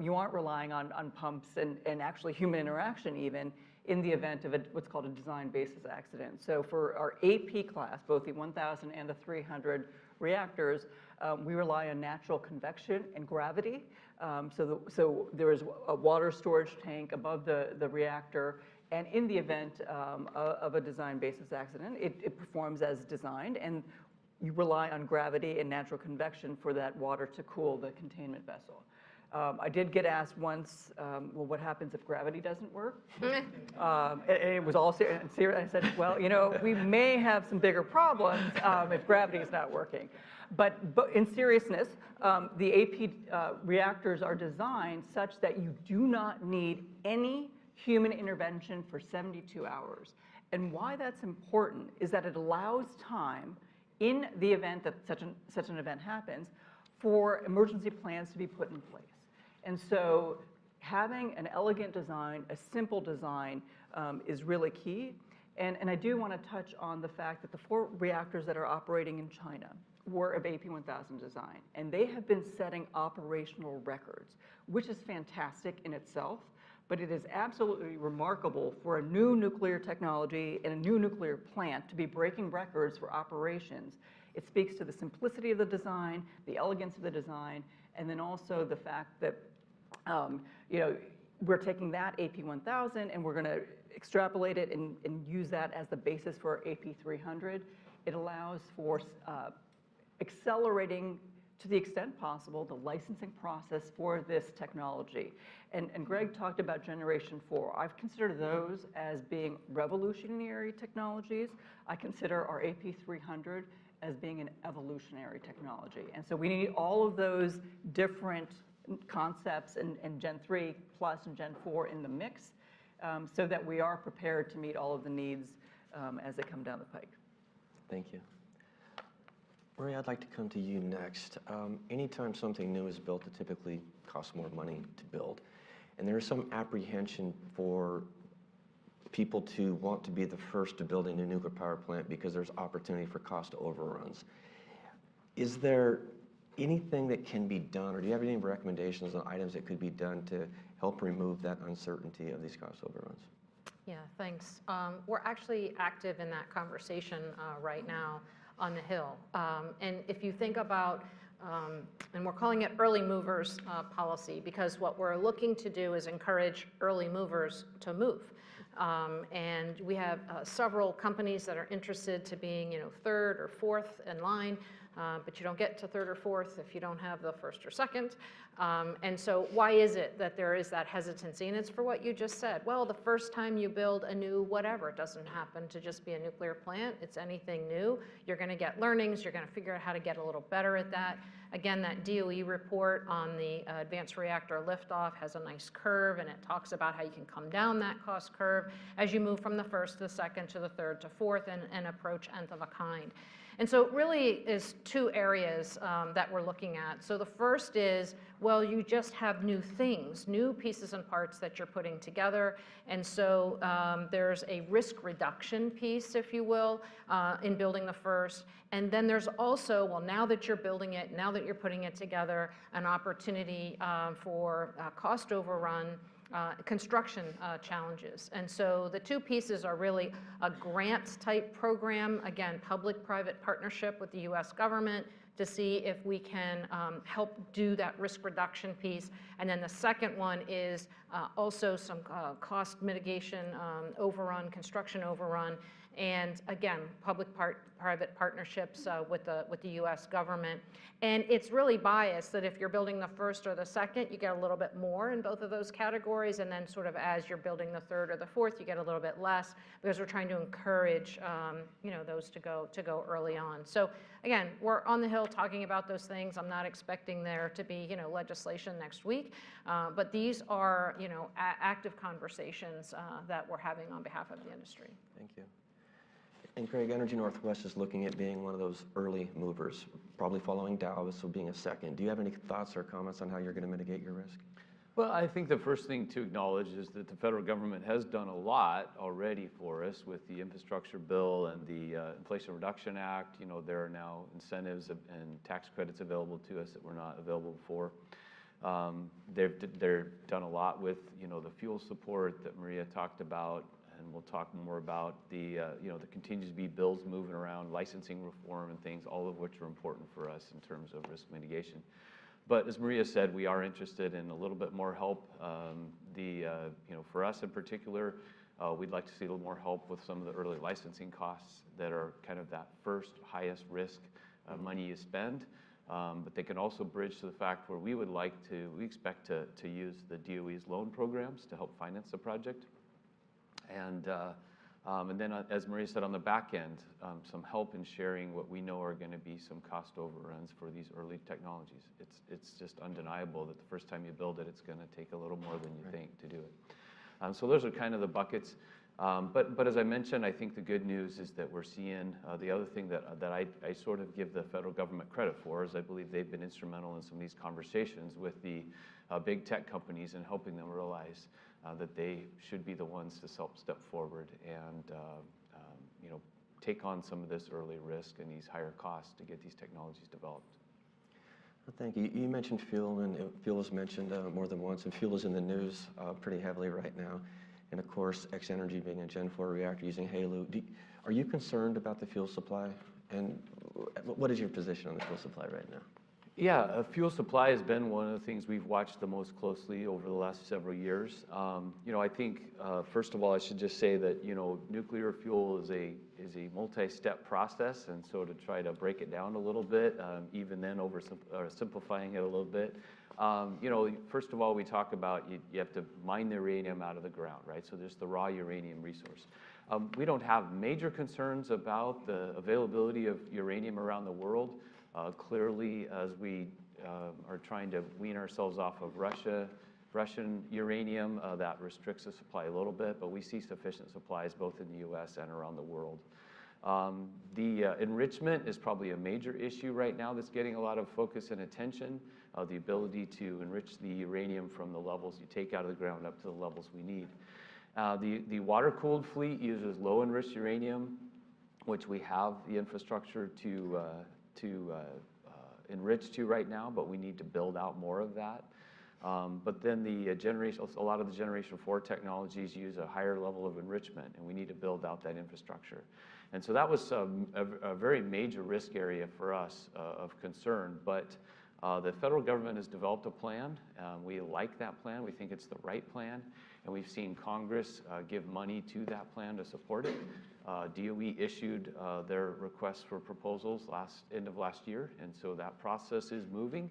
you aren't relying on pumps and actually human interaction even, in the event of a, what's called a design basis accident. So for our AP class, both the 1000 and the 300 reactors, we rely on natural convection and gravity. So there is a water storage tank above the reactor, and in the event of a design basis accident, it performs as designed, and you rely on gravity and natural convection for that water to cool the containment vessel. I did get asked once, "Well, what happens if gravity doesn't work?" And it was all serious. I said, "Well, you know, we may have some bigger problems if gravity is not working." But in seriousness, the AP reactors are designed such that you do not need any human intervention for 72 hours. And why that's important is that it allows time, in the event that such an event happens, for emergency plans to be put in place. And so having an elegant design, a simple design, is really key. I do wanna touch on the fact that the four reactors that are operating in China were of AP1000 design, and they have been setting operational records, which is fantastic in itself, but it is absolutely remarkable for a new nuclear technology and a new nuclear plant to be breaking records for operations. It speaks to the simplicity of the design, the elegance of the design, and then also the fact that, you know, we're taking that AP1000, and we're gonna extrapolate it and use that as the basis for AP300. It allows for accelerating, to the extent possible, the licensing process for this technology. And Greg talked about Generation Four. I've considered those as being revolutionary technologies. I consider our AP300 as being an evolutionary technology. So we need all of those different concepts and Gen III+ and Gen IV in the mix, so that we are prepared to meet all of the needs, as they come down the pike. Thank you. Maria, I'd like to come to you next. Anytime something new is built, it typically costs more money to build. There is some apprehension for people to want to be the first to build a new nuclear power plant because there's opportunity for cost overruns. Is there anything that can be done, or do you have any recommendations on items that could be done to help remove that uncertainty of these cost overruns? Yeah, thanks. We're actually active in that conversation right now on the Hill. And if you think about... And we're calling it early movers policy, because what we're looking to do is encourage early movers to move. And we have several companies that are interested to being, you know, third or fourth in line, but you don't get to third or fourth if you don't have the first or second. And so why is it that there is that hesitancy? And it's for what you just said. Well, the first time you build a new whatever, it doesn't happen to just be a nuclear plant, it's anything new, you're gonna get learnings, you're gonna figure out how to get a little better at that. Again, that DOE report on the advanced reactor liftoff has a nice curve, and it talks about how you can come down that cost curve as you move from the first to the second, to the third, to fourth, and approach nth of a kind. And so it really is two areas that we're looking at. So the first is, well, you just have new things, new pieces and parts that you're putting together, and so there's a risk reduction piece, if you will, in building the first. And then there's also, well, now that you're building it, now that you're putting it together, an opportunity for cost overrun, construction challenges. And so the two pieces are really a grants-type program, again, public-private partnership with the U.S. government, to see if we can help do that risk reduction piece. Then the second one is also some cost mitigation, overrun, construction overrun, and again, public-private partnerships with the U.S. government. And it's really biased, that if you're building the first or the second, you get a little bit more in both of those categories, and then sort of as you're building the third or the fourth, you get a little bit less because we're trying to encourage you know those to go to go early on. So again, we're on the Hill talking about those things. I'm not expecting there to be you know legislation next week, but these are you know active conversations that we're having on behalf of the industry. Thank you. And Greg, Energy Northwest is looking at being one of those early movers, probably following Dallas, so being a second. Do you have any thoughts or comments on how you're gonna mitigate your risk? Well, I think the first thing to acknowledge is that the federal government has done a lot already for us with the infrastructure bill and the Inflation Reduction Act. You know, there are now incentives and tax credits available to us that were not available before. They've done a lot with, you know, the fuel support that Maria talked about, and we'll talk more about the, you know, there continues to be bills moving around, licensing reform and things, all of which are important for us in terms of risk mitigation. But as Maria said, we are interested in a little bit more help. For us, in particular, we'd like to see a little more help with some of the early licensing costs that are kind of that first highest risk money you spend. But they can also bridge to the fact where we would like to, we expect to use the DOE's loan programs to help finance the project. And then as Maria said, on the back end, some help in sharing what we know are gonna be some cost overruns for these early technologies. It's just undeniable that the first time you build it, it's gonna take a little more than you think- Right... to do it. So those are kind of the buckets. But as I mentioned, I think the good news is that we're seeing the other thing that I sort of give the federal government credit for is I believe they've been instrumental in some of these conversations with the big tech companies and helping them realize that they should be the ones to help step forward and you know take on some of this early risk and these higher costs to get these technologies developed. Well, thank you. You mentioned fuel, and fuel was mentioned more than once, and fuel is in the news pretty heavily right now. And of course, X-energy being a Gen IV reactor using HALEU. Are you concerned about the fuel supply? And what is your position on the fuel supply right now? Yeah, fuel supply has been one of the things we've watched the most closely over the last several years. You know, I think, first of all, I should just say that, you know, nuclear fuel is a multi-step process, and so to try to break it down a little bit, even then oversimplifying it a little bit. You know, first of all, we talk about you have to mine the uranium out of the ground, right? So there's the raw uranium resource. We don't have major concerns about the availability of uranium around the world. Clearly, as we are trying to wean ourselves off of Russian uranium, that restricts the supply a little bit, but we see sufficient supplies both in the U.S. and around the world. The enrichment is probably a major issue right now that's getting a lot of focus and attention, the ability to enrich the uranium from the levels you take out of the ground up to the levels we need. The water-cooled fleet uses low-enriched uranium, which we have the infrastructure to enrich to right now, but we need to build out more of that. But then the generation, a lot of the Generation IV technologies use a higher level of enrichment, and we need to build out that infrastructure. And so that was a very major risk area for us of concern, but the federal government has developed a plan, and we like that plan. We think it's the right plan, and we've seen Congress give money to that plan to support it. DOE issued their request for proposals last, end of last year, and so that process is moving.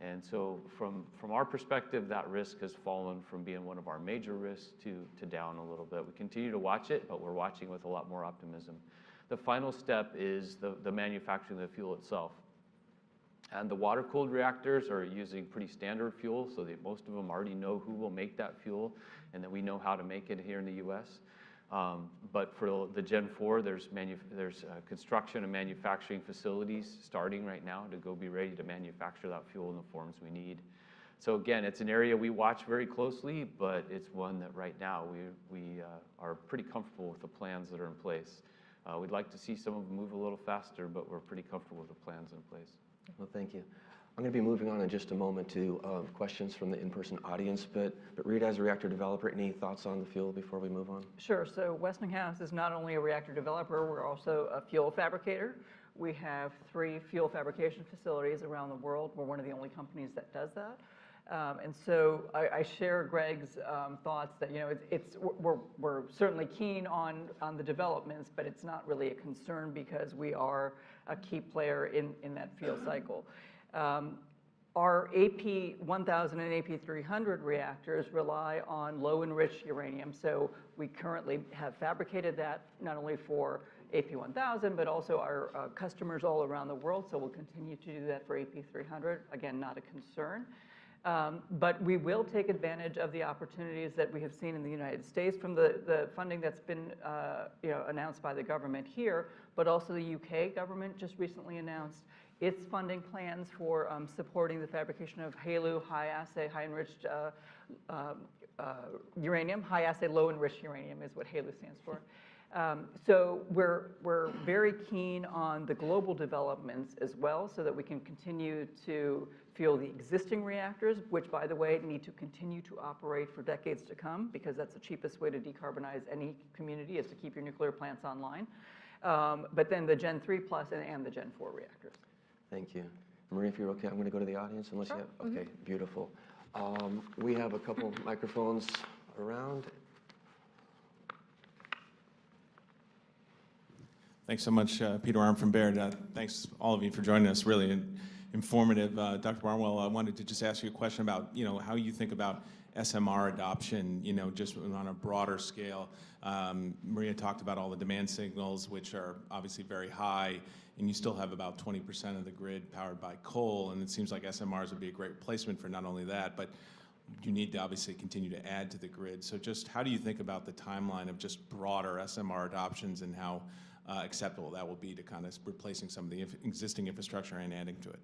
And so from our perspective, that risk has fallen from being one of our major risks to down a little bit. We continue to watch it, but we're watching with a lot more optimism. The final step is the manufacturing of the fuel itself. And the water-cooled reactors are using pretty standard fuel, so most of them already know who will make that fuel, and then we know how to make it here in the U.S., But for the Gen IV, there's construction and manufacturing facilities starting right now to go be ready to manufacture that fuel in the forms we need. Again, it's an area we watch very closely, but it's one that right now, we are pretty comfortable with the plans that are in place. We'd like to see some of them move a little faster, but we're pretty comfortable with the plans in place. Well, thank you. I'm gonna be moving on in just a moment to questions from the in-person audience. But, Maria, as a reactor developer, any thoughts on the field before we move on? Sure. So Westinghouse is not only a reactor developer, we're also a fuel fabricator. We have three fuel fabrication facilities around the world. We're one of the only companies that does that. And so I share Greg's thoughts that, you know, it's-- we're certainly keen on the developments, but it's not really a concern because we are a key player in that fuel cycle. Our AP1000 and AP300 reactors rely on low-enriched uranium, so we currently have fabricated that not only for AP1000, but also our customers all around the world, so we'll continue to do that for AP300. Again, not a concern. But we will take advantage of the opportunities that we have seen in the United States from the funding that's been, you know, announced by the government here. But also the U.K. government just recently announced its funding plans for supporting the fabrication of HALEU, high assay, high-enriched, uranium. High assay, low-enriched uranium is what HALEU stands for. So we're, we're very keen on the global developments as well, so that we can continue to fuel the existing reactors, which, by the way, need to continue to operate for decades to come, because that's the cheapest way to decarbonize any community, is to keep your nuclear plants online. But then the Gen III plus and the Gen IV reactors. Thank you. Maria, if you're okay, I'm gonna go to the audience, unless you- Sure. Okay, beautiful. We have a couple of microphones around. Thanks so much, Peter Arment from Baird. Thanks to all of you for joining us, really informative. Dr. Baranwal, I wanted to just ask you a question about, you know, how you think about SMR adoption, you know, just on a broader scale. Maria talked about all the demand signals, which are obviously very high, and you still have about 20% of the grid powered by coal, and it seems like SMRs would be a great placement for not only that, but you need to obviously continue to add to the grid. So just how do you think about the timeline of just broader SMR adoptions and how acceptable that will be to kind of replacing some of the existing infrastructure and adding to it?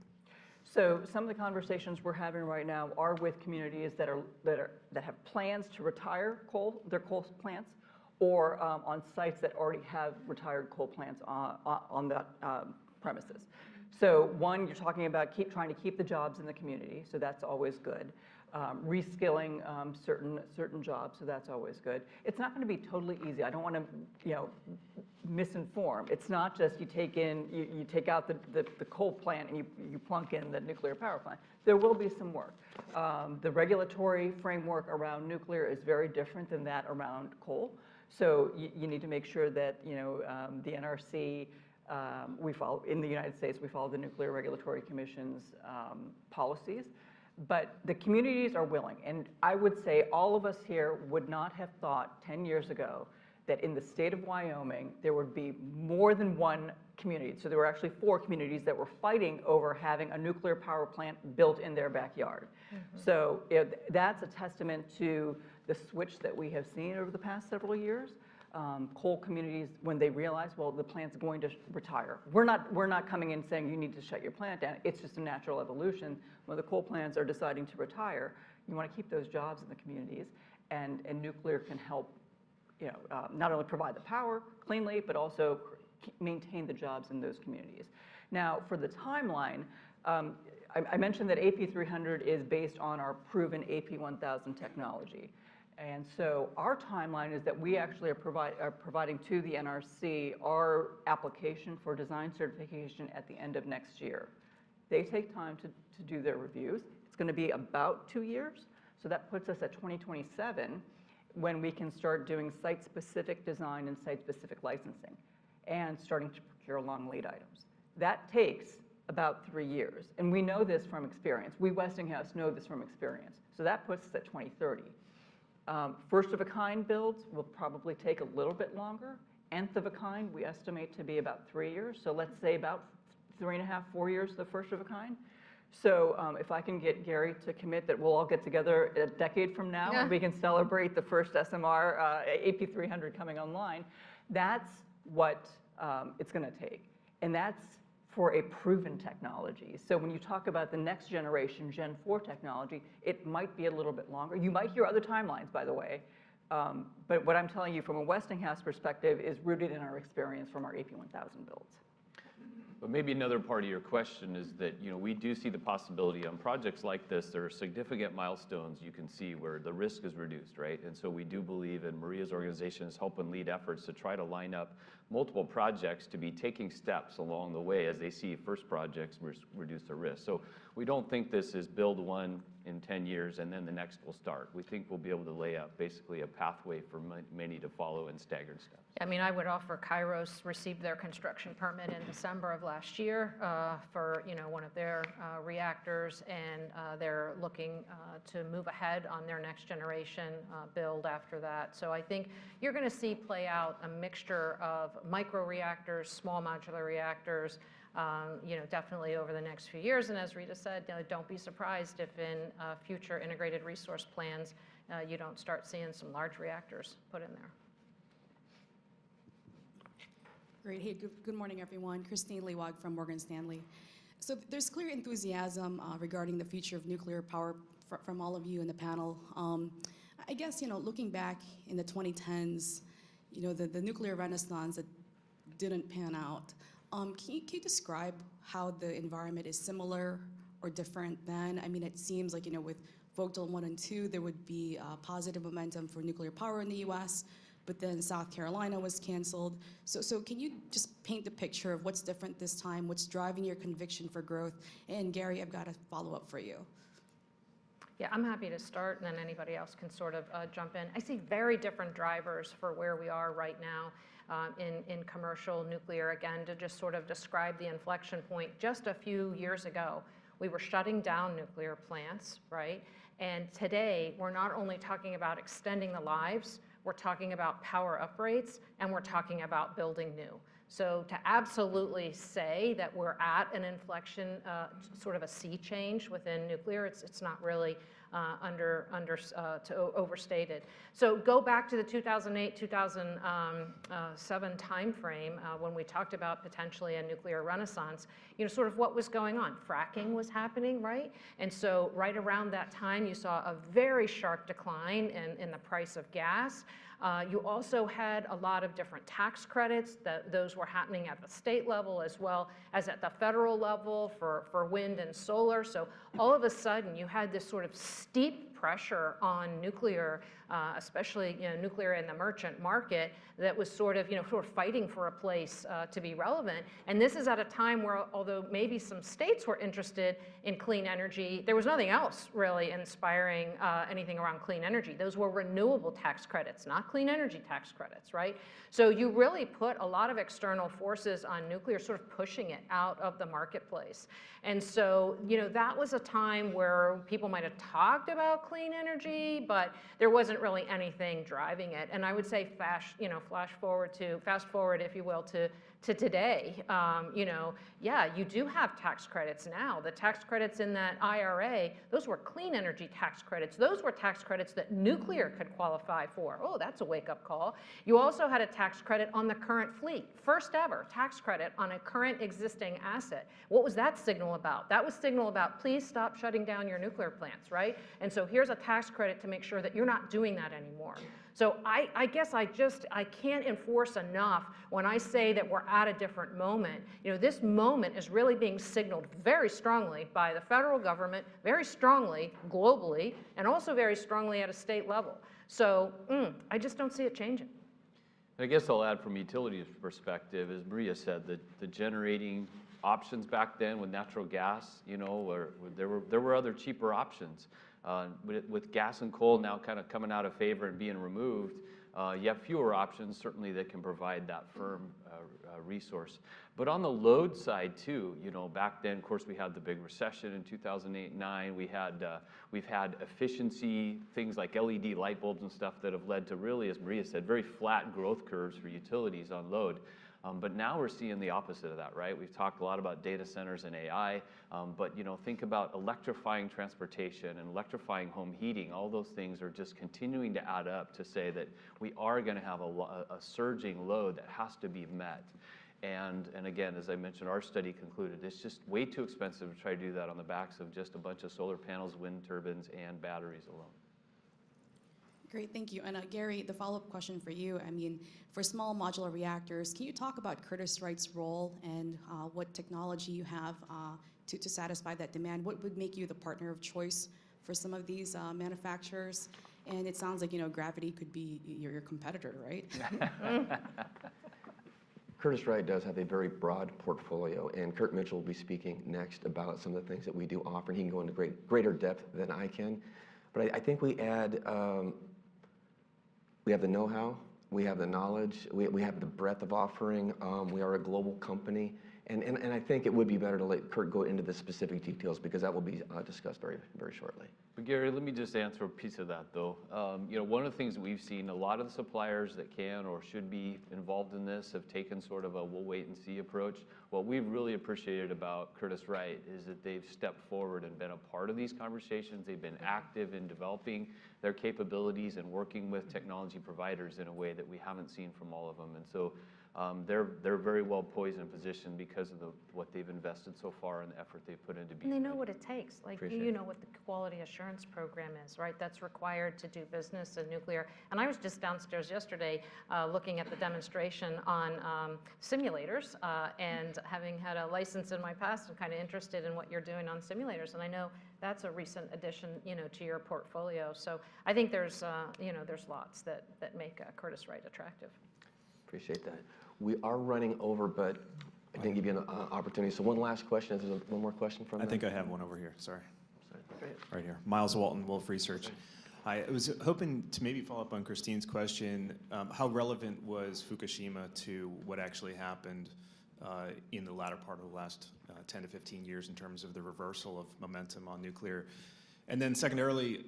So some of the conversations we're having right now are with communities that have plans to retire coal, their coal plants, or on sites that already have retired coal plants on the premises. So one, you're talking about keep trying to keep the jobs in the community, so that's always good. Reskilling certain jobs, so that's always good. It's not gonna be totally easy. I don't wanna, you know, misinform. It's not just you take in-- you take out the coal plant, and you plunk in the nuclear power plant. There will be some work. The regulatory framework around nuclear is very different than that around coal, so you need to make sure that, you know, the NRC, we follow... In the United States, we follow the Nuclear Regulatory Commission's policies. But the communities are willing, and I would say all of us here would not have thought 10 years ago that in the state of Wyoming, there would be more than one community. So there were actually four communities that were fighting over having a nuclear power plant built in their backyard. So, you know, that's a testament to the switch that we have seen over the past several years. Coal communities, when they realize, well, the plant's going to retire. We're not, we're not coming in saying you need to shut your plant down; it's just a natural evolution. When the coal plants are deciding to retire, you wanna keep those jobs in the communities, and nuclear can help, you know, not only provide the power cleanly but also maintain the jobs in those communities. Now, for the timeline, I mentioned that AP300 is based on our proven AP1000 technology, and so our timeline is that we actually are providing to the NRC our application for design certification at the end of next year. They take time to do their reviews. It's gonna be about 2 years, so that puts us at 2027, when we can start doing site-specific design and site-specific licensing and starting to procure long-lead items. That takes about 3 years, and we know this from experience. We, Westinghouse, know this from experience, so that puts us at 2030. First-of-a-kind builds will probably take a little bit longer. Nth of a kind, we estimate to be about 3 years, so let's say about 3.5, 4 years, the first of a kind. So, if I can get Gary to commit that we'll all get together a decade from now-... we can celebrate the first SMR, AP300 coming online. That's what, it's gonna take, and that's for a proven technology. So when you talk about the next generation, Gen IV technology, it might be a little bit longer. You might hear other timelines, by the way, but what I'm telling you from a Westinghouse perspective is rooted in our experience from our AP1000 builds. But maybe another part of your question is that, you know, we do see the possibility. On projects like this, there are significant milestones you can see where the risk is reduced, right? And so we do believe, and Maria's organization is helping lead efforts to try to line up multiple projects to be taking steps along the way as they see first projects reduce the risk. So we don't think this is build 1 in 10 years, and then the next will start. We think we'll be able to lay out basically a pathway for many to follow in staggered steps. I mean, I would offer Kairos received their construction permit in December of last year for you know one of their reactors, and they're looking to move ahead on their next-generation build after that. So I think you're gonna see play out a mixture of microreactors, small modular reactors, you know, definitely over the next few years. And as Rita said, don't be surprised if in future integrated resource plans you don't start seeing some large reactors put in there. Great. Hey, good, good morning, everyone. Kristine Liwag from Morgan Stanley. So there's clear enthusiasm, regarding the future of nuclear power from all of you in the panel. I guess, you know, looking back in the 2010s, you know, the, the nuclear renaissance, it didn't pan out. Can you, can you describe how the environment is similar or different then? I mean, it seems like, you know, with Vogtle 1 and 2, there would be, positive momentum for nuclear power in the U.S., but then South Carolina was canceled. So, so can you just paint the picture of what's different this time? What's driving your conviction for growth? And, Gary, I've got a follow-up for you. Yeah, I'm happy to start, and then anybody else can sort of jump in. I see very different drivers for where we are right now in commercial nuclear. Again, to just sort of describe the inflection point, just a few years ago, we were shutting down nuclear plants, right? And today, we're not only talking about extending the lives, we're talking about power upgrades, and we're talking about building new. So to absolutely say that we're at an inflection, sort of a sea change within nuclear, it's not really understated. So go back to the 2008, 2007 timeframe, when we talked about potentially a nuclear renaissance, you know, sort of what was going on? Fracking was happening, right? And so right around that time, you saw a very sharp decline in the price of gas. You also had a lot of different tax credits. Those were happening at the state level as well as at the federal level for wind and solar. So all of a sudden, you had this sort of steep pressure on nuclear, especially, you know, nuclear in the merchant market, that was sort of, you know, who were fighting for a place to be relevant. And this is at a time where, although maybe some states were interested in clean energy, there was nothing else really inspiring anything around clean energy. Those were renewable tax credits, not clean energy tax credits, right? So you really put a lot of external forces on nuclear, sort of pushing it out of the marketplace. And so, you know, that was a time where people might have talked about clean energy, but there wasn't really anything driving it. And I would say fast forward, if you will, to today. You know, yeah, you do have tax credits now. The tax credits in that IRA, those were clean energy tax credits. Those were tax credits that nuclear could qualify for. Oh, that's a wake-up call. You also had a tax credit on the current fleet. First ever tax credit on a current existing asset. What was that signal about? That was signal about, "Please stop shutting down your nuclear plants," right? "And so here's a tax credit to make sure that you're not doing that anymore." So I guess I just—I can't emphasize enough when I say that we're at a different moment. You know, this moment is really being signaled very strongly by the federal government, very strongly globally, and also very strongly at a state level. So, I just don't see it changing.... I guess I'll add from utility perspective, as Maria said, that the generating options back then with natural gas, you know, were other cheaper options. But with gas and coal now kind of coming out of favor and being removed, you have fewer options, certainly, that can provide that firm resource. But on the load side too, you know, back then, of course, we had the big recession in 2008, 2009. We had, we've had efficiency, things like LED light bulbs and stuff that have led to really, as Maria said, very flat growth curves for utilities on load. But now we're seeing the opposite of that, right? We've talked a lot about data centers and AI, but, you know, think about electrifying transportation and electrifying home heating. All those things are just continuing to add up to say that we are gonna have a surging load that has to be met. And again, as I mentioned, our study concluded it's just way too expensive to try to do that on the backs of just a bunch of solar panels, wind turbines, and batteries alone. Great, thank you. And, Gary, the follow-up question for you, I mean, for small modular reactors, can you talk about Curtiss-Wright's role and, what technology you have, to satisfy that demand? What would make you the partner of choice for some of these, manufacturers? And it sounds like, you know, Gravity could be your, your competitor, right? Curtiss-Wright does have a very broad portfolio, and Kurt Mitchell will be speaking next about some of the things that we do offer. He can go into greater depth than I can. But I think we add. We have the know-how, we have the knowledge, we have the breadth of offering. We are a global company, and I think it would be better to let Kurt go into the specific details because that will be discussed very, very shortly. But Gary, let me just answer a piece of that, though. You know, one of the things we've seen, a lot of the suppliers that can or should be involved in this have taken sort of a we'll-wait-and-see approach. What we've really appreciated about Curtiss-Wright is that they've stepped forward and been a part of these conversations. They've been active in developing their capabilities and working with technology providers in a way that we haven't seen from all of them. And so, they're, they're very well poised and positioned because of the-- what they've invested so far and the effort they've put in to be- They know what it takes. Appreciate it. Like, you know what the quality assurance program is, right? That's required to do business in nuclear. And I was just downstairs yesterday, looking at the demonstration on simulators. And having had a license in my past, I'm kinda interested in what you're doing on simulators, and I know that's a recent addition, you know, to your portfolio. So I think there's, you know, there's lots that, that make Curtiss-Wright attractive. Appreciate that. We are running over, but I can give you a opportunity. So one last question. Is there one more question from- I think I have one over here. Sorry. Sorry. Great. Right here. Myles Walton, Wolfe Research. Hi. I was hoping to maybe follow up on Kristine's question. How relevant was Fukushima to what actually happened in the latter part of the last 10-15 years in terms of the reversal of momentum on nuclear? And then secondarily,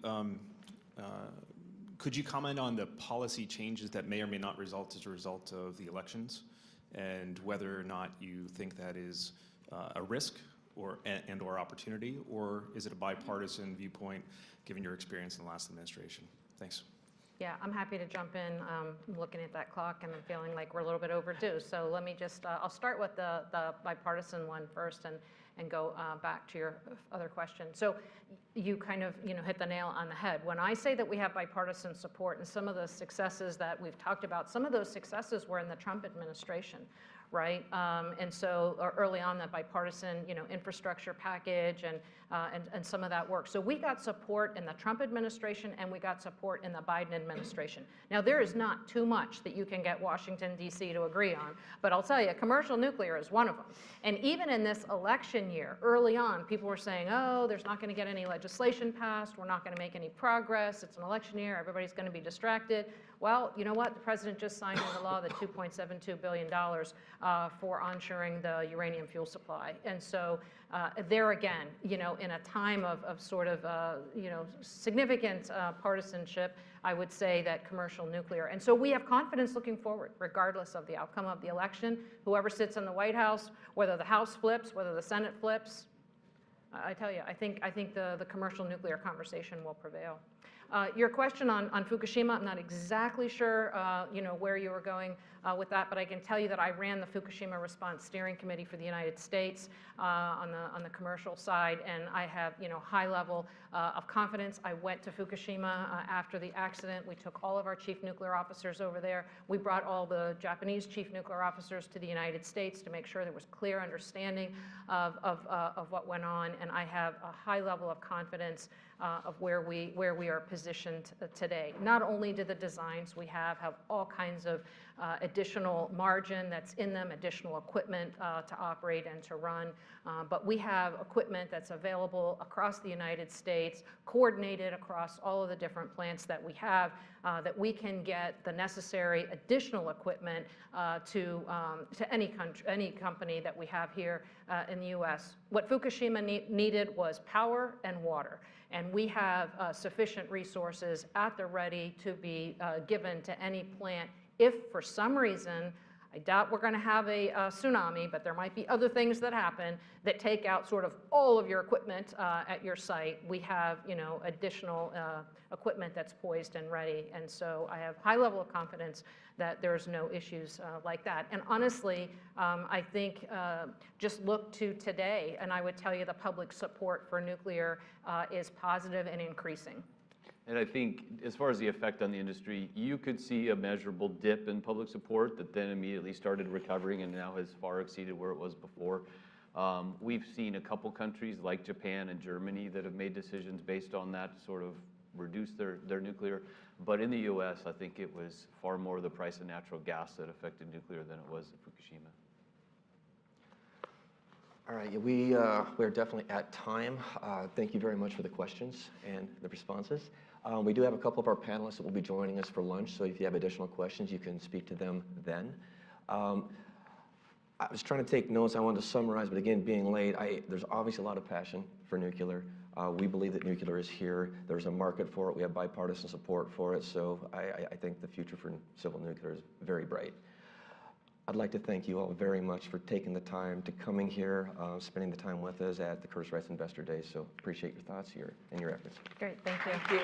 could you comment on the policy changes that may or may not result as a result of the elections, and whether or not you think that is a risk or and/or opportunity, or is it a bipartisan viewpoint, given your experience in the last administration? Thanks. Yeah, I'm happy to jump in. I'm looking at that clock, and I'm feeling like we're a little bit overdue. So let me just... I'll start with the bipartisan one first and go back to your other question. So you kind of, you know, hit the nail on the head. When I say that we have bipartisan support and some of the successes that we've talked about, some of those successes were in the Trump administration, right? And so early on, that bipartisan, you know, infrastructure package and some of that work. So we got support in the Trump administration, and we got support in the Biden administration. Now, there is not too much that you can get Washington, D.C. to agree on, but I'll tell you, commercial nuclear is one of them. And even in this election year, early on, people were saying: "Oh, there's not gonna get any legislation passed. We're not gonna make any progress. It's an election year. Everybody's gonna be distracted." Well, you know what? The President just signed into law the $2.72 billion for ensuring the uranium fuel supply. And so, there again, you know, in a time of, of sort of, you know, significant, partisanship, I would say that commercial nuclear-- And so we have confidence looking forward, regardless of the outcome of the election, whoever sits in the White House, whether the House flips, whether the Senate flips, I, I tell you, I think, I think the, the commercial nuclear conversation will prevail. Your question on Fukushima, I'm not exactly sure, you know, where you were going with that, but I can tell you that I ran the Fukushima Response Steering Committee for the United States on the commercial side, and I have, you know, high level of confidence. I went to Fukushima after the accident. We took all of our chief nuclear officers over there. We brought all the Japanese chief nuclear officers to the United States to make sure there was clear understanding of what went on, and I have a high level of confidence of where we are positioned today. Not only do the designs we have have all kinds of additional margin that's in them, additional equipment to operate and to run, but we have equipment that's available across the United States, coordinated across all of the different plants that we have, that we can get the necessary additional equipment to any company that we have here in the U.S., What Fukushima needed was power and water, and we have sufficient resources at the ready to be given to any plant. If for some reason, I doubt we're gonna have a tsunami, but there might be other things that happen that take out sort of all of your equipment at your site, we have, you know, additional equipment that's poised and ready. And so I have high level of confidence that there's no issues, like that. And honestly, I think, just look to today, and I would tell you the public support for nuclear, is positive and increasing. I think as far as the effect on the industry, you could see a measurable dip in public support that then immediately started recovering and now has far exceeded where it was before. We've seen a couple countries, like Japan and Germany, that have made decisions based on that, to sort of reduce their nuclear. But in the U.S., I think it was far more the price of natural gas that affected nuclear than it was Fukushima.... All right, we, we're definitely at time. Thank you very much for the questions and the responses. We do have a couple of our panelists that will be joining us for lunch, so if you have additional questions, you can speak to them then. I was trying to take notes. I wanted to summarize, but again, being late, there's obviously a lot of passion for nuclear. We believe that nuclear is here. There's a market for it. We have bipartisan support for it, so I think the future for civil nuclear is very bright. I'd like to thank you all very much for taking the time to coming here, spending the time with us at the Curtiss-Wright Investor Day. Appreciate your thoughts here and your efforts. Great, thank you.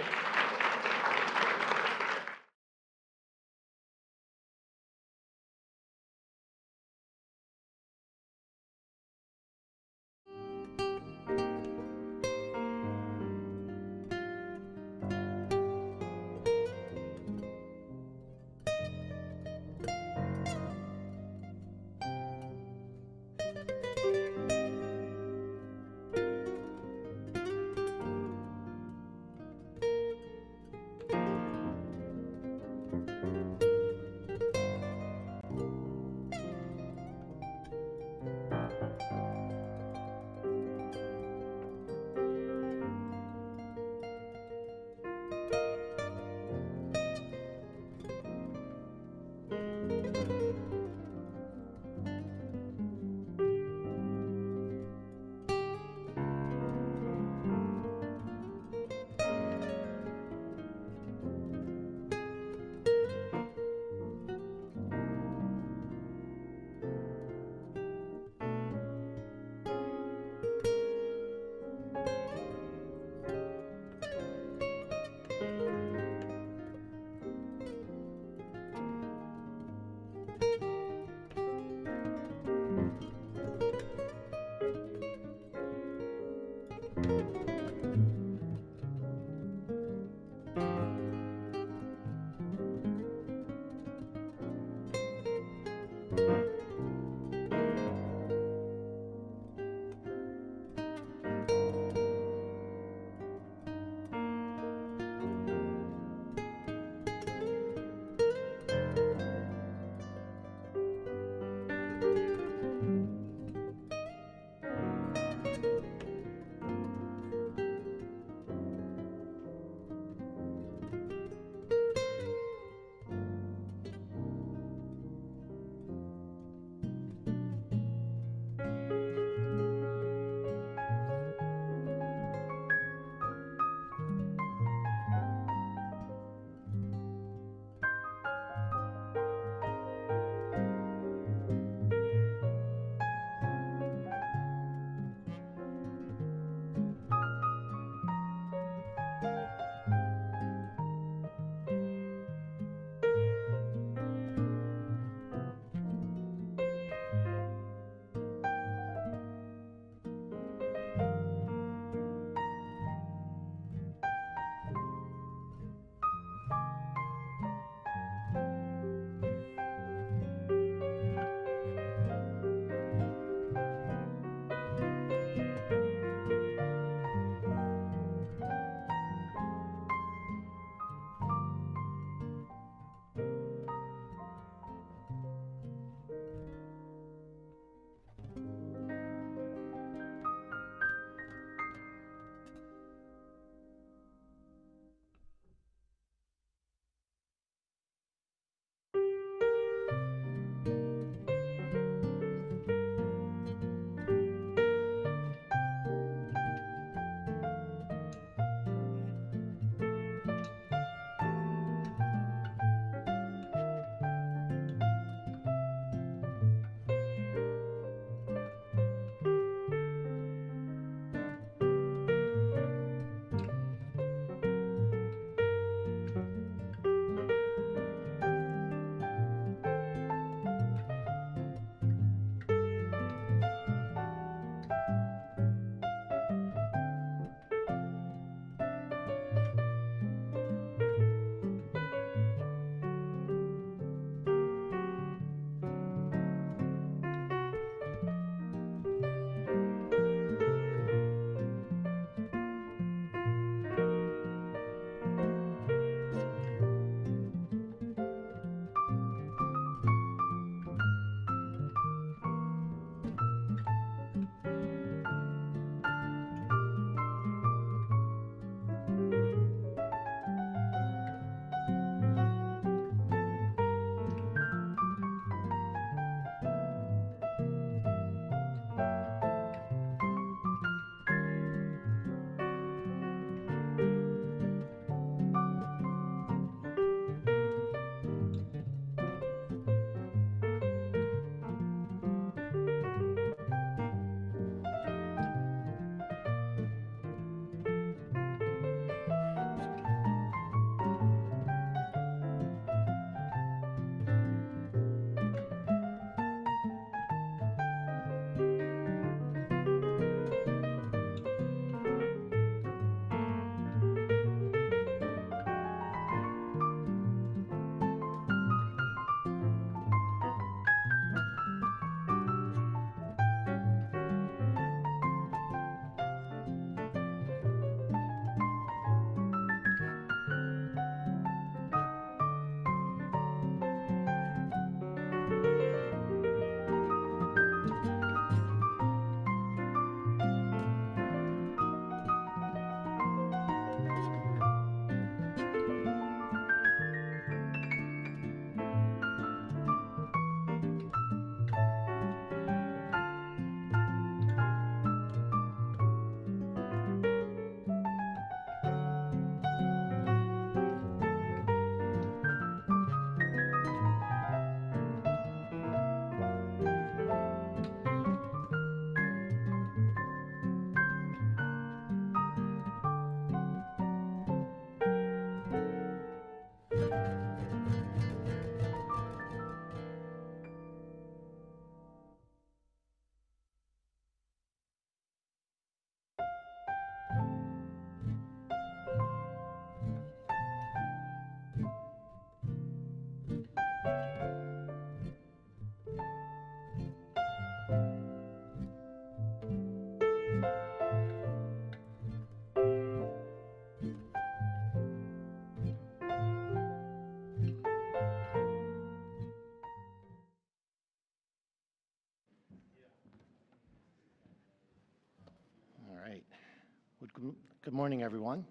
All right. Well, good morning, everyone.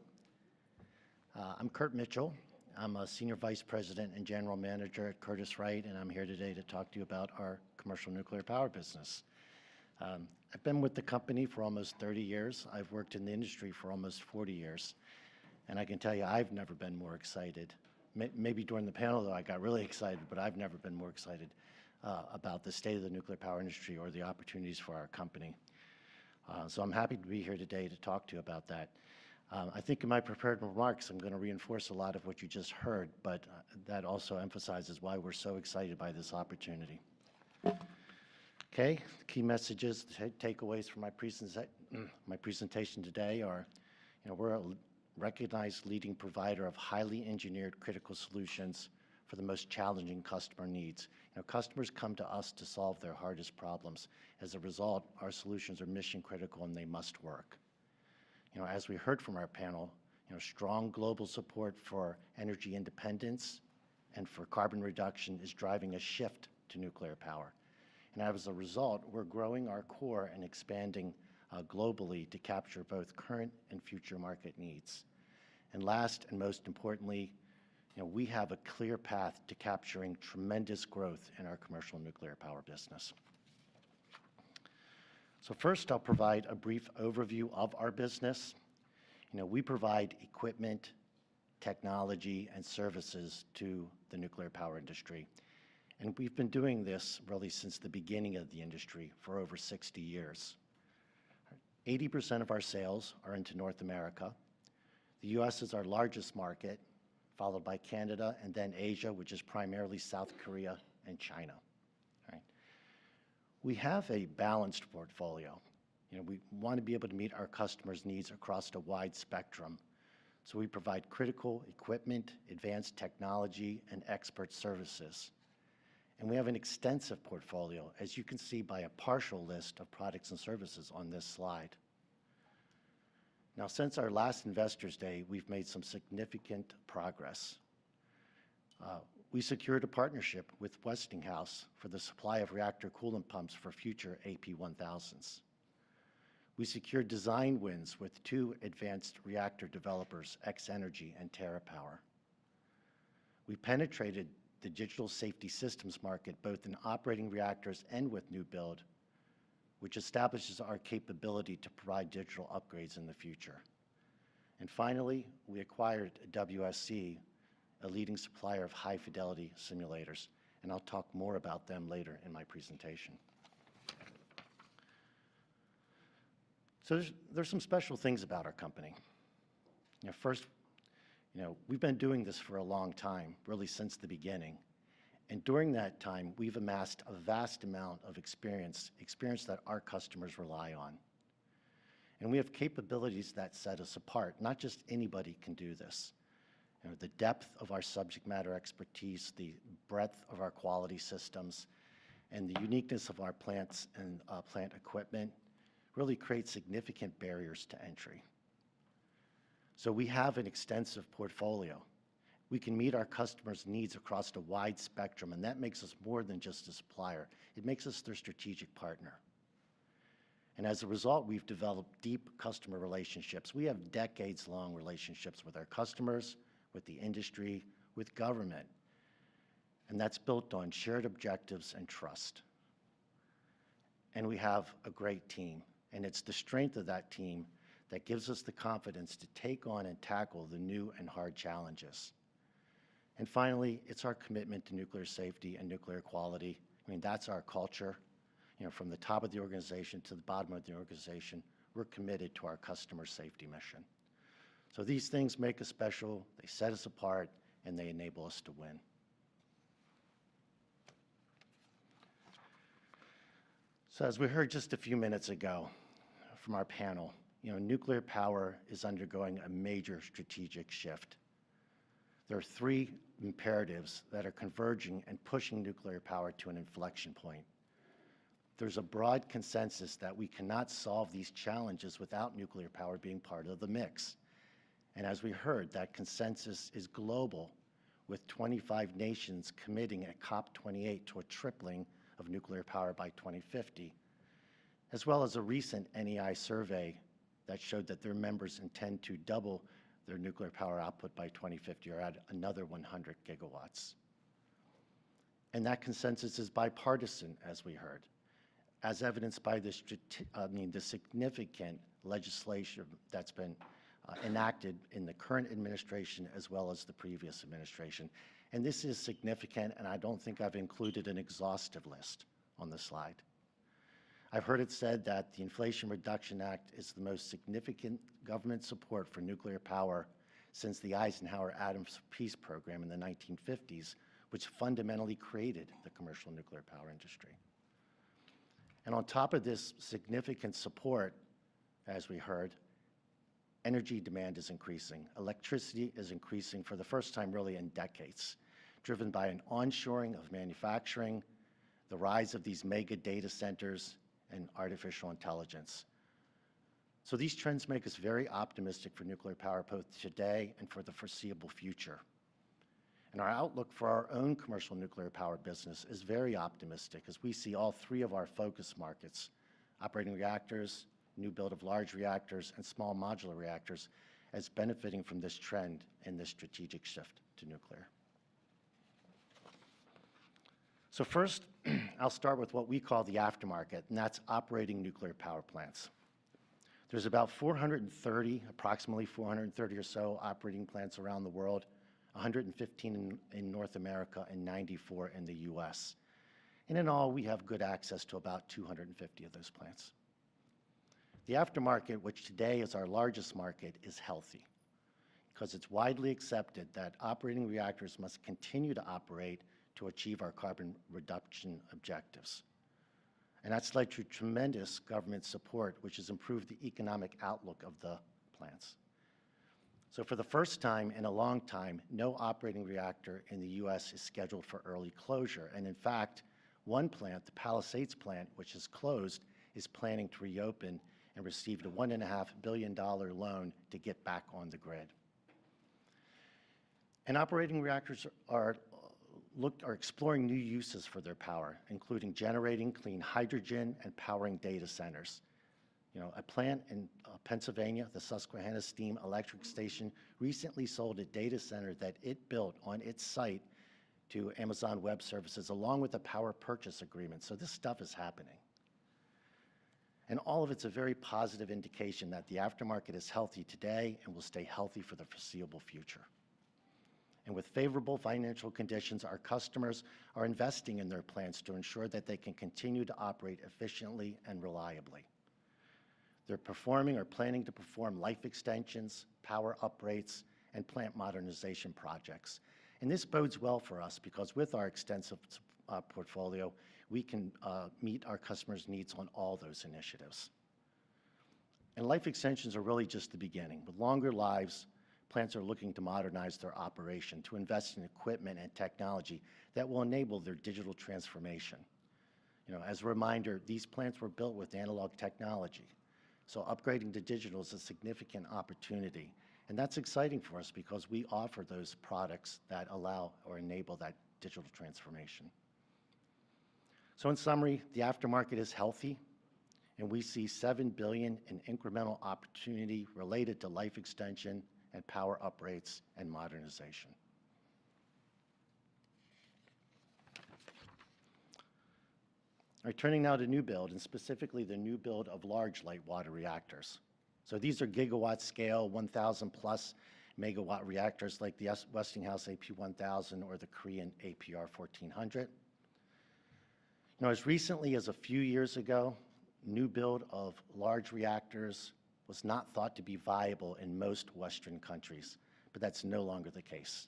I'm Kurt Mitchell. I'm a Senior Vice President and General Manager at Curtiss-Wright, and I'm here today to talk to you about our commercial nuclear power business. I've been with the company for almost 30 years. I've worked in the industry for almost 40 years, and I can tell you, I've never been more excited. Maybe during the panel, though, I got really excited, but I've never been more excited about the state of the nuclear power industry or the opportunities for our company. So I'm happy to be here today to talk to you about that. I think in my prepared remarks, I'm gonna reinforce a lot of what you just heard, but that also emphasizes why we're so excited by this opportunity. Okay, the key messages, the takeaways from my presentation today are, you know, we're a recognized leading provider of highly engineered critical solutions for the most challenging customer needs. Now, customers come to us to solve their hardest problems. As a result, our solutions are mission-critical, and they must work. You know, as we heard from our panel, you know, strong global support for energy independence and for carbon reduction is driving a shift to nuclear power. And as a result, we're growing our core and expanding globally to capture both current and future market needs. And last, and most importantly, you know, we have a clear path to capturing tremendous growth in our commercial nuclear power business. So first, I'll provide a brief overview of our business. You know, we provide equipment, technology, and services to the nuclear power industry, and we've been doing this really since the beginning of the industry for over 60 years. 80% of our sales are into North America. The U.S. is our largest market, followed by Canada and then Asia, which is primarily South Korea and China. All right. We have a balanced portfolio. You know, we wanna be able to meet our customers' needs across a wide spectrum, so we provide critical equipment, advanced technology, and expert services, and we have an extensive portfolio, as you can see by a partial list of products and services on this slide. Now, since our last Investors Day, we've made some significant progress. We secured a partnership with Westinghouse for the supply of reactor coolant pumps for future AP1000s. We secured design wins with two advanced reactor developers, X-energy and TerraPower. We penetrated the digital safety systems market, both in operating reactors and with new build, which establishes our capability to provide digital upgrades in the future. And finally, we acquired WSC, a leading supplier of high-fidelity simulators, and I'll talk more about them later in my presentation. So there's, there's some special things about our company. You know, first, you know, we've been doing this for a long time, really since the beginning, and during that time, we've amassed a vast amount of experience, experience that our customers rely on. And we have capabilities that set us apart. Not just anybody can do this. You know, the depth of our subject matter expertise, the breadth of our quality systems, and the uniqueness of our plants and plant equipment, really create significant barriers to entry. So we have an extensive portfolio. We can meet our customers' needs across a wide spectrum, and that makes us more than just a supplier. It makes us their strategic partner. As a result, we've developed deep customer relationships. We have decades-long relationships with our customers, with the industry, with government, and that's built on shared objectives and trust. We have a great team, and it's the strength of that team that gives us the confidence to take on and tackle the new and hard challenges. Finally, it's our commitment to nuclear safety and nuclear quality. I mean, that's our culture. You know, from the top of the organization to the bottom of the organization, we're committed to our customer safety mission. These things make us special, they set us apart, and they enable us to win. So as we heard just a few minutes ago from our panel, you know, nuclear power is undergoing a major strategic shift. There are three imperatives that are converging and pushing nuclear power to an inflection point. There's a broad consensus that we cannot solve these challenges without nuclear power being part of the mix. And as we heard, that consensus is global, with 25 nations committing at COP 28 to a tripling of nuclear power by 2050, as well as a recent NEI survey that showed that their members intend to double their nuclear power output by 2050 or add another 100 gigawatts. And that consensus is bipartisan, as we heard, as evidenced by the significant legislation that's been enacted in the current administration, as well as the previous administration. This is significant, and I don't think I've included an exhaustive list on this slide. I've heard it said that the Inflation Reduction Act is the most significant government support for nuclear power since the Eisenhower Atoms for Peace program in the 1950s, which fundamentally created the commercial nuclear power industry. On top of this significant support, as we heard, energy demand is increasing. Electricity is increasing for the first time, really, in decades, driven by an onshoring of manufacturing, the rise of these mega data centers, and artificial intelligence. These trends make us very optimistic for nuclear power, both today and for the foreseeable future. And our outlook for our own commercial nuclear power business is very optimistic, as we see all three of our focus markets: operating reactors, new build of large reactors, and small modular reactors, as benefiting from this trend and this strategic shift to nuclear. So first, I'll start with what we call the aftermarket, and that's operating nuclear power plants. There's about 430, approximately 430 or so, operating plants around the world, 115 in North America and 94 in the U.S. And in all, we have good access to about 250 of those plants. The aftermarket, which today is our largest market, is healthy, 'cause it's widely accepted that operating reactors must continue to operate to achieve our carbon reduction objectives, and that's led to tremendous government support, which has improved the economic outlook of the plants. So for the first time in a long time, no operating reactor in the U.S. is scheduled for early closure, and in fact, one plant, the Palisades plant, which is closed, is planning to reopen and received a $1.5 billion loan to get back on the grid. Operating reactors are exploring new uses for their power, including generating clean hydrogen and powering data centers. You know, a plant in Pennsylvania, the Susquehanna Steam Electric Station, recently sold a data center that it built on its site to Amazon Web Services, along with a power purchase agreement, so this stuff is happening. And all of it's a very positive indication that the aftermarket is healthy today and will stay healthy for the foreseeable future. With favorable financial conditions, our customers are investing in their plants to ensure that they can continue to operate efficiently and reliably. They're performing or planning to perform life extensions, power uprates, and plant modernization projects, and this bodes well for us, because with our extensive portfolio, we can meet our customers' needs on all those initiatives. Life extensions are really just the beginning. With longer lives, plants are looking to modernize their operation, to invest in equipment and technology that will enable their digital transformation. You know, as a reminder, these plants were built with analog technology, so upgrading to digital is a significant opportunity, and that's exciting for us because we offer those products that allow or enable that digital transformation. So in summary, the aftermarket is healthy, and we see $7 billion in incremental opportunity related to life extension and power uprates and modernization. All right, turning now to new build, and specifically the new build of large light water reactors. So these are gigawatt-scale, 1,000+-MW reactors, like the Westinghouse AP1000 or the Korean APR1400. Now, as recently as a few years ago, new build of large reactors was not thought to be viable in most Western countries, but that's no longer the case.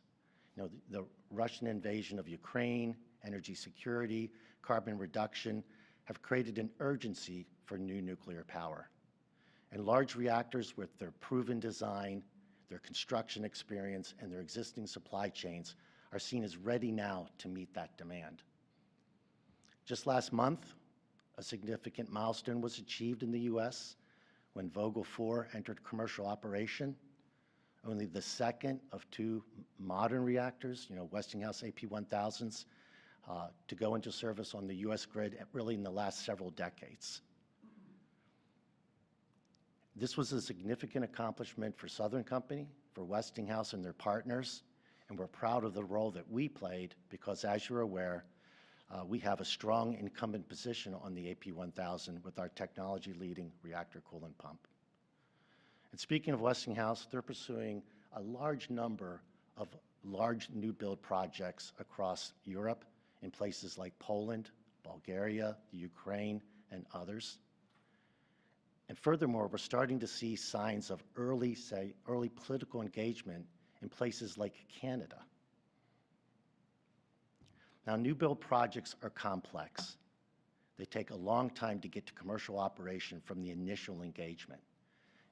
You know, the Russian invasion of Ukraine, energy security, carbon reduction, have created an urgency for new nuclear power, and large reactors, with their proven design, their construction experience, and their existing supply chains, are seen as ready now to meet that demand. Just last month, a significant milestone was achieved in the U.S. when Vogtle 4 entered commercial operation, only the second of two modern reactors, you know, Westinghouse AP1000s, to go into service on the U.S. grid at really in the last several decades. This was a significant accomplishment for Southern Company, for Westinghouse and their partners, and we're proud of the role that we played, because as you're aware, we have a strong incumbent position on the AP1000 with our technology-leading reactor coolant pump. Speaking of Westinghouse, they're pursuing a large number of large new-build projects across Europe in places like Poland, Bulgaria, Ukraine, and others. Furthermore, we're starting to see signs of early, say, early political engagement in places like Canada. Now, new-build projects are complex. They take a long time to get to commercial operation from the initial engagement....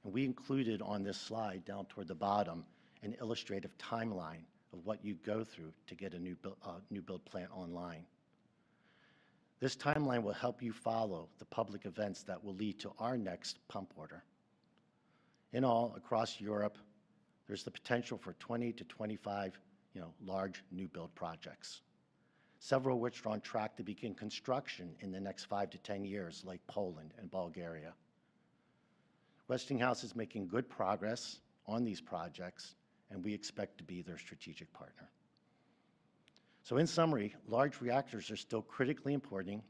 We included on this slide, down toward the bottom, an illustrative timeline of what you go through to get a new-build plant online. This timeline will help you follow the public events that will lead to our next pump order. In all, across Europe, there's the potential for 20-25, you know, large new-build projects, several of which are on track to begin construction in the next 5-10 years, like Poland and Bulgaria. Westinghouse is making good progress on these projects, and we expect to be their strategic partner. So in summary, large reactors are still critically important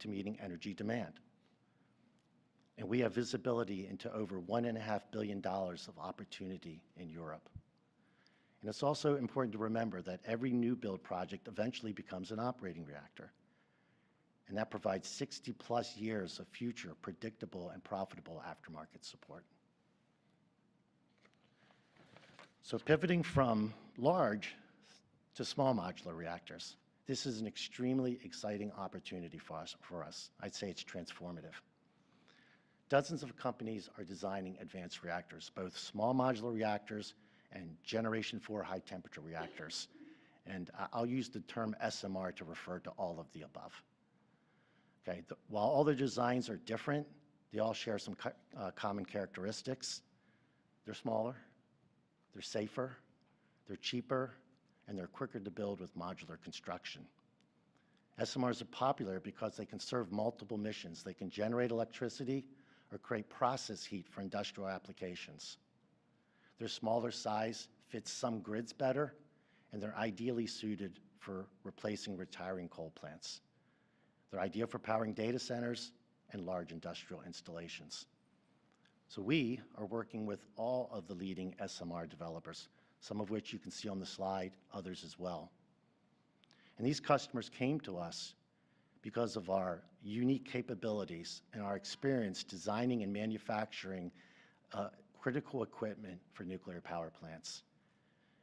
to meeting energy demand, and we have visibility into over $1.5 billion of opportunity in Europe. It's also important to remember that every new-build project eventually becomes an operating reactor, and that provides 60-plus years of future predictable and profitable aftermarket support. So pivoting from large to small modular reactors, this is an extremely exciting opportunity for us, for us. I'd say it's transformative. Dozens of companies are designing advanced reactors, both small modular reactors and Generation IV high-temperature reactors, and I, I'll use the term SMR to refer to all of the above. Okay, while all the designs are different, they all share some common characteristics. They're smaller, they're safer, they're cheaper, and they're quicker to build with modular construction. SMRs are popular because they can serve multiple missions. They can generate electricity or create process heat for industrial applications. Their smaller size fits some grids better, and they're ideally suited for replacing retiring coal plants. They're ideal for powering data centers and large industrial installations. So we are working with all of the leading SMR developers, some of which you can see on the slide, others as well. And these customers came to us because of our unique capabilities and our experience designing and manufacturing critical equipment for nuclear power plants.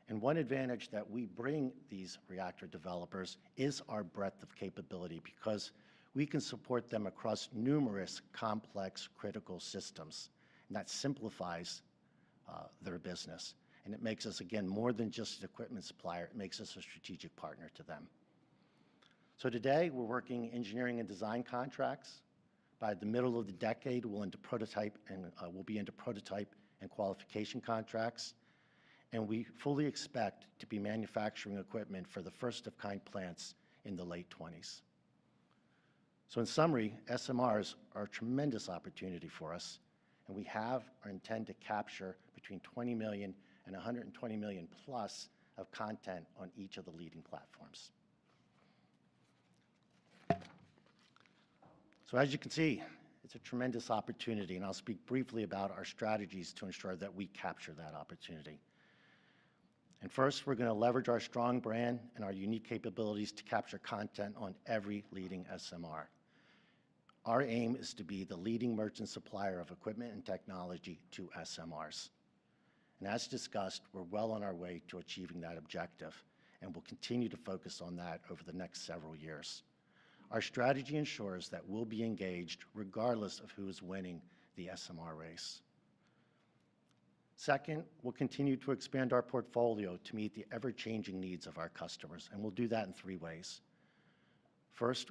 And one advantage that we bring these reactor developers is our breadth of capability, because we can support them across numerous complex, critical systems, and that simplifies their business. And it makes us, again, more than just an equipment supplier, it makes us a strategic partner to them. So today, we're working engineering and design contracts. By the middle of the decade, we'll enter prototype and we'll be into prototype and qualification contracts, and we fully expect to be manufacturing equipment for the first-of-kind plants in the late 2020s. So in summary, SMRs are a tremendous opportunity for us, and we have or intend to capture between $20 million and $120 million-plus of content on each of the leading platforms. So as you can see, it's a tremendous opportunity, and I'll speak briefly about our strategies to ensure that we capture that opportunity. And first, we're gonna leverage our strong brand and our unique capabilities to capture content on every leading SMR. Our aim is to be the leading merchant supplier of equipment and technology to SMRs. And as discussed, we're well on our way to achieving that objective, and we'll continue to focus on that over the next several years. Our strategy ensures that we'll be engaged regardless of who is winning the SMR race. Second, we'll continue to expand our portfolio to meet the ever-changing needs of our customers, and we'll do that in three ways. First,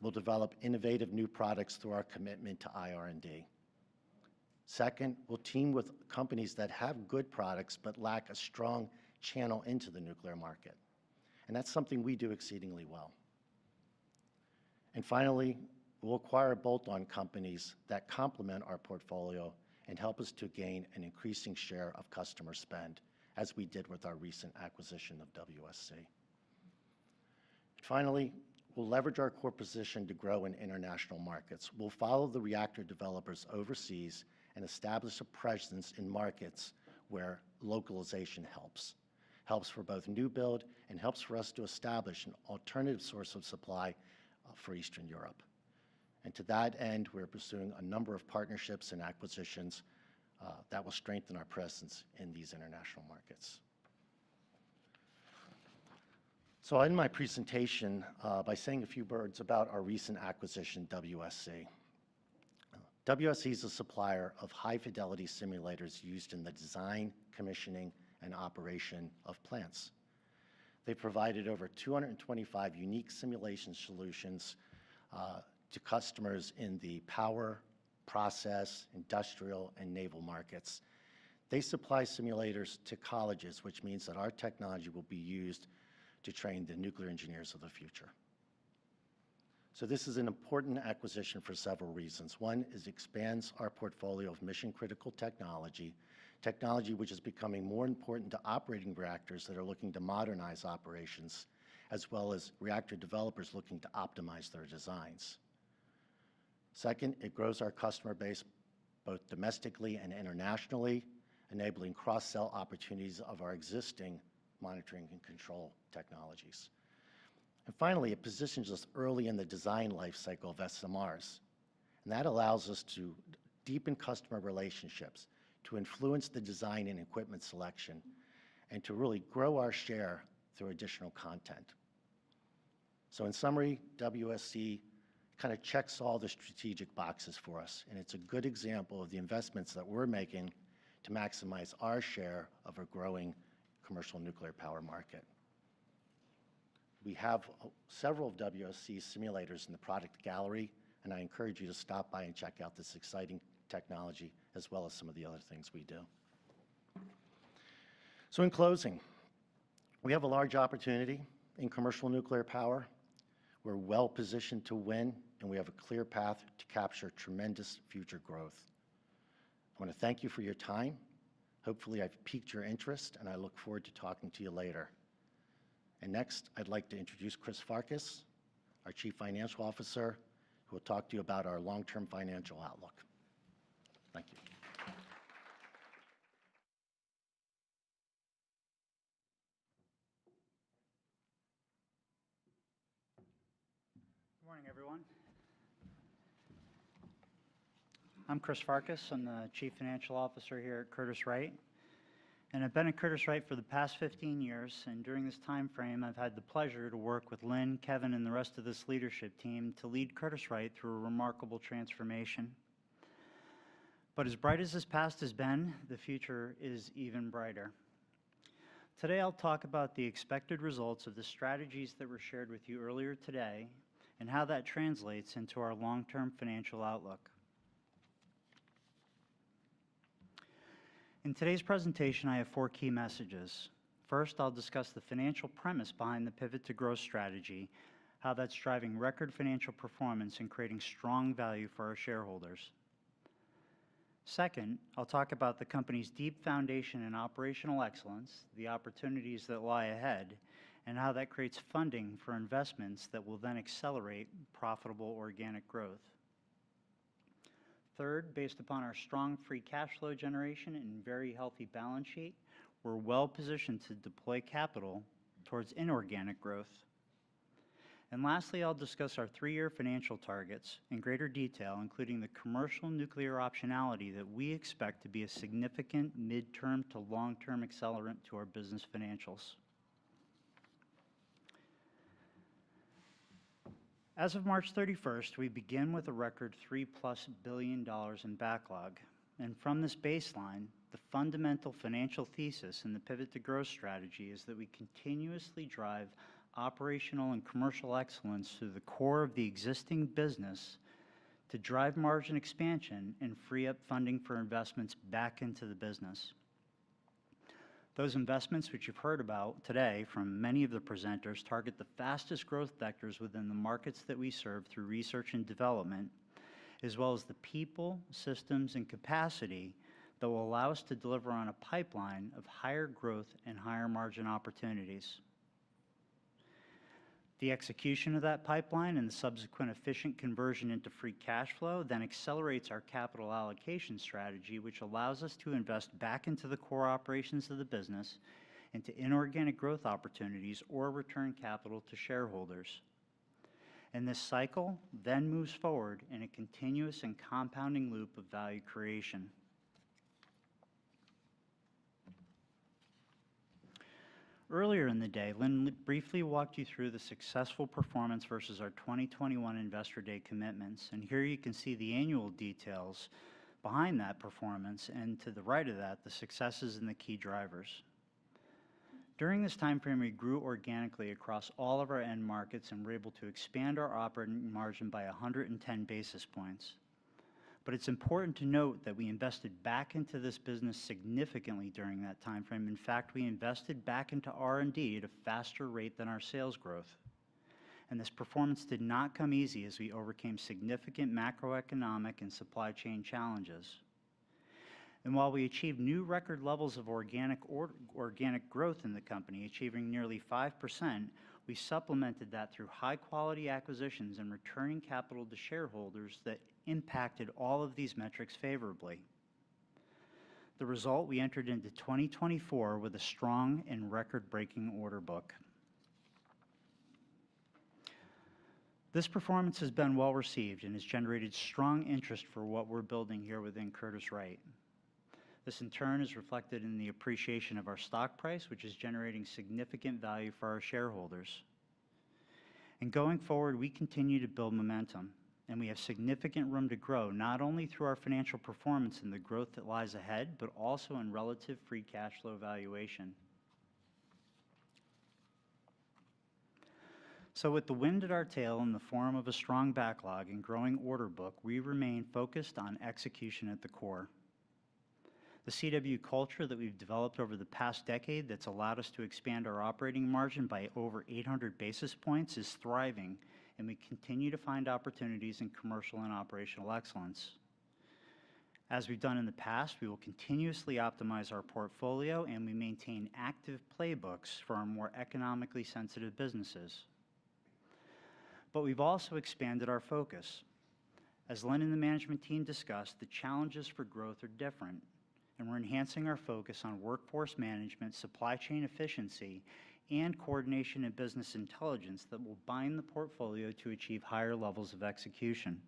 we'll develop innovative new products through our commitment to IR&D. Second, we'll team with companies that have good products but lack a strong channel into the nuclear market, and that's something we do exceedingly well. And finally, we'll acquire bolt-on companies that complement our portfolio and help us to gain an increasing share of customer spend, as we did with our recent acquisition of WSC. Finally, we'll leverage our core position to grow in international markets. We'll follow the reactor developers overseas and establish a presence in markets where localization helps for both new build and for us to establish an alternative source of supply for Eastern Europe. And to that end, we're pursuing a number of partnerships and acquisitions that will strengthen our presence in these international markets. So I'll end my presentation by saying a few words about our recent acquisition, WSC. WSC is a supplier of high-fidelity simulators used in the design, commissioning, and operation of plants. They provided over 225 unique simulation solutions to customers in the power, process, industrial, and naval markets. They supply simulators to colleges, which means that our technology will be used to train the nuclear engineers of the future. So this is an important acquisition for several reasons. One, is it expands our portfolio of mission-critical technology, technology which is becoming more important to operating reactors that are looking to modernize operations, as well as reactor developers looking to optimize their designs. Second, it grows our customer base both domestically and internationally, enabling cross-sell opportunities of our existing monitoring and control technologies. And finally, it positions us early in the design life cycle of SMRs, and that allows us to deepen customer relationships, to influence the design and equipment selection, and to really grow our share through additional content.... So in summary, WSC kind of checks all the strategic boxes for us, and it's a good example of the investments that we're making to maximize our share of a growing commercial nuclear power market. We have several WSC simulators in the product gallery, and I encourage you to stop by and check out this exciting technology, as well as some of the other things we do. So in closing, we have a large opportunity in commercial nuclear power. We're well-positioned to win, and we have a clear path to capture tremendous future growth. I wanna thank you for your time. Hopefully, I've piqued your interest, and I look forward to talking to you later. Next, I'd like to introduce Chris Farkas, our Chief Financial Officer, who will talk to you about our long-term financial outlook. Thank you. Good morning, everyone. I'm Chris Farkas. I'm the Chief Financial Officer here at Curtiss-Wright, and I've been at Curtiss-Wright for the past 15 years, and during this timeframe, I've had the pleasure to work with Lynn, Kevin, and the rest of this leadership team to lead Curtiss-Wright through a remarkable transformation. But as bright as this past has been, the future is even brighter. Today, I'll talk about the expected results of the strategies that were shared with you earlier today and how that translates into our long-term financial outlook. In today's presentation, I have four key messages. First, I'll discuss the financial premise behind the Pivot to Growth strategy, how that's driving record financial performance, and creating strong value for our shareholders. Second, I'll talk about the company's deep foundation and operational excellence, the opportunities that lie ahead, and how that creates funding for investments that will then accelerate profitable organic growth. Third, based upon our strong free cash flow generation and very healthy balance sheet, we're well-positioned to deploy capital towards inorganic growth. Lastly, I'll discuss our 3-year financial targets in greater detail, including the commercial nuclear optionality that we expect to be a significant midterm to long-term accelerant to our business financials. As of March 31st, we begin with a record $3+ billion in backlog, and from this baseline, the fundamental financial thesis in the Pivot to Growth strategy is that we continuously drive operational and commercial excellence through the core of the existing business to drive margin expansion and free up funding for investments back into the business. Those investments, which you've heard about today from many of the presenters, target the fastest growth vectors within the markets that we serve through research and development, as well as the people, systems, and capacity that will allow us to deliver on a pipeline of higher growth and higher margin opportunities. The execution of that pipeline and the subsequent efficient conversion into free cash flow then accelerates our capital allocation strategy, which allows us to invest back into the core operations of the business, into inorganic growth opportunities, or return capital to shareholders. This cycle then moves forward in a continuous and compounding loop of value creation. Earlier in the day, Lynn briefly walked you through the successful performance versus our 2021 Investor Day commitments, and here you can see the annual details behind that performance, and to the right of that, the successes and the key drivers. During this time frame, we grew organically across all of our end markets, and we're able to expand our operating margin by 110 basis points. But it's important to note that we invested back into this business significantly during that time frame. In fact, we invested back into R&D at a faster rate than our sales growth, and this performance did not come easy as we overcame significant macroeconomic and supply chain challenges. While we achieved new record levels of organic growth in the company, achieving nearly 5%, we supplemented that through high-quality acquisitions and returning capital to shareholders that impacted all of these metrics favorably. The result, we entered into 2024 with a strong and record-breaking order book. This performance has been well-received and has generated strong interest for what we're building here within Curtiss-Wright. This, in turn, is reflected in the appreciation of our stock price, which is generating significant value for our shareholders. Going forward, we continue to build momentum, and we have significant room to grow, not only through our financial performance and the growth that lies ahead, but also in relative free cash flow valuation. With the wind at our tail in the form of a strong backlog and growing order book, we remain focused on execution at the core. The CW culture that we've developed over the past decade that's allowed us to expand our operating margin by over 800 basis points is thriving, and we continue to find opportunities in commercial and operational excellence. As we've done in the past, we will continuously optimize our portfolio, and we maintain active playbooks for our more economically sensitive businesses. We've also expanded our focus. As Lynn and the management team discussed, the challenges for growth are different, and we're enhancing our focus on workforce management, supply chain efficiency, and coordination and business intelligence that will bind the portfolio to achieve higher levels of execution.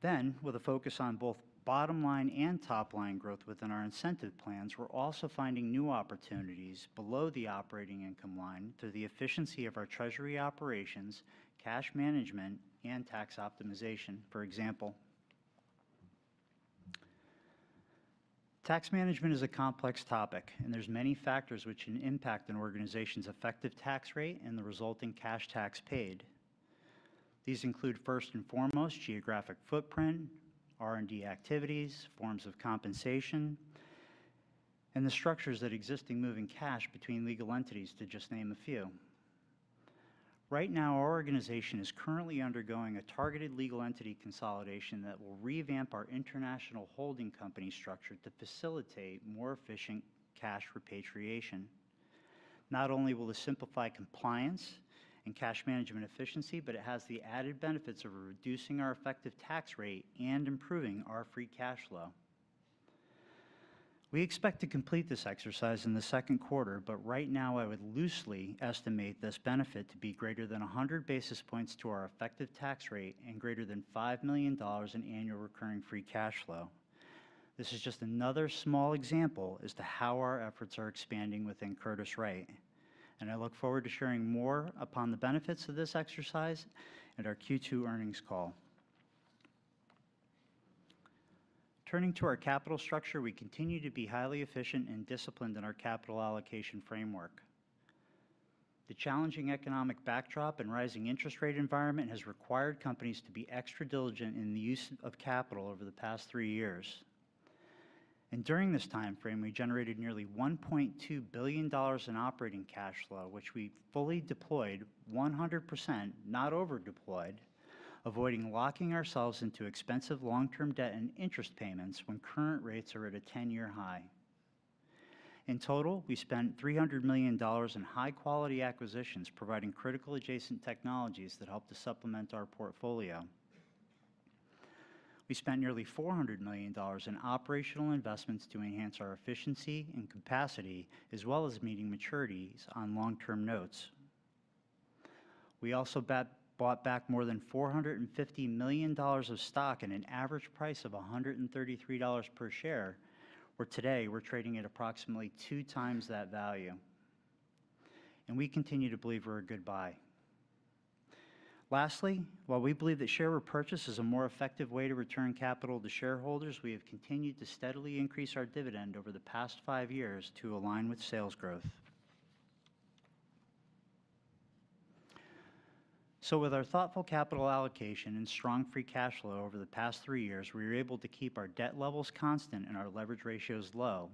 Then, with a focus on both bottom line and top line growth within our incentive plans, we're also finding new opportunities below the operating income line through the efficiency of our treasury operations, cash management, and tax optimization, for example. Tax management is a complex topic, and there's many factors which can impact an organization's effective tax rate and the resulting cash tax paid. These include, first and foremost, geographic footprint, R&D activities, forms of compensation, and the structures that exist in moving cash between legal entities, to just name a few. Right now, our organization is currently undergoing a targeted legal entity consolidation that will revamp our international holding company structure to facilitate more efficient cash repatriation. Not only will this simplify compliance and cash management efficiency, but it has the added benefits of reducing our effective tax rate and improving our free cash flow. We expect to complete this exercise in the second quarter, but right now, I would loosely estimate this benefit to be greater than 100 basis points to our effective tax rate and greater than $5 million in annual recurring free cash flow. This is just another small example as to how our efforts are expanding within Curtiss-Wright, and I look forward to sharing more upon the benefits of this exercise at our Q2 earnings call. Turning to our capital structure, we continue to be highly efficient and disciplined in our capital allocation framework. The challenging economic backdrop and rising interest rate environment has required companies to be extra diligent in the use of capital over the past three years. And during this timeframe, we generated nearly $1.2 billion in operating cash flow, which we fully deployed 100%, not over-deployed, avoiding locking ourselves into expensive long-term debt and interest payments when current rates are at a 10-year high. In total, we spent $300 million in high-quality acquisitions, providing critical adjacent technologies that help to supplement our portfolio. We spent nearly $400 million in operational investments to enhance our efficiency and capacity, as well as meeting maturities on long-term notes. We also bought back more than $450 million of stock at an average price of $133 per share, where today we're trading at approximately 2 times that value, and we continue to believe we're a good buy. Lastly, while we believe that share repurchase is a more effective way to return capital to shareholders, we have continued to steadily increase our dividend over the past 5 years to align with sales growth. So with our thoughtful capital allocation and strong free cash flow over the past 3 years, we were able to keep our debt levels constant and our leverage ratios low,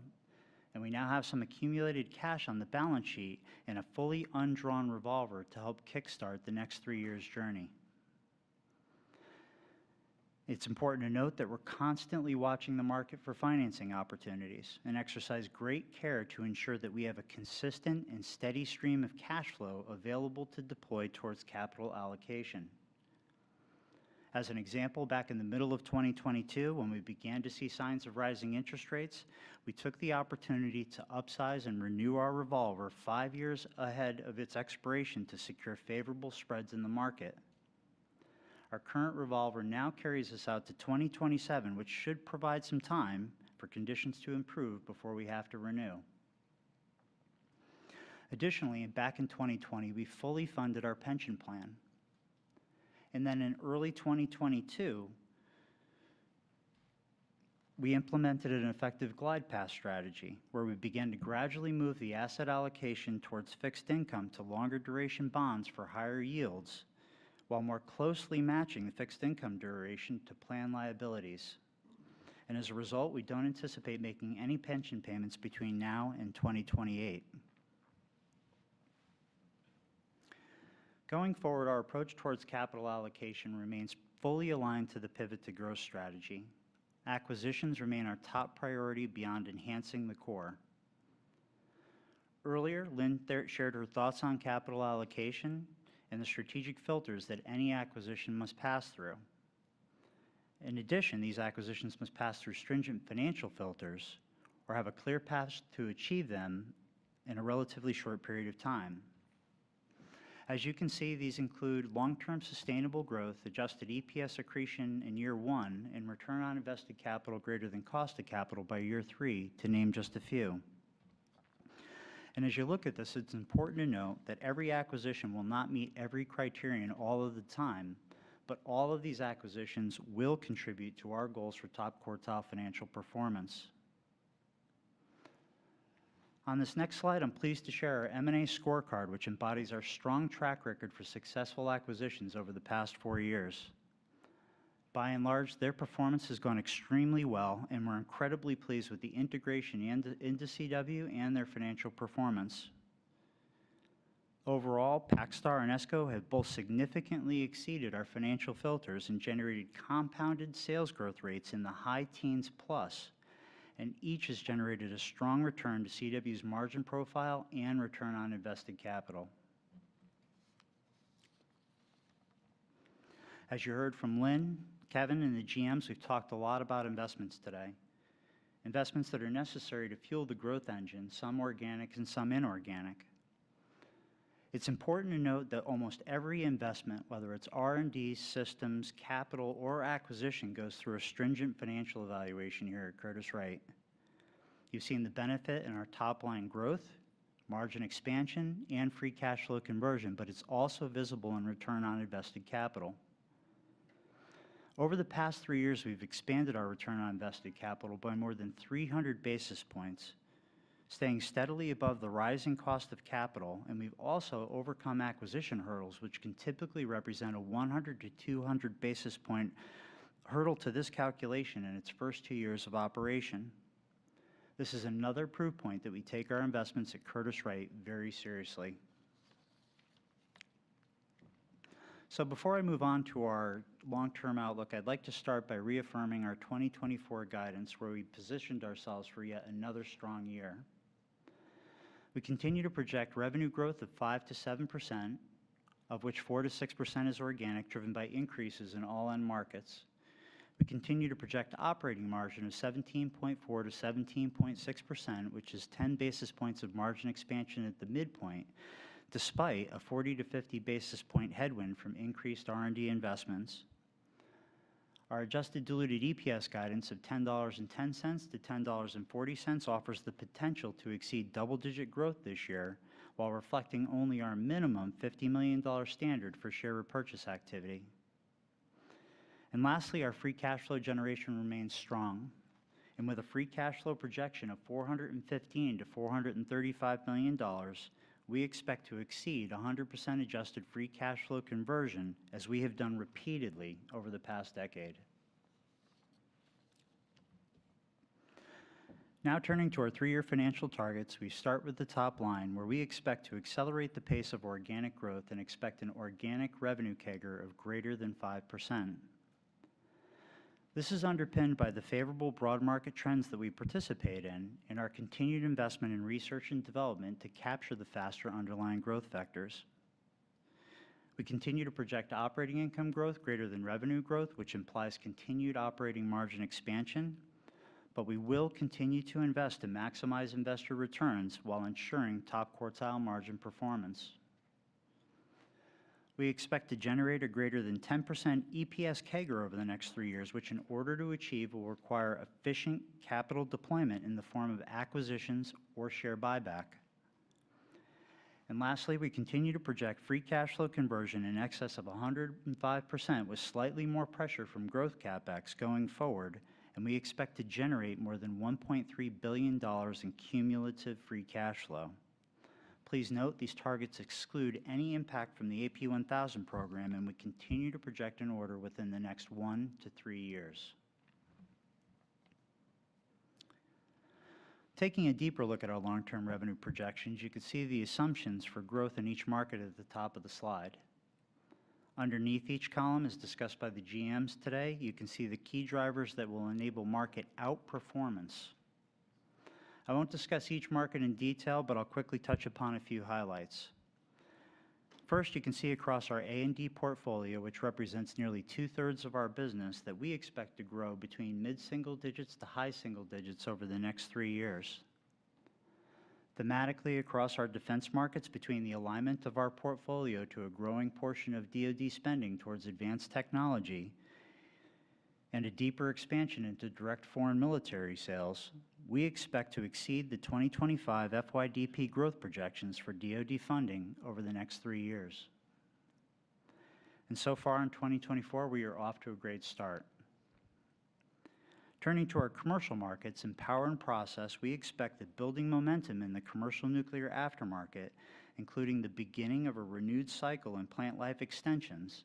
and we now have some accumulated cash on the balance sheet and a fully undrawn revolver to help kickstart the next 3 years' journey. It's important to note that we're constantly watching the market for financing opportunities and exercise great care to ensure that we have a consistent and steady stream of cash flow available to deploy towards capital allocation. As an example, back in the middle of 2022, when we began to see signs of rising interest rates, we took the opportunity to upsize and renew our revolver five years ahead of its expiration to secure favorable spreads in the market. Our current revolver now carries us out to 2027, which should provide some time for conditions to improve before we have to renew. Additionally, back in 2020, we fully funded our pension plan, and then in early 2022, we implemented an effective glide path strategy, where we began to gradually move the asset allocation towards fixed income to longer duration bonds for higher yields, while more closely matching the fixed income duration to plan liabilities. As a result, we don't anticipate making any pension payments between now and 2028. Going forward, our approach towards capital allocation remains fully aligned to the Pivot to Growth strategy. Acquisitions remain our top priority beyond enhancing the core. Earlier, Lynn there shared her thoughts on capital allocation and the strategic filters that any acquisition must pass through. In addition, these acquisitions must pass through stringent financial filters or have a clear path to achieve them in a relatively short period of time. As you can see, these include long-term sustainable growth, adjusted EPS accretion in year 1, and return on invested capital greater than cost of capital by year 3, to name just a few. And as you look at this, it's important to note that every acquisition will not meet every criterion all of the time, but all of these acquisitions will contribute to our goals for top quartile financial performance. On this next slide, I'm pleased to share our M&A scorecard, which embodies our strong track record for successful acquisitions over the past 4 years. By and large, their performance has gone extremely well, and we're incredibly pleased with the integration into CW and their financial performance. Overall, PacStar and ESCO have both significantly exceeded our financial filters and generated compounded sales growth rates in the high teens plus, and each has generated a strong return to CW's margin profile and return on invested capital. As you heard from Lynn, Kevin, and the GMs, we've talked a lot about investments today, investments that are necessary to fuel the growth engine, some organic and some inorganic.... It's important to note that almost every investment, whether it's R&D, systems, capital, or acquisition, goes through a stringent financial evaluation here at Curtiss-Wright. You've seen the benefit in our top-line growth, margin expansion, and free cash flow conversion, but it's also visible in return on invested capital. Over the past three years, we've expanded our return on invested capital by more than 300 basis points, staying steadily above the rising cost of capital, and we've also overcome acquisition hurdles, which can typically represent a 100-200 basis point hurdle to this calculation in its first two years of operation. This is another proof point that we take our investments at Curtiss-Wright very seriously. So before I move on to our long-term outlook, I'd like to start by reaffirming our 2024 guidance, where we positioned ourselves for yet another strong year. We continue to project revenue growth of 5%-7%, of which 4%-6% is organic, driven by increases in all end markets. We continue to project operating margin of 17.4%-17.6%, which is 10 basis points of margin expansion at the midpoint, despite a 40-50 basis point headwind from increased R&D investments. Our adjusted diluted EPS guidance of $10.10-$10.40 offers the potential to exceed double-digit growth this year, while reflecting only our minimum $50 million standard for share repurchase activity. Lastly, our free cash flow generation remains strong, and with a free cash flow projection of $415 million-$435 million, we expect to exceed 100% adjusted free cash flow conversion, as we have done repeatedly over the past decade. Now, turning to our three-year financial targets, we start with the top line, where we expect to accelerate the pace of organic growth and expect an organic revenue CAGR of greater than 5%. This is underpinned by the favorable broad market trends that we participate in and our continued investment in research and development to capture the faster underlying growth vectors. We continue to project operating income growth greater than revenue growth, which implies continued operating margin expansion, but we will continue to invest to maximize investor returns while ensuring top-quartile margin performance. We expect to generate a greater than 10% EPS CAGR over the next three years, which in order to achieve, will require efficient capital deployment in the form of acquisitions or share buyback. And lastly, we continue to project free cash flow conversion in excess of 105%, with slightly more pressure from growth CapEx going forward, and we expect to generate more than $1.3 billion in cumulative free cash flow. Please note these targets exclude any impact from the AP1000 program, and we continue to project an order within the next 1-3 years. Taking a deeper look at our long-term revenue projections, you can see the assumptions for growth in each market at the top of the slide. Underneath each column, as discussed by the GMs today, you can see the key drivers that will enable market outperformance. I won't discuss each market in detail, but I'll quickly touch upon a few highlights. First, you can see across our A&D portfolio, which represents nearly two-thirds of our business, that we expect to grow between mid-single digits to high single digits over the next three years. Thematically, across our defense markets, between the alignment of our portfolio to a growing portion of DoD spending towards advanced technology and a deeper expansion into direct foreign military sales, we expect to exceed the 2025 FYDP growth projections for DoD funding over the next three years. And so far in 2024, we are off to a great start. Turning to our commercial markets in power and process, we expect that building momentum in the commercial nuclear aftermarket, including the beginning of a renewed cycle in plant life extensions,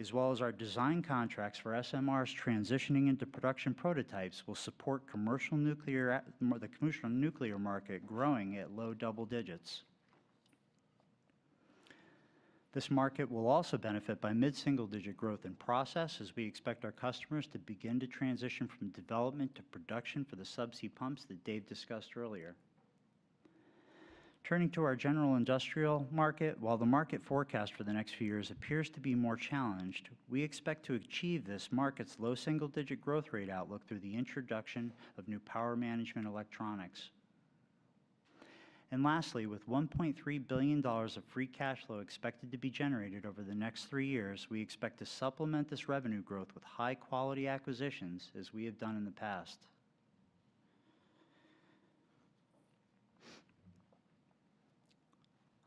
as well as our design contracts for SMRs transitioning into production prototypes, will support the commercial nuclear market growing at low double digits. This market will also benefit by mid-single-digit growth in process, as we expect our customers to begin to transition from development to production for the subsea pumps that Dave discussed earlier. Turning to our general industrial market, while the market forecast for the next few years appears to be more challenged, we expect to achieve this market's low single-digit growth rate outlook through the introduction of new power management electronics. Lastly, with $1.3 billion of free cash flow expected to be generated over the next 3 years, we expect to supplement this revenue growth with high-quality acquisitions, as we have done in the past.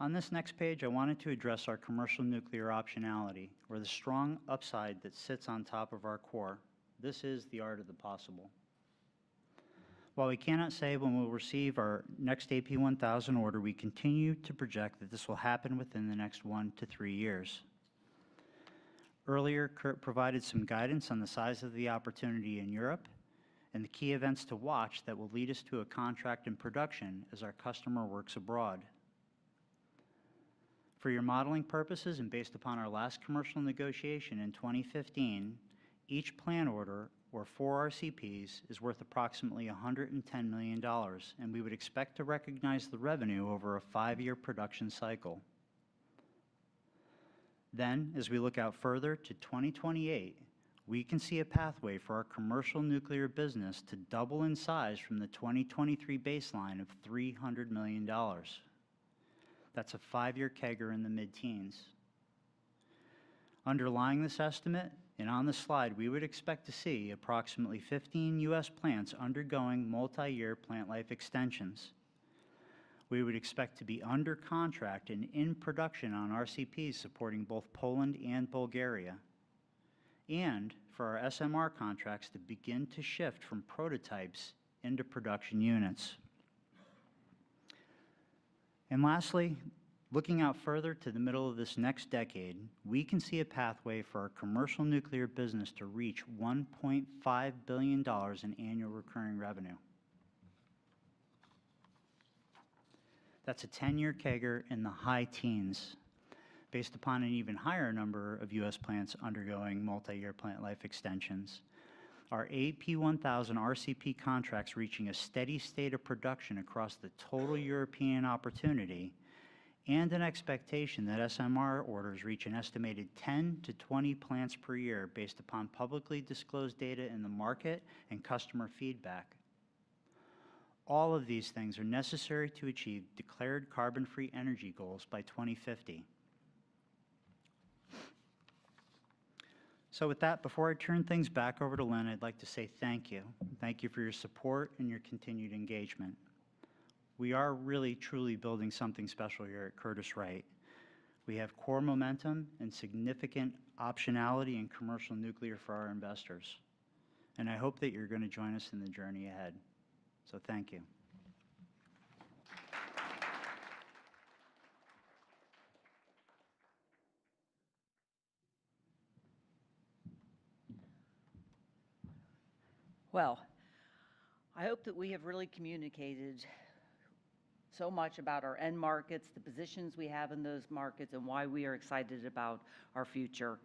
On this next page, I wanted to address our commercial nuclear optionality, or the strong upside that sits on top of our core. This is the art of the possible. While we cannot say when we'll receive our next AP1000 order, we continue to project that this will happen within the next 1-3 years. Earlier, Kurt provided some guidance on the size of the opportunity in Europe and the key events to watch that will lead us to a contract in production as our customer works abroad. For your modeling purposes and based upon our last commercial negotiation in 2015, each plant order, or 4 RCPs, is worth approximately $110 million, and we would expect to recognize the revenue over a 5-year production cycle. Then, as we look out further to 2028, we can see a pathway for our commercial nuclear business to double in size from the 2023 baseline of $300 million. That's a 5-year CAGR in the mid-teens. Underlying this estimate, and on this slide, we would expect to see approximately 15 U.S. plants undergoing multi-year plant life extensions. We would expect to be under contract and in production on RCPs supporting both Poland and Bulgaria, and for our SMR contracts to begin to shift from prototypes into production units. And lastly, looking out further to the middle of this next decade, we can see a pathway for our commercial nuclear business to reach $1.5 billion in annual recurring revenue. That's a 10-year CAGR in the high teens, based upon an even higher number of U.S plants undergoing multi-year plant life extensions. Our AP1000 RCP contracts reaching a steady state of production across the total European opportunity, and an expectation that SMR orders reach an estimated 10-20 plants per year based upon publicly disclosed data in the market and customer feedback. All of these things are necessary to achieve declared carbon-free energy goals by 2050. So with that, before I turn things back over to Lynn, I'd like to say thank you. Thank you for your support and your continued engagement. We are really, truly building something special here at Curtiss-Wright. We have core momentum and significant optionality in commercial nuclear for our investors, and I hope that you're gonna join us in the journey ahead. So thank you. Well, I hope that we have really communicated so much about our end markets, the positions we have in those markets, and why we are excited about our future.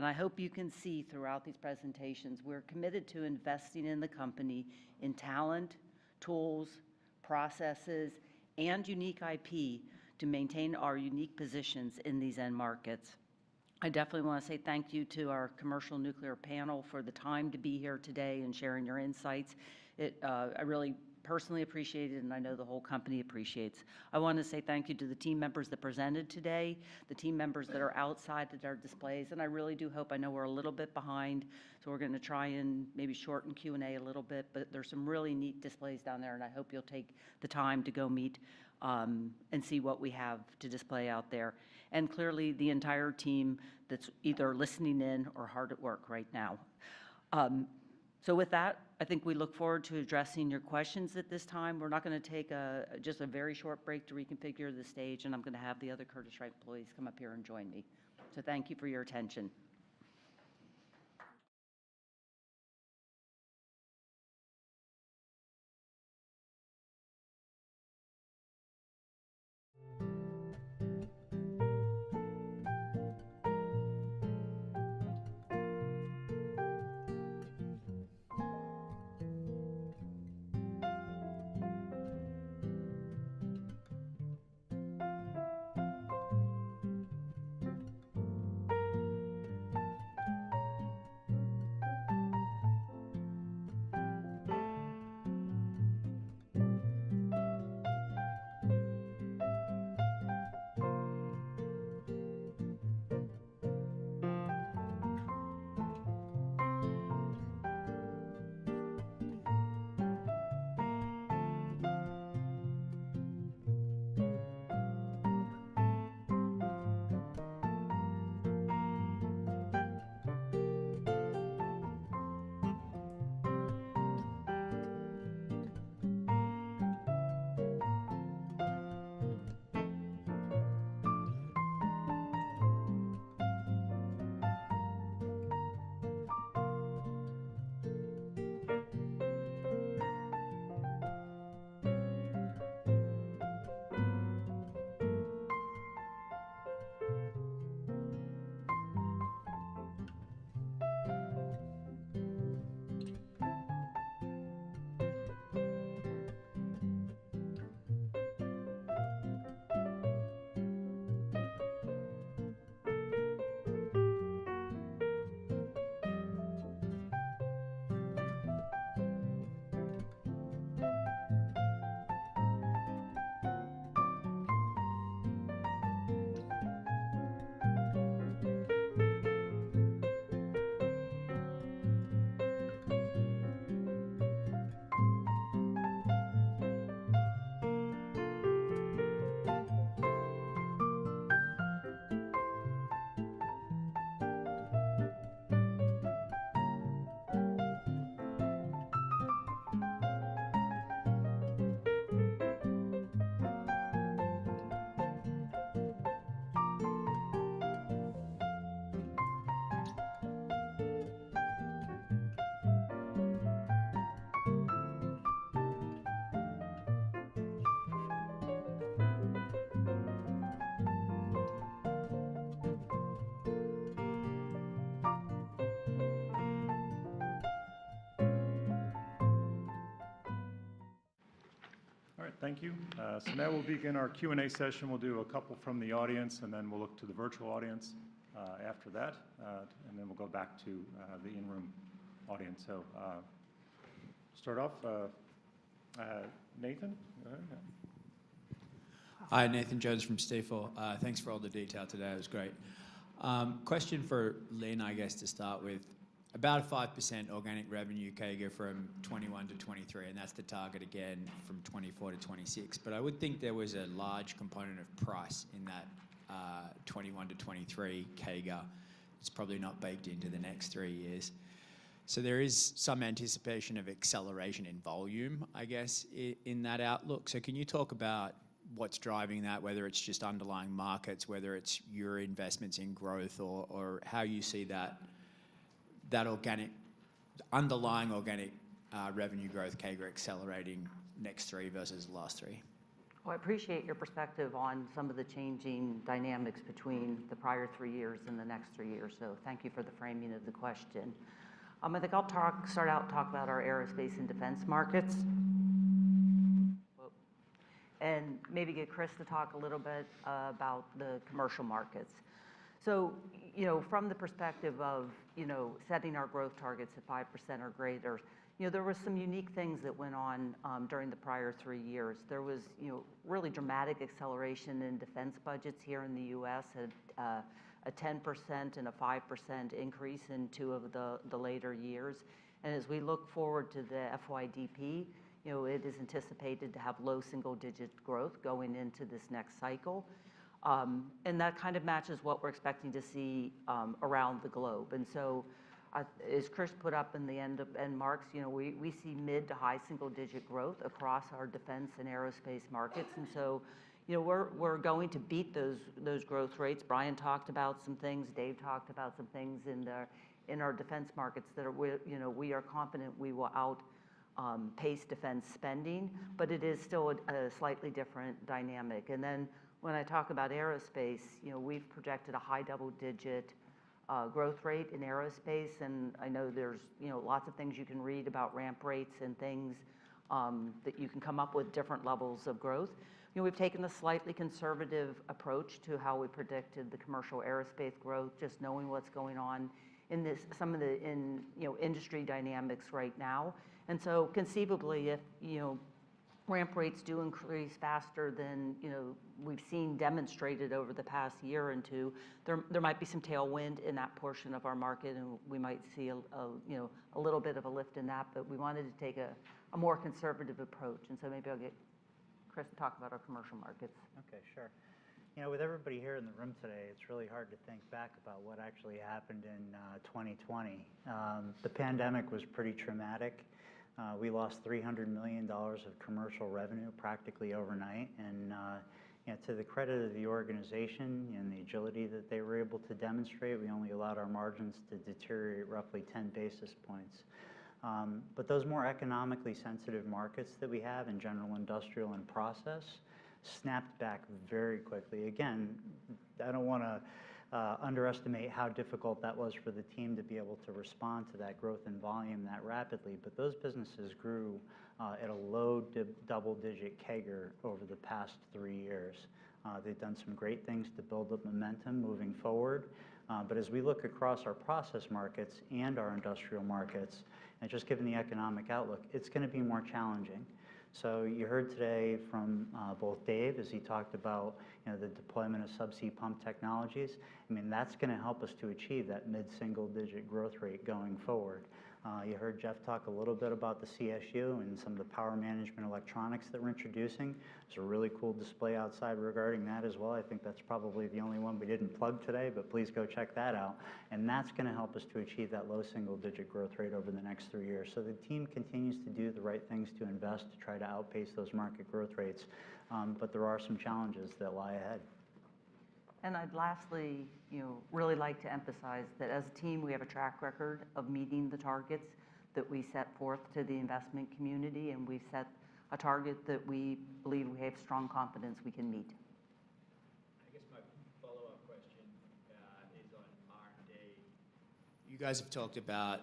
I hope you can see throughout these presentations, we're committed to investing in the company, in talent, tools, processes, and unique IP to maintain our unique positions in these end markets. I definitely wanna say thank you to our commercial nuclear panel for the time to be here today and sharing your insights. It, I really personally appreciate it, and I know the whole company appreciates. I wanna say thank you to the team members that presented today, the team members that are outside at our displays, and I really do hope. I know we're a little bit behind, so we're gonna try and maybe shorten Q&A a little bit, but there's some really neat displays down there, and I hope you'll take the time to go meet and see what we have to display out there. And clearly, the entire team that's either listening in or hard at work right now. So with that, I think we look forward to addressing your questions at this time. We're now gonna take just a very short break to reconfigure the stage, and I'm gonna have the other Curtiss-Wright employees come up here and join me. So thank you for your attention. ... Thank you. So now we'll begin our Q&A session. We'll do a couple from the audience, and then we'll look to the virtual audience, after that, and then we'll go back to the in-room audience. So, start off, Nathan, go ahead. Hi, Nathan Jones from Stifel. Thanks for all the detail today. It was great. Question for Lynn, I guess, to start with. About a 5% organic revenue CAGR from 2021 to 2023, and that's the target again from 2024 to 2026. But I would think there was a large component of price in that, 2021 to 2023 CAGR. It's probably not baked into the next three years. So there is some anticipation of acceleration in volume, I guess, in that outlook. So can you talk about what's driving that, whether it's just underlying markets, whether it's your investments in growth or, or how you see that, that organic underlying organic revenue growth CAGR accelerating next three versus the last three? Well, I appreciate your perspective on some of the changing dynamics between the prior three years and the next three years, so thank you for the framing of the question. I think I'll talk, start out and talk about our aerospace and defense markets. Whoa. And maybe get Chris to talk a little bit about the commercial markets. So, you know, from the perspective of, you know, setting our growth targets at 5% or greater, you know, there were some unique things that went on, during the prior three years. There was, you know, really dramatic acceleration in defense budgets here in the U.S., at a 10% and a 5% increase in two of the, the later years. And as we look forward to the FYDP, you know, it is anticipated to have low single-digit growth going into this next cycle. And that kind of matches what we're expecting to see around the globe. So, as Chris put up in the end marks, you know, we see mid- to high single-digit growth across our defense and aerospace markets. So, you know, we're going to beat those growth rates. Brian talked about some things, Dave talked about some things in our defense markets that we're, you know, we are confident we will outpace defense spending, but it is still a slightly different dynamic. Then, when I talk about aerospace, you know, we've projected a high double-digit growth rate in aerospace, and I know there's, you know, lots of things you can read about ramp rates and things that you can come up with different levels of growth. You know, we've taken a slightly conservative approach to how we predicted the commercial aerospace growth, just knowing what's going on in this, some of the, in, you know, industry dynamics right now. And so conceivably, if, you know, ramp rates do increase faster than, you know, we've seen demonstrated over the past year and two, there, there might be some tailwind in that portion of our market, and we might see a, a, you know, a little bit of a lift in that. But we wanted to take a, a more conservative approach, and so maybe I'll get Chris to talk about our commercial markets. Okay, sure. You know, with everybody here in the room today, it's really hard to think back about what actually happened in 2020. The pandemic was pretty traumatic. We lost $300 million of commercial revenue practically overnight. And you know, to the credit of the organization and the agility that they were able to demonstrate, we only allowed our margins to deteriorate roughly ten basis points. But those more economically sensitive markets that we have in general, industrial, and process, snapped back very quickly. Again, I don't wanna underestimate how difficult that was for the team to be able to respond to that growth and volume that rapidly, but those businesses grew at a low double-digit CAGR over the past three years. They've done some great things to build the momentum moving forward. As we look across our process markets and our industrial markets, and just given the economic outlook, it's gonna be more challenging. So you heard today from both Dave, as he talked about, you know, the deployment of subsea pump technologies. I mean, that's gonna help us to achieve that mid-single digit growth rate going forward. You heard Jeff talk a little bit about the CSU and some of the power management electronics that we're introducing. There's a really cool display outside regarding that as well. I think that's probably the only one we didn't plug today, but please go check that out. And that's gonna help us to achieve that low single-digit growth rate over the next three years. So the team continues to do the right things to invest, to try to outpace those market growth rates, but there are some challenges that lie ahead. I'd lastly, you know, really like to emphasize that as a team, we have a track record of meeting the targets that we set forth to the investment community, and we've set a target that we believe we have strong confidence we can meet. I guess my follow-up question is on R&D. You guys have talked about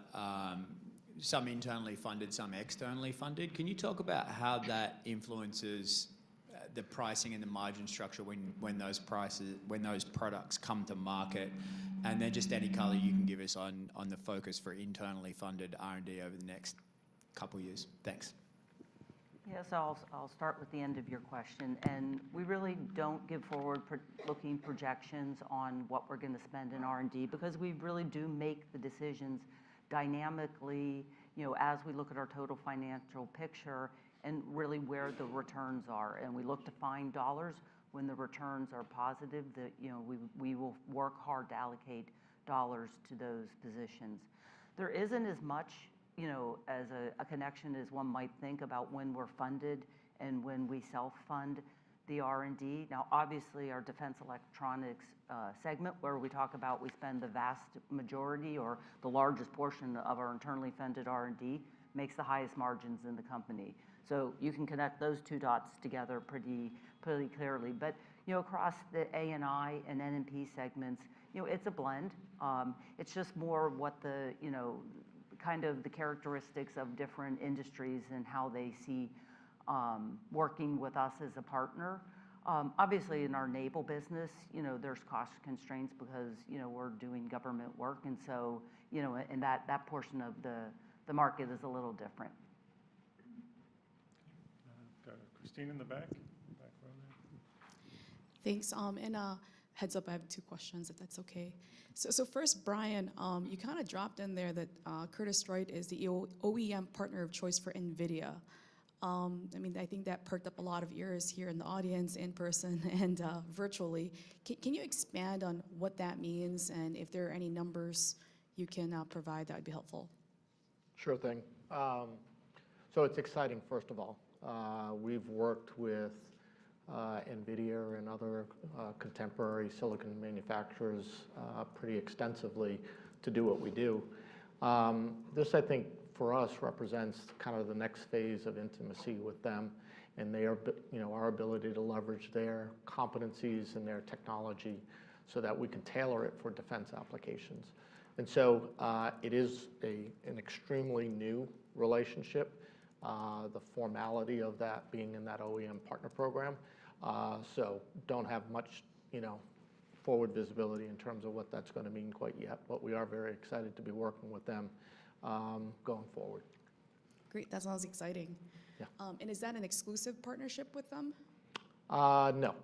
some internally funded, some externally funded. Can you talk about how that influences the pricing and the margin structure when those products come to market? And then, just any color you can give us on the focus for internally funded R&D over the next couple years. Thanks. Yes, I'll start with the end of your question, and we really don't give forward-looking projections on what we're gonna spend in R&D, because we really do make the decisions dynamically, you know, as we look at our total financial picture and really where the returns are, and we look to find dollars when the returns are positive, that, you know, we will work hard to allocate dollars to those positions. There isn't as much, you know, as a connection as one might think about when we're funded and when we self-fund the R&D. Now, obviously, our defense electronics segment, where we talk about we spend the vast majority or the largest portion of our internally funded R&D, makes the highest margins in the company. So you can connect those two dots together pretty clearly. But, you know, across the A&I and NNP segments, you know, it's a blend. It's just more what the, you know, kind of the characteristics of different industries and how they see working with us as a partner. Obviously, in our naval business, you know, there's cost constraints because, you know, we're doing government work, and so, you know, and that portion of the market is a little different. ... Kristine in the back, back row there. Thanks. And, heads up, I have two questions, if that's okay. So, first, Brian, you kinda dropped in there that, Curtiss-Wright is the OEM partner of choice for NVIDIA. I mean, I think that perked up a lot of ears here in the audience, in person, and, virtually. Can you expand on what that means, and if there are any numbers you can provide, that'd be helpful. Sure thing. So it's exciting, first of all. We've worked with NVIDIA and other contemporary silicon manufacturers pretty extensively to do what we do. This, I think, for us, represents kind of the next phase of intimacy with them, and you know, our ability to leverage their competencies and their technology so that we can tailor it for defense applications. And so, it is an extremely new relationship, the formality of that being in that OEM partner program. So don't have much, you know, forward visibility in terms of what that's gonna mean quite yet, but we are very excited to be working with them going forward. Great, that sounds exciting. Yeah. Is that an exclusive partnership with them? No.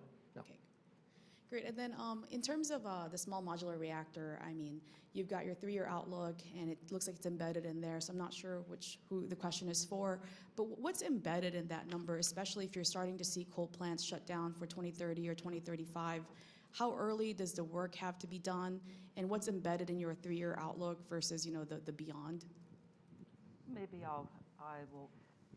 No. Okay. Great, and then, in terms of, the small modular reactor, I mean, you've got your three-year outlook, and it looks like it's embedded in there, so I'm not sure who the question is for. But what's embedded in that number, especially if you're starting to see coal plants shut down for 2030 or 2035? How early does the work have to be done, and what's embedded in your three-year outlook versus, you know, the beyond?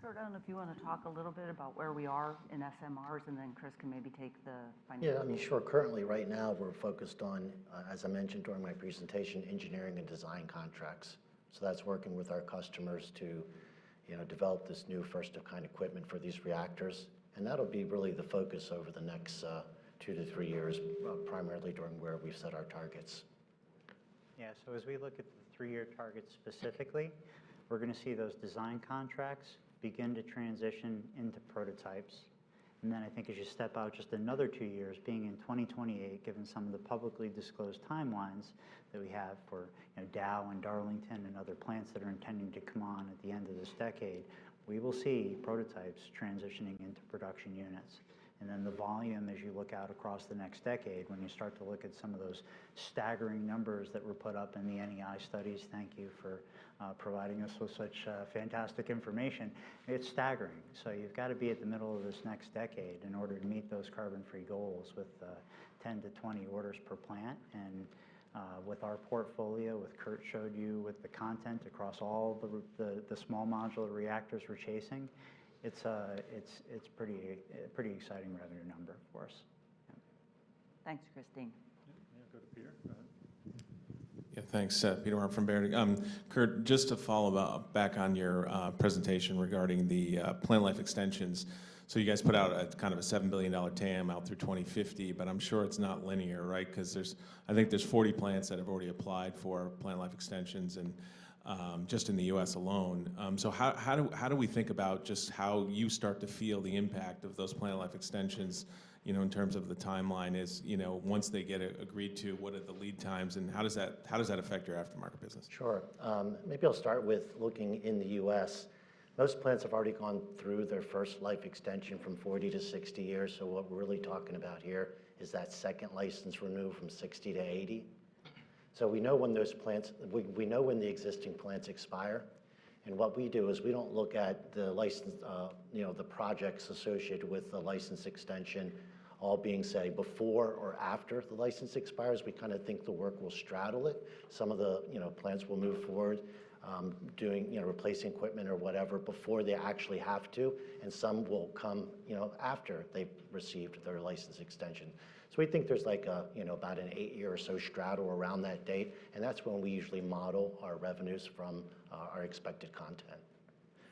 I will... I don't know if you wanna talk a little bit about where we are in SMRs, and then Chris can maybe take the financial- Yeah, I mean, sure. Currently, right now, we're focused on, as I mentioned during my presentation, engineering and design contracts. So that's working with our customers to, you know, develop this new first-of-kind equipment for these reactors, and that'll be really the focus over the next, 2-3 years, primarily during where we've set our targets. Yeah, so as we look at the three-year targets specifically, we're gonna see those design contracts begin to transition into prototypes. And then, I think as you step out just another 2 years, being in 2028, given some of the publicly disclosed timelines that we have for, you know, Dow and Darlington and other plants that are intending to come on at the end of this decade, we will see prototypes transitioning into production units. And then, the volume, as you look out across the next decade, when you start to look at some of those staggering numbers that were put up in the NEI studies, thank you for providing us with such fantastic information, it's staggering. So you've gotta be at the middle of this next decade in order to meet those carbon-free goals with 10-20 orders per plant. With our portfolio, what Kurt showed you, with the content across all the small modular reactors we're chasing, it's a pretty exciting revenue number for us. Thanks, Kristine. Yeah. Go to Peter. Go ahead. Yeah, thanks. Peter Arment from Baird. Kurt, just to follow up back on your, presentation regarding the, plant life extensions. So you guys put out a kind of a $7 billion TAM out through 2050, but I'm sure it's not linear, right? 'Cause there's-- I think there's 40 plants that have already applied for plant life extensions, and, just in the U.S. alone. So how do we think about just how you start to feel the impact of those plant life extensions, you know, in terms of the timeline is, you know, once they get agreed to, what are the lead times, and how does that affect your aftermarket business? Sure. Maybe I'll start with looking in the U.S., Most plants have already gone through their first life extension from 40 to 60 years, so what we're really talking about here is that second license renewal from 60 to 80. So we know when those plants... We know when the existing plants expire, and what we do is we don't look at the license, you know, the projects associated with the license extension, all being, say, before or after the license expires. We kinda think the work will straddle it. Some of the, you know, plants will move forward, doing, you know, replacing equipment or whatever before they actually have to, and some will come, you know, after they've received their license extension. So we think there's, like a, you know, about an 8-year or so straddle around that date, and that's when we usually model our revenues from our expected content.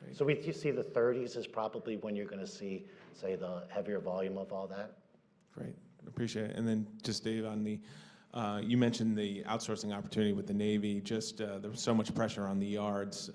Great. So we, you see, the thirties as probably when you're gonna see, say, the heavier volume of all that. Great. Appreciate it. And then just, Dave, on the, you mentioned the outsourcing opportunity with the Navy. Just, there was so much pressure on the yards,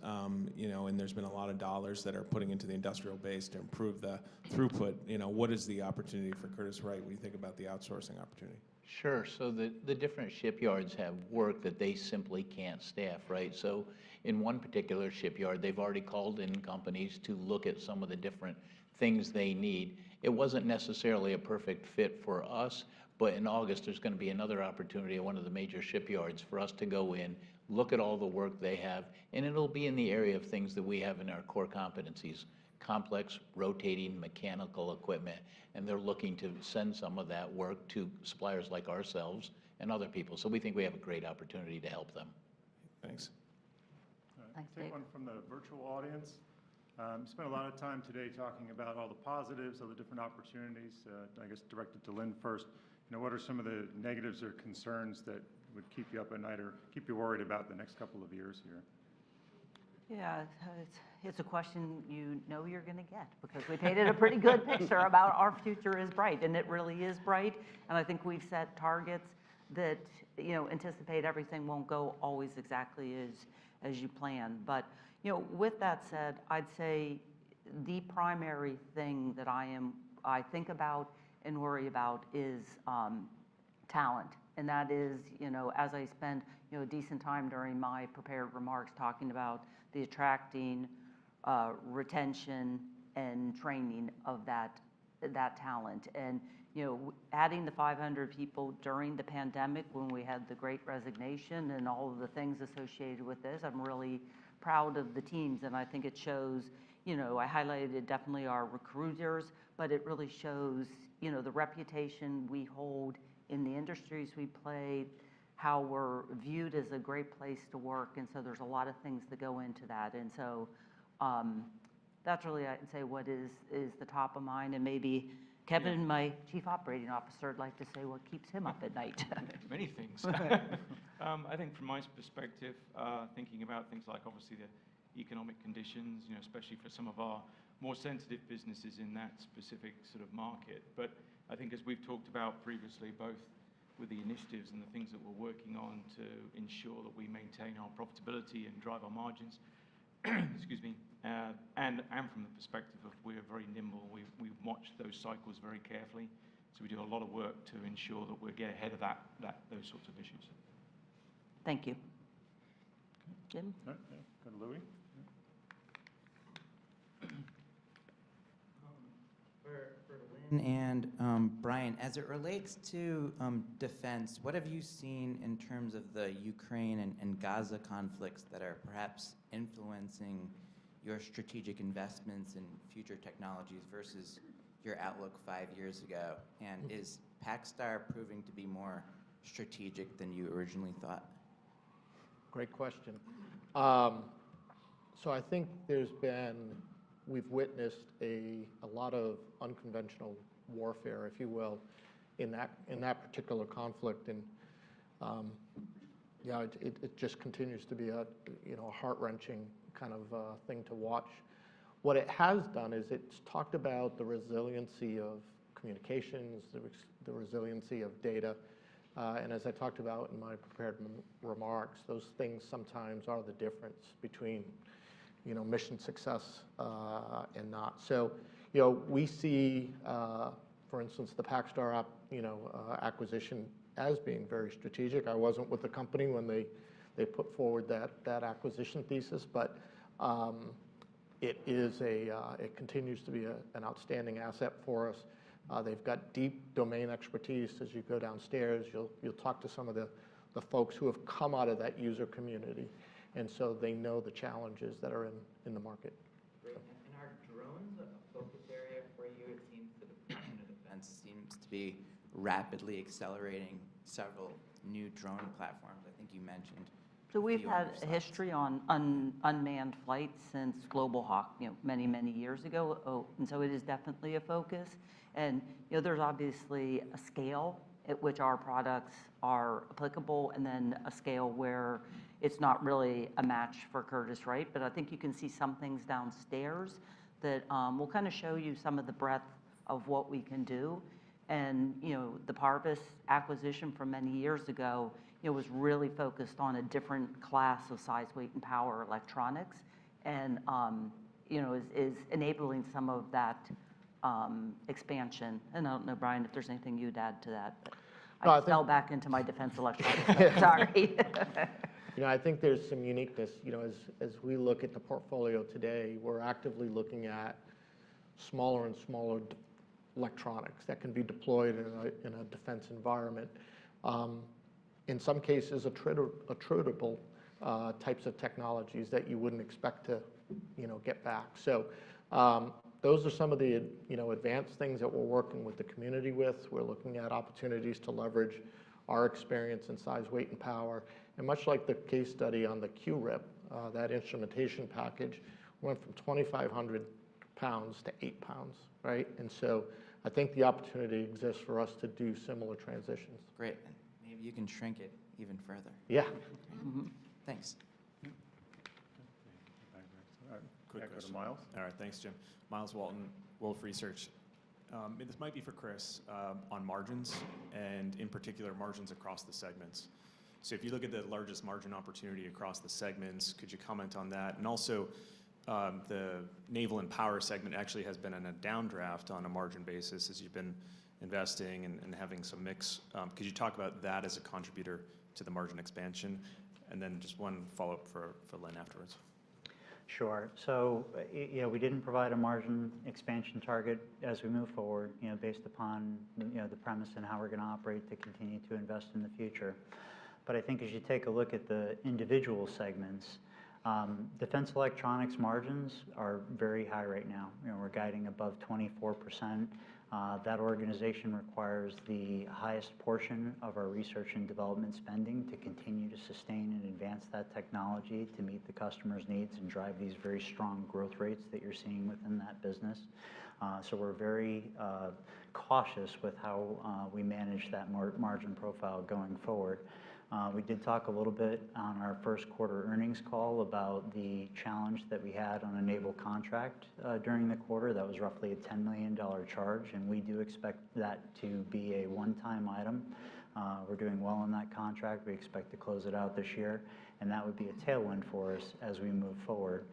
you know, and there's been a lot of dollars that are putting into the industrial base to improve the throughput. You know, what is the opportunity for Curtiss-Wright when you think about the outsourcing opportunity? Sure. So the different shipyards have work that they simply can't staff, right? So in one particular shipyard, they've already called in companies to look at some of the different things they need. It wasn't necessarily a perfect fit for us, but in August, there's gonna be another opportunity at one of the major shipyards for us to go in, look at all the work they have, and it'll be in the area of things that we have in our core competencies: complex, rotating mechanical equipment. And they're looking to send some of that work to suppliers like ourselves and other people. So we think we have a great opportunity to help them. Thanks. Thanks, Dave. Take one from the virtual audience. Spent a lot of time today talking about all the positives, all the different opportunities. I guess directed to Lynn first, you know, what are some of the negatives or concerns that would keep you up at night or keep you worried about the next couple of years here? Yeah, it's a question you know you're gonna get, because we've painted a pretty good picture about our future is bright, and it really is bright. And I think we've set targets that, you know, anticipate everything won't go always exactly as you plan. But, you know, with that said, I'd say the primary thing that I think about and worry about is talent, and that is, you know, as I spent, you know, a decent time during my prepared remarks talking about the attracting, retention, and training of that talent. You know, adding the 500 people during the pandemic when we had the great resignation and all of the things associated with this, I'm really proud of the teams, and I think it shows, you know, I highlighted definitely our recruiters, but it really shows, you know, the reputation we hold in the industries we play, how we're viewed as a great place to work, and so there's a lot of things that go into that. And so, that's really I'd say what is, is the top of mind, and maybe Kevin, my Chief Operating Officer, would like to say what keeps him up at night. Many things. I think from my perspective, thinking about things like, obviously, the economic conditions, you know, especially for some of our more sensitive businesses in that specific sort of market. But I think as we've talked about previously, both with the initiatives and the things that we're working on to ensure that we maintain our profitability and drive our margins, excuse me, and from the perspective of we're very nimble, we've watched those cycles very carefully. So we do a lot of work to ensure that we get ahead of that, those sorts of issues. Thank you. Jim? All right. Go to Louis. For Lynn and Brian, as it relates to defense, what have you seen in terms of the Ukraine and Gaza conflicts that are perhaps influencing your strategic investments in future technologies versus your outlook five years ago? And is PacStar proving to be more strategic than you originally thought? Great question. So I think there's been we've witnessed a lot of unconventional warfare, if you will, in that particular conflict. And yeah, it just continues to be a you know, a heart-wrenching kind of thing to watch. What it has done is it's talked about the resiliency of communications, the resiliency of data, and as I talked about in my prepared remarks, those things sometimes are the difference between, you know, mission success and not. So you know, we see for instance, the PacStar acquisition as being very strategic. I wasn't with the company when they put forward that acquisition thesis, but it continues to be an outstanding asset for us. They've got deep domain expertise. As you go downstairs, you'll talk to some of the folks who have come out of that user community, and so they know the challenges that are in the market. Great. Are drones a focus area for you? It seems the Department of Defense seems to be rapidly accelerating several new drone platforms. I think you mentioned- So we've had a history on unmanned flight since Global Hawk, you know, many, many years ago. Oh, and so it is definitely a focus. And, you know, there's obviously a scale at which our products are applicable, and then a scale where it's not really a match for Curtiss-Wright. But I think you can see some things downstairs that will kind of show you some of the breadth of what we can do. And, you know, the Parvus acquisition from many years ago, you know, was really focused on a different class of size, weight, and power electronics, and, you know, is enabling some of that expansion. And I don't know, Brian, if there's anything you'd add to that, but- Well- I fell back into my defense electronics. Sorry. You know, I think there's some uniqueness. You know, as we look at the portfolio today, we're actively looking at smaller and smaller defense electronics that can be deployed in a defense environment. In some cases, attritable types of technologies that you wouldn't expect to, you know, get back. So, those are some of the, you know, advanced things that we're working with the community with. We're looking at opportunities to leverage our experience in size, weight, and power. And much like the case study on the QRIP, that instrumentation package went from 2,500 pounds to 8 pounds, right? And so I think the opportunity exists for us to do similar transitions. Great, and maybe you can shrink it even further. Yeah. Thanks. All right. Quick question, Miles. All right. Thanks, Jim. Miles Walton, Wolfe Research. This might be for Chris, on margins and, in particular, margins across the segments. So if you look at the largest margin opportunity across the segments, could you comment on that? And also, the Naval and Power segment actually has been in a downdraft on a margin basis as you've been investing and having some mix. Could you talk about that as a contributor to the margin expansion? And then just one follow-up for Lynn afterwards. Sure. So, you know, we didn't provide a margin expansion target as we move forward, you know, based upon, you know, the premise and how we're gonna operate to continue to invest in the future. But I think as you take a look at the individual segments, defense electronics margins are very high right now, and we're guiding above 24%. That organization requires the highest portion of our research and development spending to continue to sustain and advance that technology to meet the customers' needs and drive these very strong growth rates that you're seeing within that business. So we're very cautious with how we manage that margin profile going forward. We did talk a little bit on our first quarter earnings call about the challenge that we had on a naval contract during the quarter. That was roughly a $10 million charge, and we do expect that to be a one-time item. We're doing well on that contract. We expect to close it out this year, and that would be a tailwind for us as we move forward.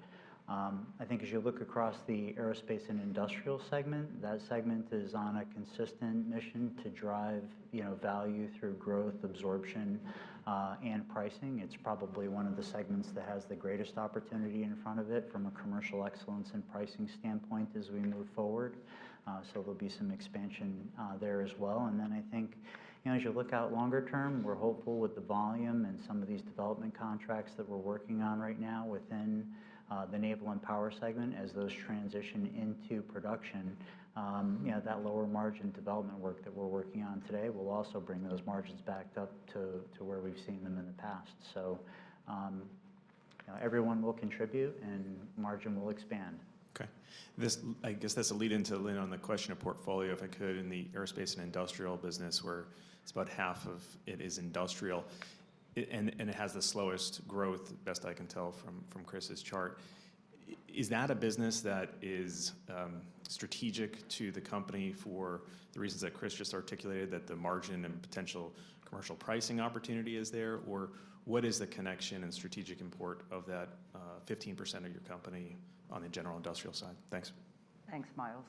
I think as you look across the aerospace and industrial segment, that segment is on a consistent mission to drive, you know, value through growth, absorption, and pricing. It's probably one of the segments that has the greatest opportunity in front of it from a commercial excellence and pricing standpoint as we move forward, so there'll be some expansion there as well. Then I think, you know, as you look out longer term, we're hopeful with the volume and some of these development contracts that we're working on right now within the Naval and Power Segment, as those transition into production, you know, that lower margin development work that we're working on today will also bring those margins back up to, to where we've seen them in the past. So,... everyone will contribute, and margin will expand. Okay, this, I guess that's a lead-in to Lynn on the question of portfolio, if I could, in the aerospace and industrial business, where it's about half of it is industrial. It, and it has the slowest growth, best I can tell from Chris's chart. Is that a business that is strategic to the company for the reasons that Chris just articulated, that the margin and potential commercial pricing opportunity is there? Or what is the connection and strategic import of that 15% of your company on the general industrial side? Thanks. Thanks, Miles.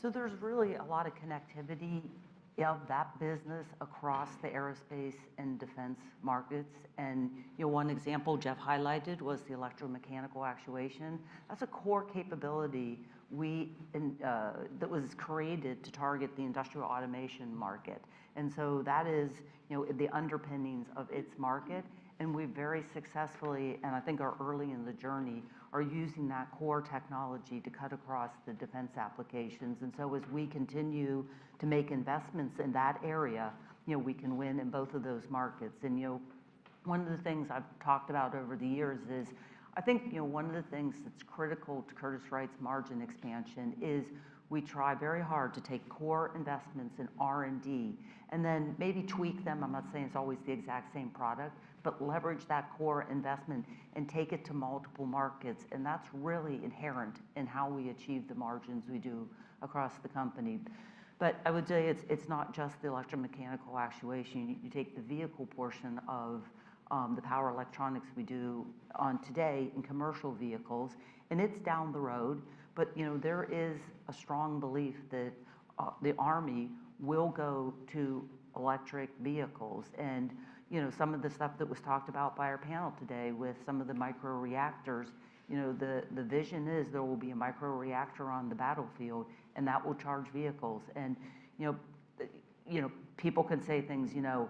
So there's really a lot of connectivity of that business across the aerospace and defense markets. And, you know, one example Jeff highlighted was the electromechanical actuation. That's a core capability we, and that was created to target the industrial automation market. And so that is, you know, the underpinnings of its market, and we very successfully, and I think are early in the journey, are using that core technology to cut across the defense applications. And so, as we continue to make investments in that area, you know, we can win in both of those markets. And, you know, one of the things I've talked about over the years is, I think, you know, one of the things that's critical to Curtiss-Wright's margin expansion is we try very hard to take core investments in R&D and then maybe tweak them. I'm not saying it's always the exact same product, but leverage that core investment and take it to multiple markets, and that's really inherent in how we achieve the margins we do across the company. But I would say it's not just the electromechanical actuation. You take the vehicle portion of the power electronics we do today in commercial vehicles, and it's down the road, but you know, there is a strong belief that the army will go to electric vehicles. And you know, some of the stuff that was talked about by our panel today with some of the microreactors, you know, the vision is there will be a microreactor on the battlefield, and that will charge vehicles. You know, you know, people can say things, you know,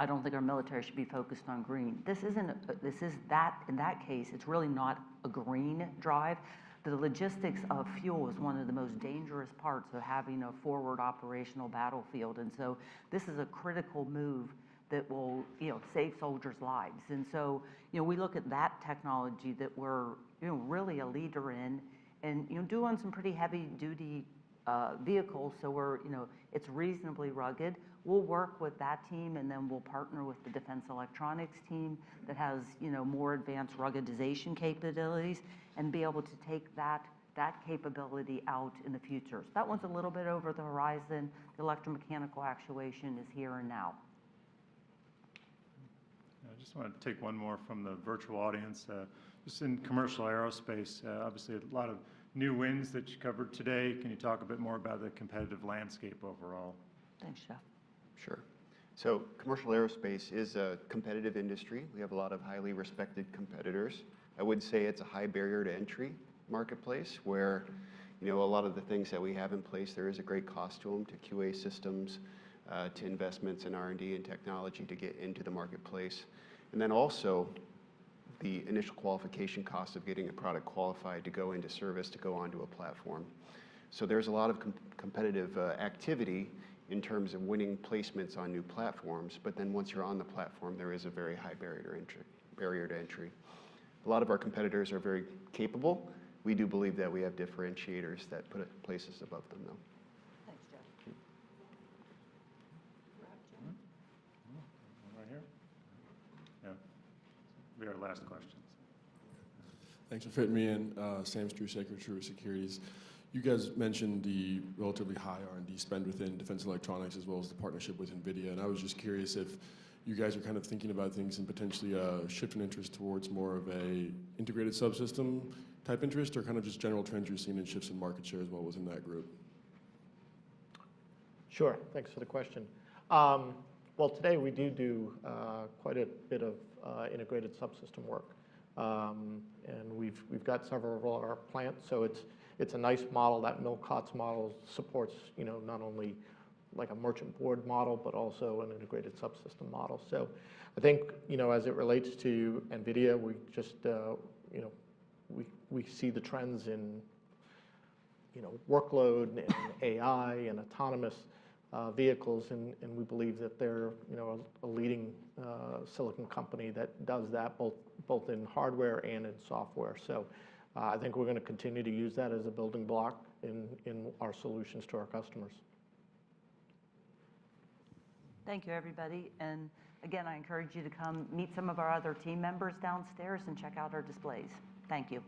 "I don't think our military should be focused on green." This isn't, this is that—in that case, it's really not a green drive. The logistics of fuel is one of the most dangerous parts of having a forward operational battlefield, and so this is a critical move that will, you know, save soldiers' lives. And so, you know, we look at that technology that we're, you know, really a leader in and, you know, do on some pretty heavy-duty, vehicles, so we're, you know, it's reasonably rugged. We'll work with that team, and then we'll partner with the defense electronics team that has, you know, more advanced ruggedization capabilities and be able to take that, that capability out in the future. That one's a little bit over the horizon. The electromechanical actuation is here and now. I just wanted to take one more from the virtual audience. Just in commercial aerospace, obviously a lot of new wins that you covered today. Can you talk a bit more about the competitive landscape overall? Thanks, Jeff. Sure. So commercial aerospace is a competitive industry. We have a lot of highly respected competitors. I would say it's a high barrier to entry marketplace, where, you know, a lot of the things that we have in place, there is a great cost to them, to QA systems, to investments in R&D and technology to get into the marketplace. And then also, the initial qualification cost of getting a product qualified to go into service, to go onto a platform. So there's a lot of competitive activity in terms of winning placements on new platforms, but then once you're on the platform, there is a very high barrier to entry, barrier to entry. A lot of our competitors are very capable. We do believe that we have differentiators that put us places above them, though. Thanks, Jeff. Sure. Rob, yeah. One right here. Yeah. Be our last question. Thanks for fitting me in. Sam Struwe, Siebert Williams Shank. You guys mentioned the relatively high R&D spend within defense electronics, as well as the partnership with NVIDIA, and I was just curious if you guys are kind of thinking about things and potentially, shifting interest towards more of a integrated subsystem type interest, or kind of just general trends you're seeing in shifts in market share as well within that group? Sure. Thanks for the question. Well, today we do quite a bit of integrated subsystem work. And we've got several of our plants, so it's a nice model. That no-COTS model supports, you know, not only like a merchant board model, but also an integrated subsystem model. So I think, you know, as it relates to NVIDIA, we just, you know, we see the trends in, you know, workload and AI and autonomous vehicles, and we believe that they're, you know, a leading silicon company that does that both in hardware and in software. So I think we're gonna continue to use that as a building block in our solutions to our customers. Thank you, everybody. Again, I encourage you to come meet some of our other team members downstairs and check out our displays. Thank you.